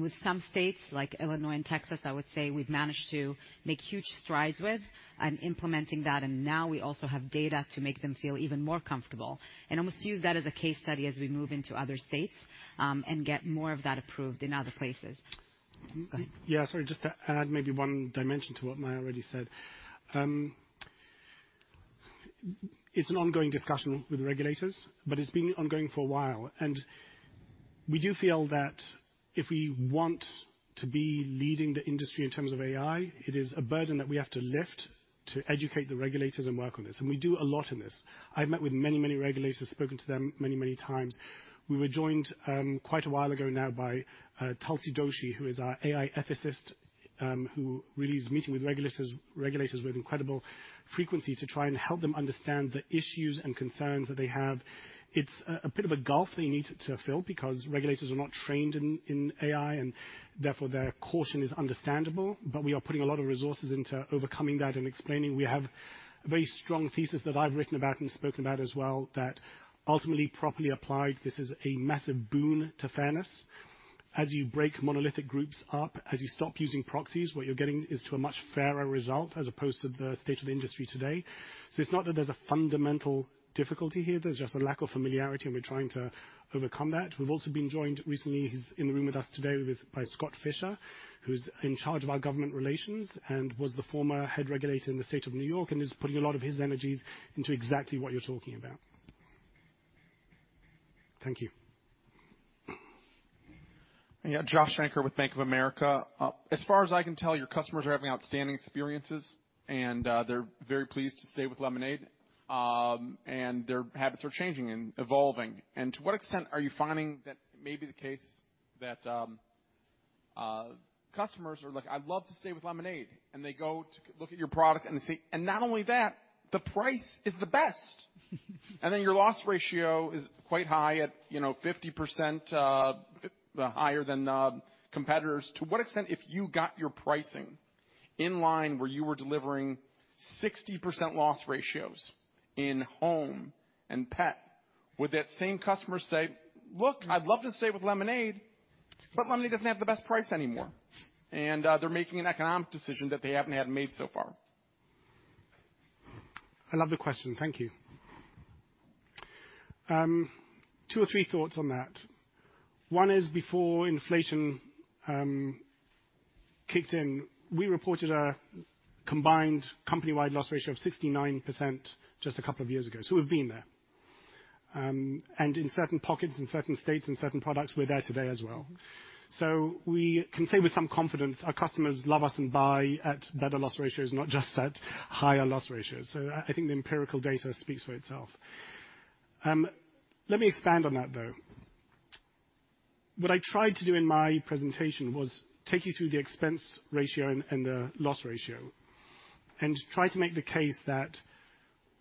With some states like Illinois and Texas, I would say we've managed to make huge strides with on implementing that, and now we also have data to make them feel even more comfortable and almost use that as a case study as we move into other states, and get more of that approved in other places. Yeah. Sorry. Just to add maybe one dimension to what Maya already said. It's an ongoing discussion with the regulators, but it's been ongoing for a while. We do feel that if we want to be leading the industry in terms of AI, it is a burden that we have to lift to educate the regulators and work on this. We do a lot in this. I've met with many, many regulators, spoken to them many, many times. We were joined quite a while ago now by Tulsee Doshi, who is our AI ethicist, who really is meeting with regulators with incredible frequency to try and help them understand the issues and concerns that they have. It's a bit of a gulf that you need to fill because regulators are not trained in AI and therefore their caution is understandable. We are putting a lot of resources into overcoming that and explaining. We have a very strong thesis that I've written about and spoken about as well, that ultimately properly applied, this is a massive boon to fairness. As you break monolithic groups up, as you stop using proxies, what you're getting is to a much fairer result as opposed to the state of the industry today. It's not that there's a fundamental difficulty here, there's just a lack of familiarity, and we're trying to overcome that. We've also been joined recently, he's in the room with us today, by Scott Fischer, who's in charge of our government relations and was the former head regulator in the state of New York and is putting a lot of his energies into exactly what you're talking about. Thank you. Yeah. Josh Shanker with Bank of America. As far as I can tell, your customers are having outstanding experiences and, they're very pleased to stay with Lemonade. Their habits are changing and evolving. To what extent are you finding that it may be the case that customers are like, "I'd love to stay with Lemonade," and they go to look at your product and they say, "And not only that, the price is the best." Then your loss ratio is quite high at, you know, 50%, higher than competitors. To what extent, if you got your pricing in line where you were delivering 60% loss ratios in home and pet, would that same customer say, "Look, I'd love to stay with Lemonade, but Lemonade doesn't have the best price anymore," and they're making an economic decision that they haven't had made so far? I love the question. Thank you. Two or three thoughts on that. One is before inflation kicked in, we reported a combined company-wide loss ratio of 69% just a couple of years ago. We've been there. In certain pockets, in certain states, in certain products, we're there today as well. We can say with some confidence our customers love us and buy at better loss ratios, not just at higher loss ratios. I think the empirical data speaks for itself. Let me expand on that though. What I tried to do in my presentation was take you through the expense ratio and the loss ratio and try to make the case that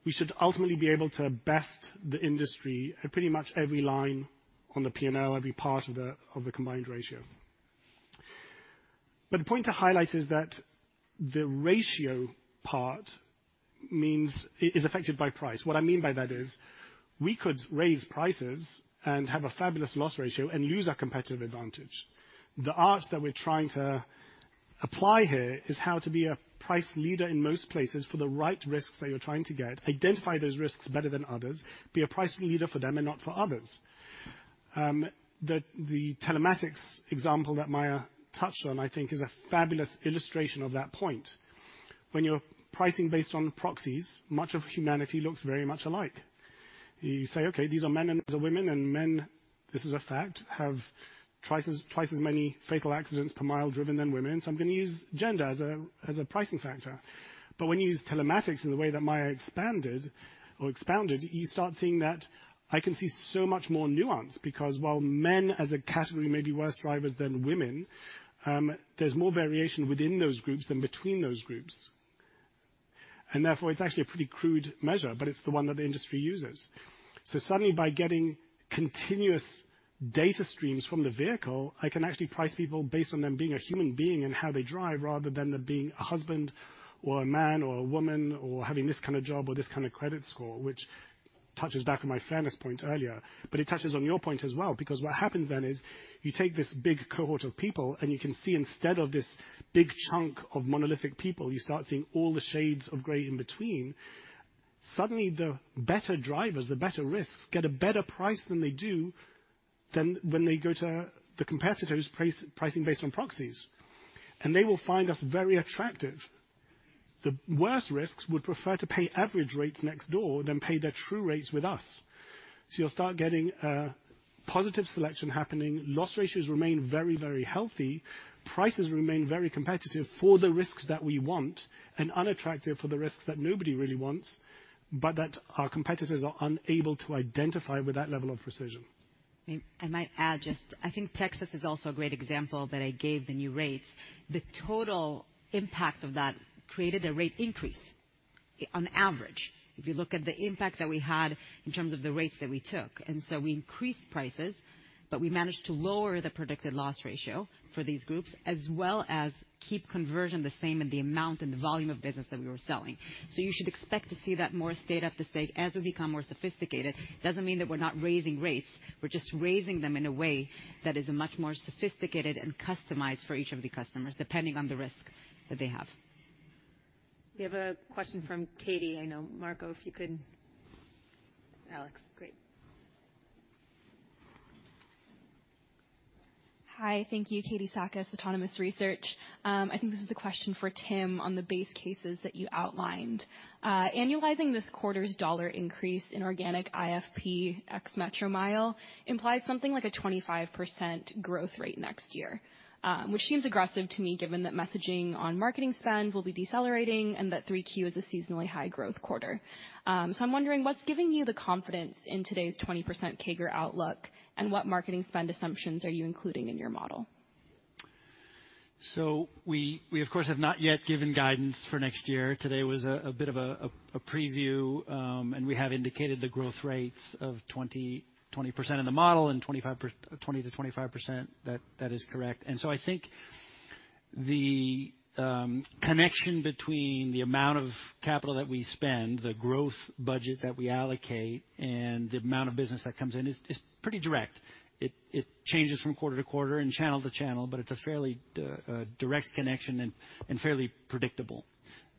we should ultimately be able to best the industry at pretty much every line on the P&L, every part of the combined ratio. The point to highlight is that the ratio part means it is affected by price. What I mean by that is we could raise prices and have a fabulous loss ratio and lose our competitive advantage. The art that we're trying to apply here is how to be a price leader in most places for the right risks that you're trying to get, identify those risks better than others, be a pricing leader for them and not for others. The telematics example that Maya touched on, I think is a fabulous illustration of that point. When you're pricing based on proxies, much of humanity looks very much alike. You say, okay, these are men and these are women, and men, this is a fact, have twice as many fatal accidents per mile driven than women, so I'm gonna use gender as a pricing factor. But when you use telematics in the way that Maya expanded or expounded, you start seeing that I can see so much more nuance because while men as a category may be worse drivers than women, there's more variation within those groups than between those groups. Therefore it's actually a pretty crude measure, but it's the one that the industry uses. Suddenly, by getting continuous data streams from the vehicle, I can actually price people based on them being a human being and how they drive rather than them being a husband or a man or a woman or having this kind of job or this kind of credit score, which touches back on my fairness point earlier, but it touches on your point as well. Because what happens then is you take this big cohort of people, and you can see instead of this big chunk of monolithic people, you start seeing all the shades of gray in between. Suddenly the better drivers, the better risks, get a better price than they do than when they go to the competitors' pricing based on proxies, and they will find us very attractive. The worst risks would prefer to pay average rates next door than pay their true rates with us. You'll start getting a positive selection happening. Loss ratios remain very, very healthy. Prices remain very competitive for the risks that we want and unattractive for the risks that nobody really wants, but that our competitors are unable to identify with that level of precision. I might add just, I think Texas is also a great example that I gave the new rates. The total impact of that created a rate increase on average. If you look at the impact that we had in terms of the rates that we took, and so we increased prices, but we managed to lower the predicted loss ratio for these groups as well as keep conversion the same and the amount and the volume of business that we were selling. You should expect to see that more state after state as we become more sophisticated. It doesn't mean that we're not raising rates, we're just raising them in a way that is a much more sophisticated and customized for each of the customers, depending on the risk that they have. We have a question from Katie. I know, Marco, if you could. Alex, great. Hi. Thank you. Katie Sakys, Autonomous Research. I think this is a question for Tim on the base cases that you outlined. Annualizing this quarter's dollar increase in organic IFP ex-Metromile implies something like a 25% growth rate next year, which seems aggressive to me given that messaging on marketing spend will be decelerating and that 3Q is a seasonally high growth quarter. I'm wondering what's giving you the confidence in today's 20% CAGR outlook, and what marketing spend assumptions are you including in your model? We of course have not yet given guidance for next year. Today was a bit of a preview, and we have indicated the growth rates of 20% in the model and 20%-25%, that is correct. I think the connection between the amount of capital that we spend, the growth budget that we allocate and the amount of business that comes in is pretty direct. It changes from quarter to quarter and channel to channel, but it's a fairly direct connection and fairly predictable.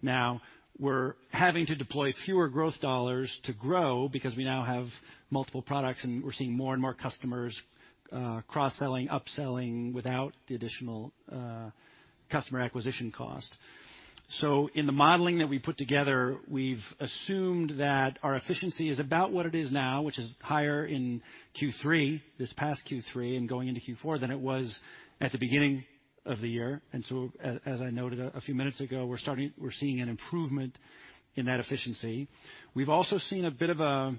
Now, we're having to deploy fewer growth dollars to grow because we now have multiple products, and we're seeing more and more customers cross-selling, upselling without the additional customer acquisition cost. In the modeling that we put together, we've assumed that our efficiency is about what it is now, which is higher in Q3, this past Q3, and going into Q4 than it was at the beginning of the year. As I noted a few minutes ago, we're seeing an improvement in that efficiency. We've also seen a bit of a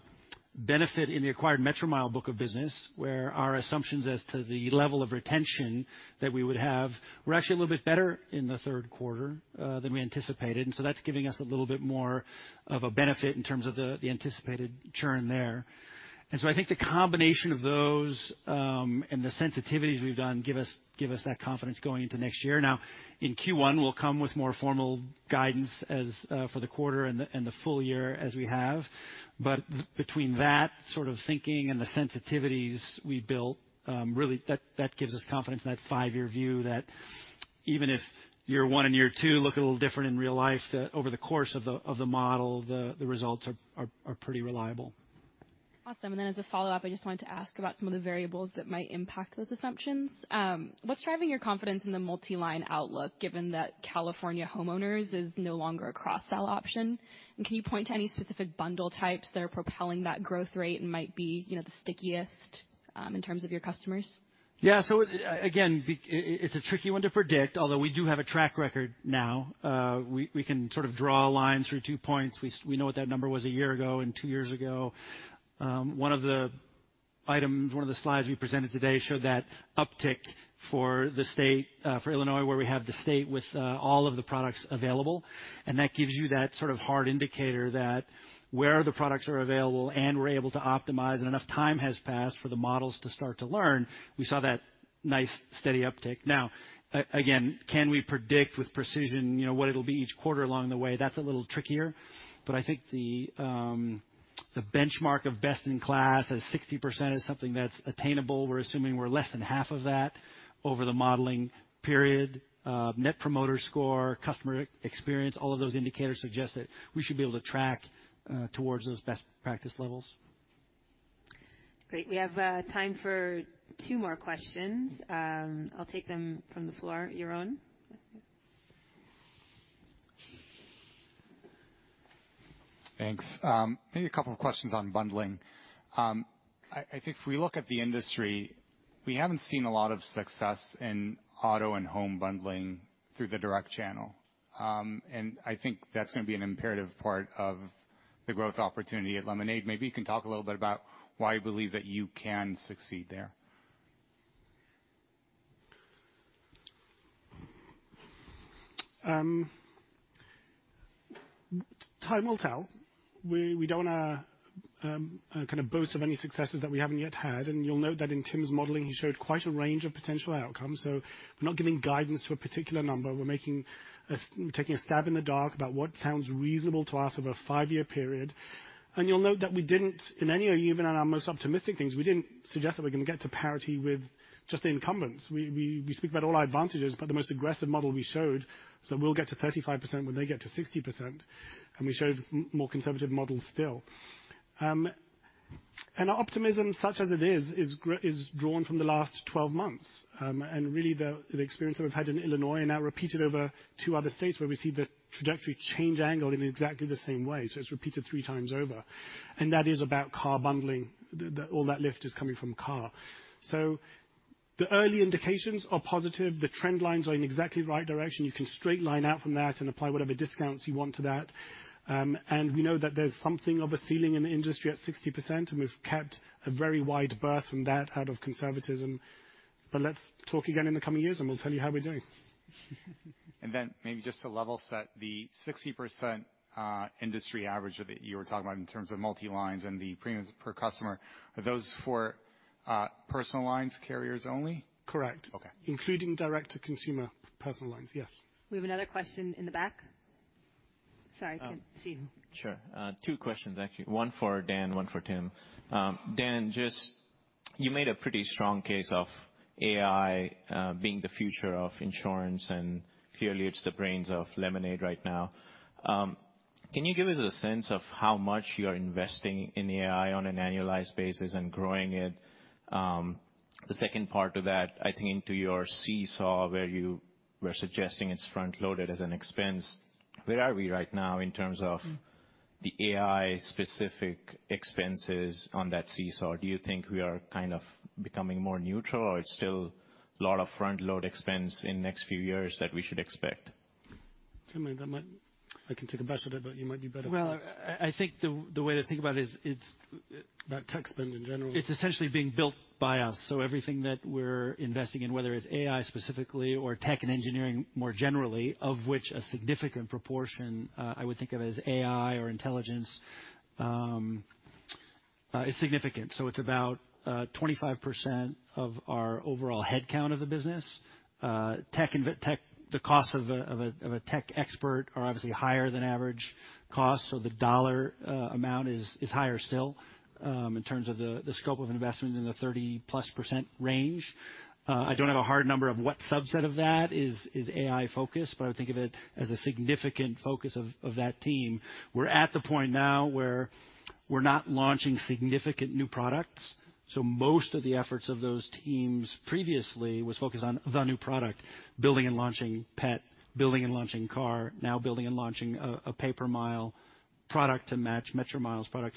benefit in the acquired Metromile book of business, where our assumptions as to the level of retention that we would have were actually a little bit better in the third quarter than we anticipated, and that's giving us a little bit more of a benefit in terms of the anticipated churn there. I think the combination of those and the sensitivities we've done give us that confidence going into next year. Now, in Q1 we'll come with more formal guidance as for the quarter and the full year as we have. Between that sort of thinking and the sensitivities we built, really that gives us confidence in that five-year view that even if year one and year two look a little different in real life, that over the course of the model the results are pretty reliable. Awesome. As a follow-up, I just wanted to ask about some of the variables that might impact those assumptions. What's driving your confidence in the multi-line outlook given that California homeowners is no longer a cross-sell option? Can you point to any specific bundle types that are propelling that growth rate and might be, you know, the stickiest in terms of your customers? Yeah. Again, it's a tricky one to predict, although we do have a track record now. We can sort of draw a line through two points. We know what that number was a year ago and two years ago. One of the items, one of the slides we presented today showed that uptick for the state, for Illinois, where we have the state with all of the products available. And that gives you that sort of hard indicator that where the products are available and we're able to optimize and enough time has passed for the models to start to learn, we saw that nice steady uptick. Now, again, can we predict with precision, you know, what it'll be each quarter along the way? That's a little trickier, but I think the benchmark of best in class as 60% is something that's attainable. We're assuming we're less than half of that over the modeling period. Net Promoter Score, customer experience, all of those indicators suggest that we should be able to track towards those best practice levels. Great. We have time for two more questions. I'll take them from the floor. Yaron? Thanks. Maybe a couple of questions on bundling. I think if we look at the industry, we haven't seen a lot of success in auto and home bundling through the direct channel. I think that's gonna be an imperative part of the growth opportunity at Lemonade. Maybe you can talk a little bit about why you believe that you can succeed there. Time will tell. We don't wanna kind of boast of any successes that we haven't yet had. You'll note that in Tim's modeling, he showed quite a range of potential outcomes. We're not giving guidance to a particular number. We're taking a stab in the dark about what sounds reasonable to us over a five-year period. You'll note that we didn't in any way, even on our most optimistic things, we didn't suggest that we're gonna get to parity with just the incumbents. We speak about all our advantages, but the most aggressive model we showed, we'll get to 35% when they get to 60%, and we showed more conservative models still. Our optimism, such as it is drawn from the last 12 months. Really the experience that we've had in Illinois and now repeated over two other states where we see the trajectory change angle in exactly the same way. It's repeated three times over. That is about car bundling. All that lift is coming from car. The early indications are positive. The trend lines are in exactly the right direction. You can straight line out from that and apply whatever discounts you want to that. We know that there's something of a ceiling in the industry at 60%, and we've kept a very wide berth from that out of conservatism. Let's talk again in the coming years, and we'll tell you how we're doing. Maybe just to level set the 60% industry average that you were talking about in terms of multi-lines and the premiums per customer. Are those for personal lines carriers only? Correct. Okay. Including direct-to-consumer personal lines, yes. We have another question in the back. Sorry, I can't see you. Sure. Two questions actually. One for Dan, one for Tim. Dan, just you made a pretty strong case of AI being the future of insurance, and clearly it's the brains of Lemonade right now. Can you give us a sense of how much you're investing in AI on an annualized basis and growing it? The second part to that, I think to your seesaw where you were suggesting it's front-loaded as an expense, where are we right now in terms of the AI specific expenses on that seesaw? Do you think we are kind of becoming more neutral, or it's still a lot of front load expense in next few years that we should expect? Tim, I can take a bash at it, but you might be better placed. Well, I think the way to think about it is it's- About tech spend in general. -it's essentially being built by us. Everything that we're investing in, whether it's AI specifically or tech and engineering more generally, of which a significant proportion I would think of as AI or intelligence, is significant. It's about 25% of our overall headcount of the business. Tech, the cost of a tech expert are obviously higher than average cost, so the dollar amount is higher still, in terms of the scope of investment in the 30+% range. I don't have a hard number of what subset of that is AI focused, but I would think of it as a significant focus of that team. We're at the point now where we're not launching significant new products, so most of the efforts of those teams previously was focused on the new product, building and launching pet, building and launching car, now building and launching a pay-per-mile product to match Metromile product.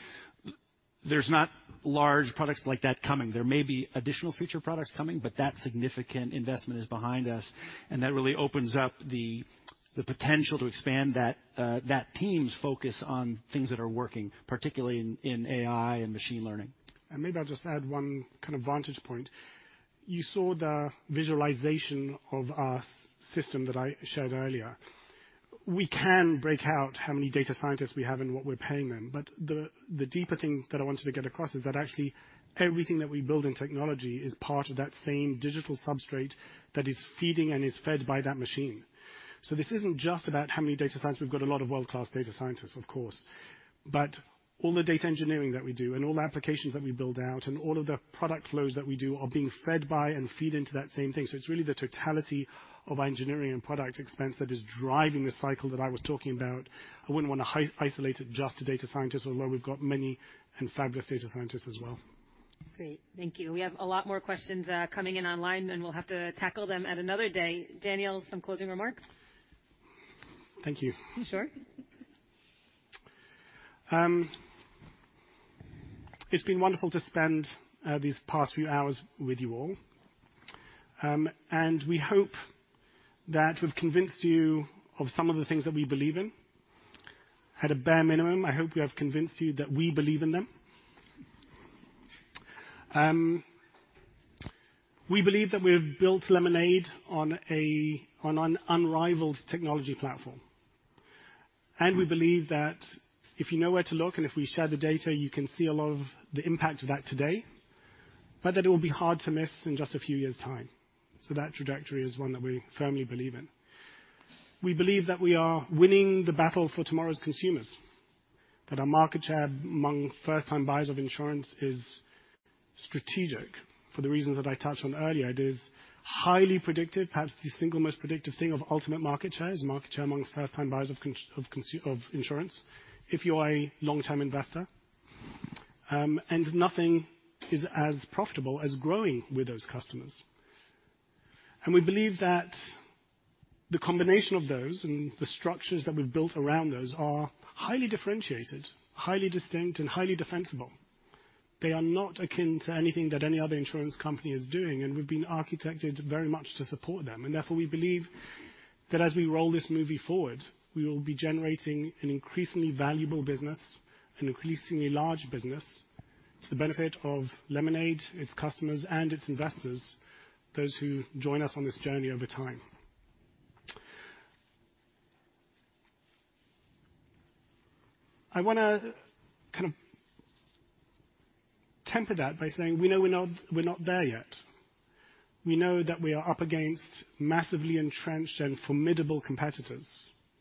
There's not large products like that coming. There may be additional future products coming, but that significant investment is behind us, and that really opens up the potential to expand that team's focus on things that are working, particularly in AI and machine learning. Maybe I'll just add one kind of vantage point. You saw the visualization of our system that I showed earlier. We can break out how many data scientists we have and what we're paying them. The deeper thing that I wanted to get across is that actually everything that we build in technology is part of that same digital substrate that is feeding and is fed by that machine. This isn't just about how many data scientists. We've got a lot of world-class data scientists, of course. All the data engineering that we do and all the applications that we build out and all of the product flows that we do are being fed by and feed into that same thing. It's really the totality of our engineering and product expense that is driving the cycle that I was talking about. I wouldn't wanna isolate it just to data scientists, although we've got many and fabulous data scientists as well. Great. Thank you. We have a lot more questions, coming in online, and we'll have to tackle them at another day. Daniel, some closing remarks? Thank you. Sure. It's been wonderful to spend these past few hours with you all. We hope that we've convinced you of some of the things that we believe in. At a bare minimum, I hope we have convinced you that we believe in them. We believe that we have built Lemonade on an unrivaled technology platform. We believe that if you know where to look and if we share the data, you can see a lot of the impact of that today, but that it will be hard to miss in just a few years' time. That trajectory is one that we firmly believe in. We believe that we are winning the battle for tomorrow's consumers, that our market share among first-time buyers of insurance is strategic for the reasons that I touched on earlier. It is highly predictive. Perhaps the single most predictive thing of ultimate market share is market share among first-time buyers of insurance, if you're a long-term investor. Nothing is as profitable as growing with those customers. We believe that the combination of those and the structures that we've built around those are highly differentiated, highly distinct, and highly defensible. They are not akin to anything that any other insurance company is doing, and we've been architected very much to support them. Therefore, we believe that as we roll this movie forward, we will be generating an increasingly valuable business, an increasingly large business, to the benefit of Lemonade, its customers, and its investors, those who join us on this journey over time. I wanna kind of temper that by saying we know we're not there yet. We know that we are up against massively entrenched and formidable competitors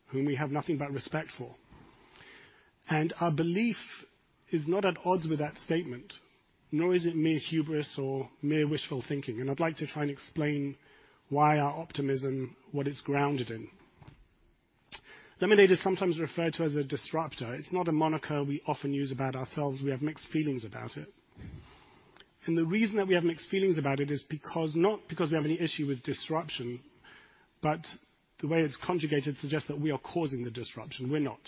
whom we have nothing but respect for. Our belief is not at odds with that statement, nor is it mere hubris or mere wishful thinking. I'd like to try and explain why our optimism, what it's grounded in. Lemonade is sometimes referred to as a disruptor. It's not a moniker we often use about ourselves. We have mixed feelings about it. The reason that we have mixed feelings about it is because, not because we have any issue with disruption, but the way it's conjugated suggests that we are causing the disruption. We're not.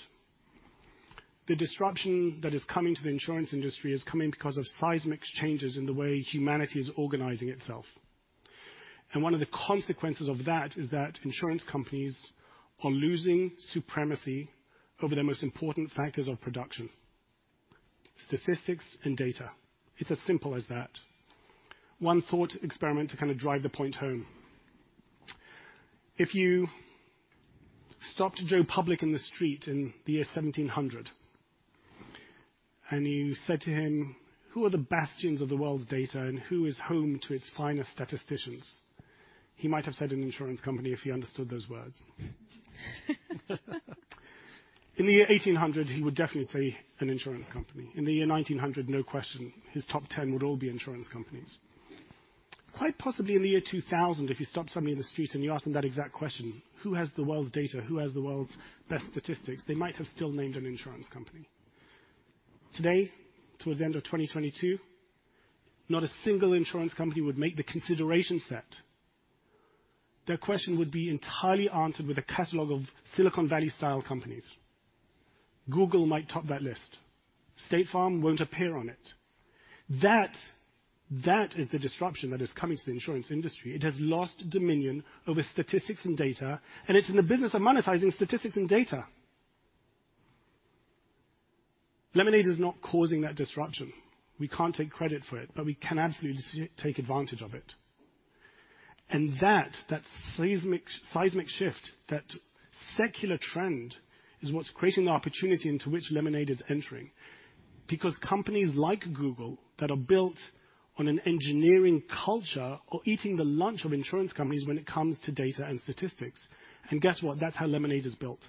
The disruption that is coming to the insurance industry is coming because of seismic changes in the way humanity is organizing itself. One of the consequences of that is that insurance companies are losing supremacy over their most important factors of production, statistics and data. It's as simple as that. One thought experiment to kind of drive the point home. If you stopped Joe Public in the street in the year 1700 and you said to him, "Who are the bastions of the world's data, and who is home to its finest statisticians?" He might have said an insurance company if he understood those words. In the year 1800, he would definitely say an insurance company. In the year 1900, no question, his top 10 would all be insurance companies. Quite possibly in the year 2000, if you stopped somebody in the street and you ask them that exact question, "Who has the world's data? Who has the world's best statistics?" They might have still named an insurance company. Today, toward the end of 2022, not a single insurance company would make the consideration set. Their question would be entirely answered with a catalog of Silicon Valley-style companies. Google might top that list. State Farm won't appear on it. That is the disruption that is coming to the insurance industry. It has lost dominion over statistics and data, and it's in the business of monetizing statistics and data. Lemonade is not causing that disruption. We can't take credit for it, but we can absolutely take advantage of it. That seismic shift, that secular trend is what's creating the opportunity into which Lemonade is entering. Because companies like Google that are built on an engineering culture are eating the lunch of insurance companies when it comes to data and statistics. Guess what? That's how Lemonade is built.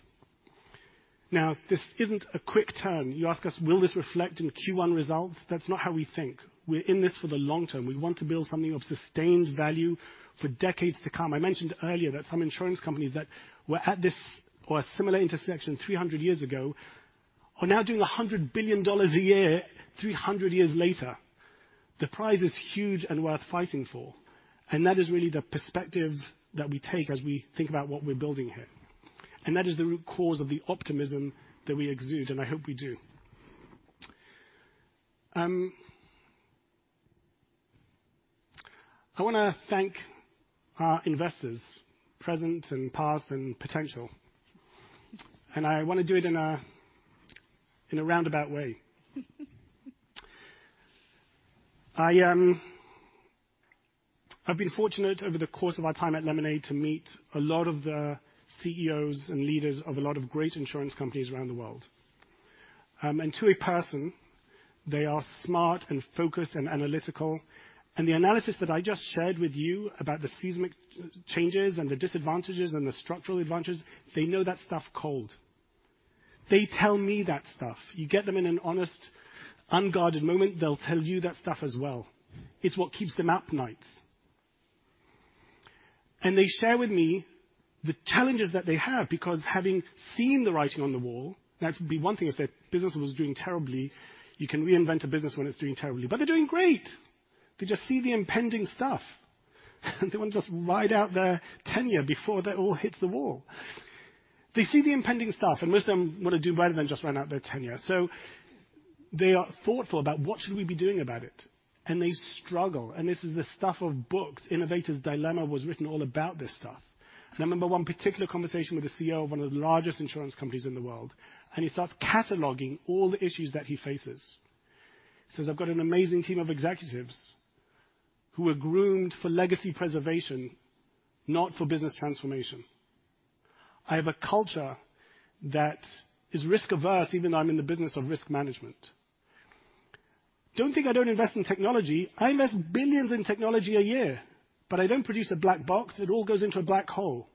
Now, this isn't a quick turn. You ask us, will this reflect in Q1 results? That's not how we think. We're in this for the long term. We want to build something of sustained value for decades to come. I mentioned earlier that some insurance companies that were at this or a similar intersection 300 years ago are now doing $100 billion a year 300 years later. The prize is huge and worth fighting for, and that is really the perspective that we take as we think about what we're building here. That is the root cause of the optimism that we exude, and I hope we do. I wanna thank our investors, present and past and potential. I wanna do it in a roundabout way. I've been fortunate over the course of our time at Lemonade to meet a lot of the CEOs and leaders of a lot of great insurance companies around the world. To a person, they are smart and focused and analytical, and the analysis that I just shared with you about the seismic changes and the disadvantages and the structural advantages, they know that stuff cold. They tell me that stuff. You get them in an honest, unguarded moment, they'll tell you that stuff as well. It's what keeps them up nights. They share with me the challenges that they have, because having seen the writing on the wall, that would be one thing if their business was doing terribly. You can reinvent a business when it's doing terribly. But they're doing great. They just see the impending stuff, and they wanna just ride out their tenure before that all hits the wall. They see the impending stuff, and most of them wanna do better than just ride out their tenure. They are thoughtful about what should we be doing about it, and they struggle. This is the stuff of books. Innovator's Dilemma was written all about this stuff. I remember one particular conversation with the CEO of one of the largest insurance companies in the world, and he starts cataloging all the issues that he faces. He says, "I've got an amazing team of executives who are groomed for legacy preservation, not for business transformation. I have a culture that is risk-averse, even though I'm in the business of risk management. Don't think I don't invest in technology. I invest billions in technology a year, but I don't produce a black box. It all goes into a black hole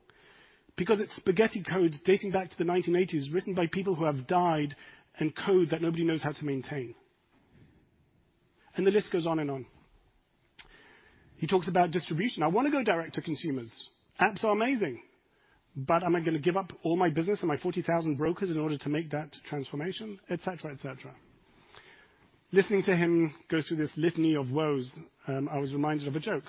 because it's spaghetti code dating back to the 1980s, written by people who have died and code that nobody knows how to maintain. The list goes on and on. He talks about distribution. I wanna go direct to consumers. Apps are amazing, but am I gonna give up all my business and my 40,000 brokers in order to make that transformation? Et cetera, et cetera. Listening to him go through this litany of woes, I was reminded of a joke.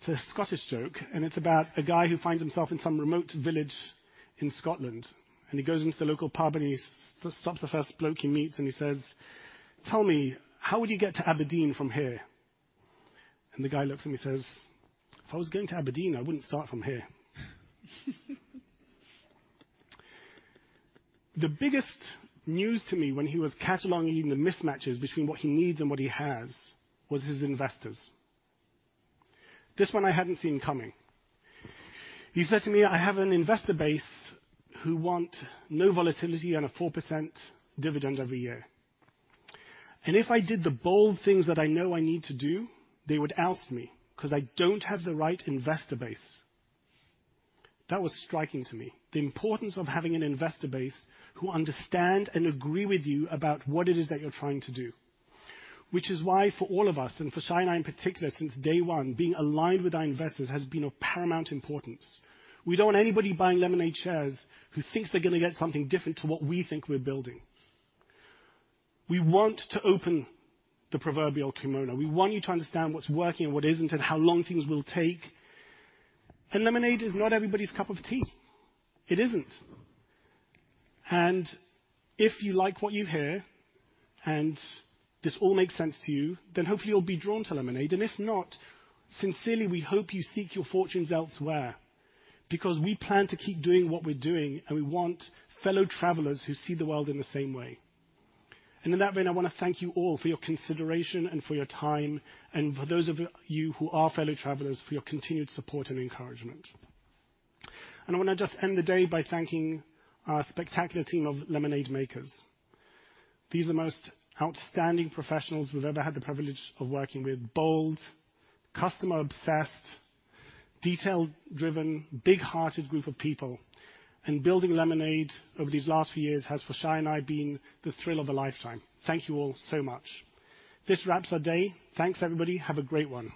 It's a Scottish joke, and it's about a guy who finds himself in some remote village in Scotland, and he goes into the local pub, and he stops the first bloke he meets and he says, "Tell me, how would you get to Aberdeen from here?" And the guy looks at him, he says, "If I was going to Aberdeen, I wouldn't start from here." The biggest news to me when he was cataloging the mismatches between what he needs and what he has was his investors. This one I hadn't seen coming. He said to me, "I have an investor base who want no volatility and a 4% dividend every year. And if I did the bold things that I know I need to do, they would oust me 'cause I don't have the right investor base." That was striking to me. The importance of having an investor base who understand and agree with you about what it is that you're trying to do. Which is why for all of us, and for Shai and I, in particular, since day one, being aligned with our investors has been of paramount importance. We don't want anybody buying Lemonade shares who thinks they're gonna get something different to what we think we're building. We want to open the proverbial kimono. We want you to understand what's working and what isn't, and how long things will take. Lemonade is not everybody's cup of tea. It isn't. If you like what you hear, and this all makes sense to you, then hopefully you'll be drawn to Lemonade. If not, sincerely, we hope you seek your fortunes elsewhere, because we plan to keep doing what we're doing, and we want fellow travelers who see the world in the same way. In that vein, I wanna thank you all for your consideration and for your time, and for those of you who are fellow travelers, for your continued support and encouragement. I wanna just end the day by thanking our spectacular team of Lemonade makers. These are the most outstanding professionals we've ever had the privilege of working with. Bold, customer-obsessed, detail-driven, big-hearted group of people. Building Lemonade over these last few years has, for Shai and I, been the thrill of a lifetime. Thank you all so much. This wraps our day. Thanks, everybody. Have a great one.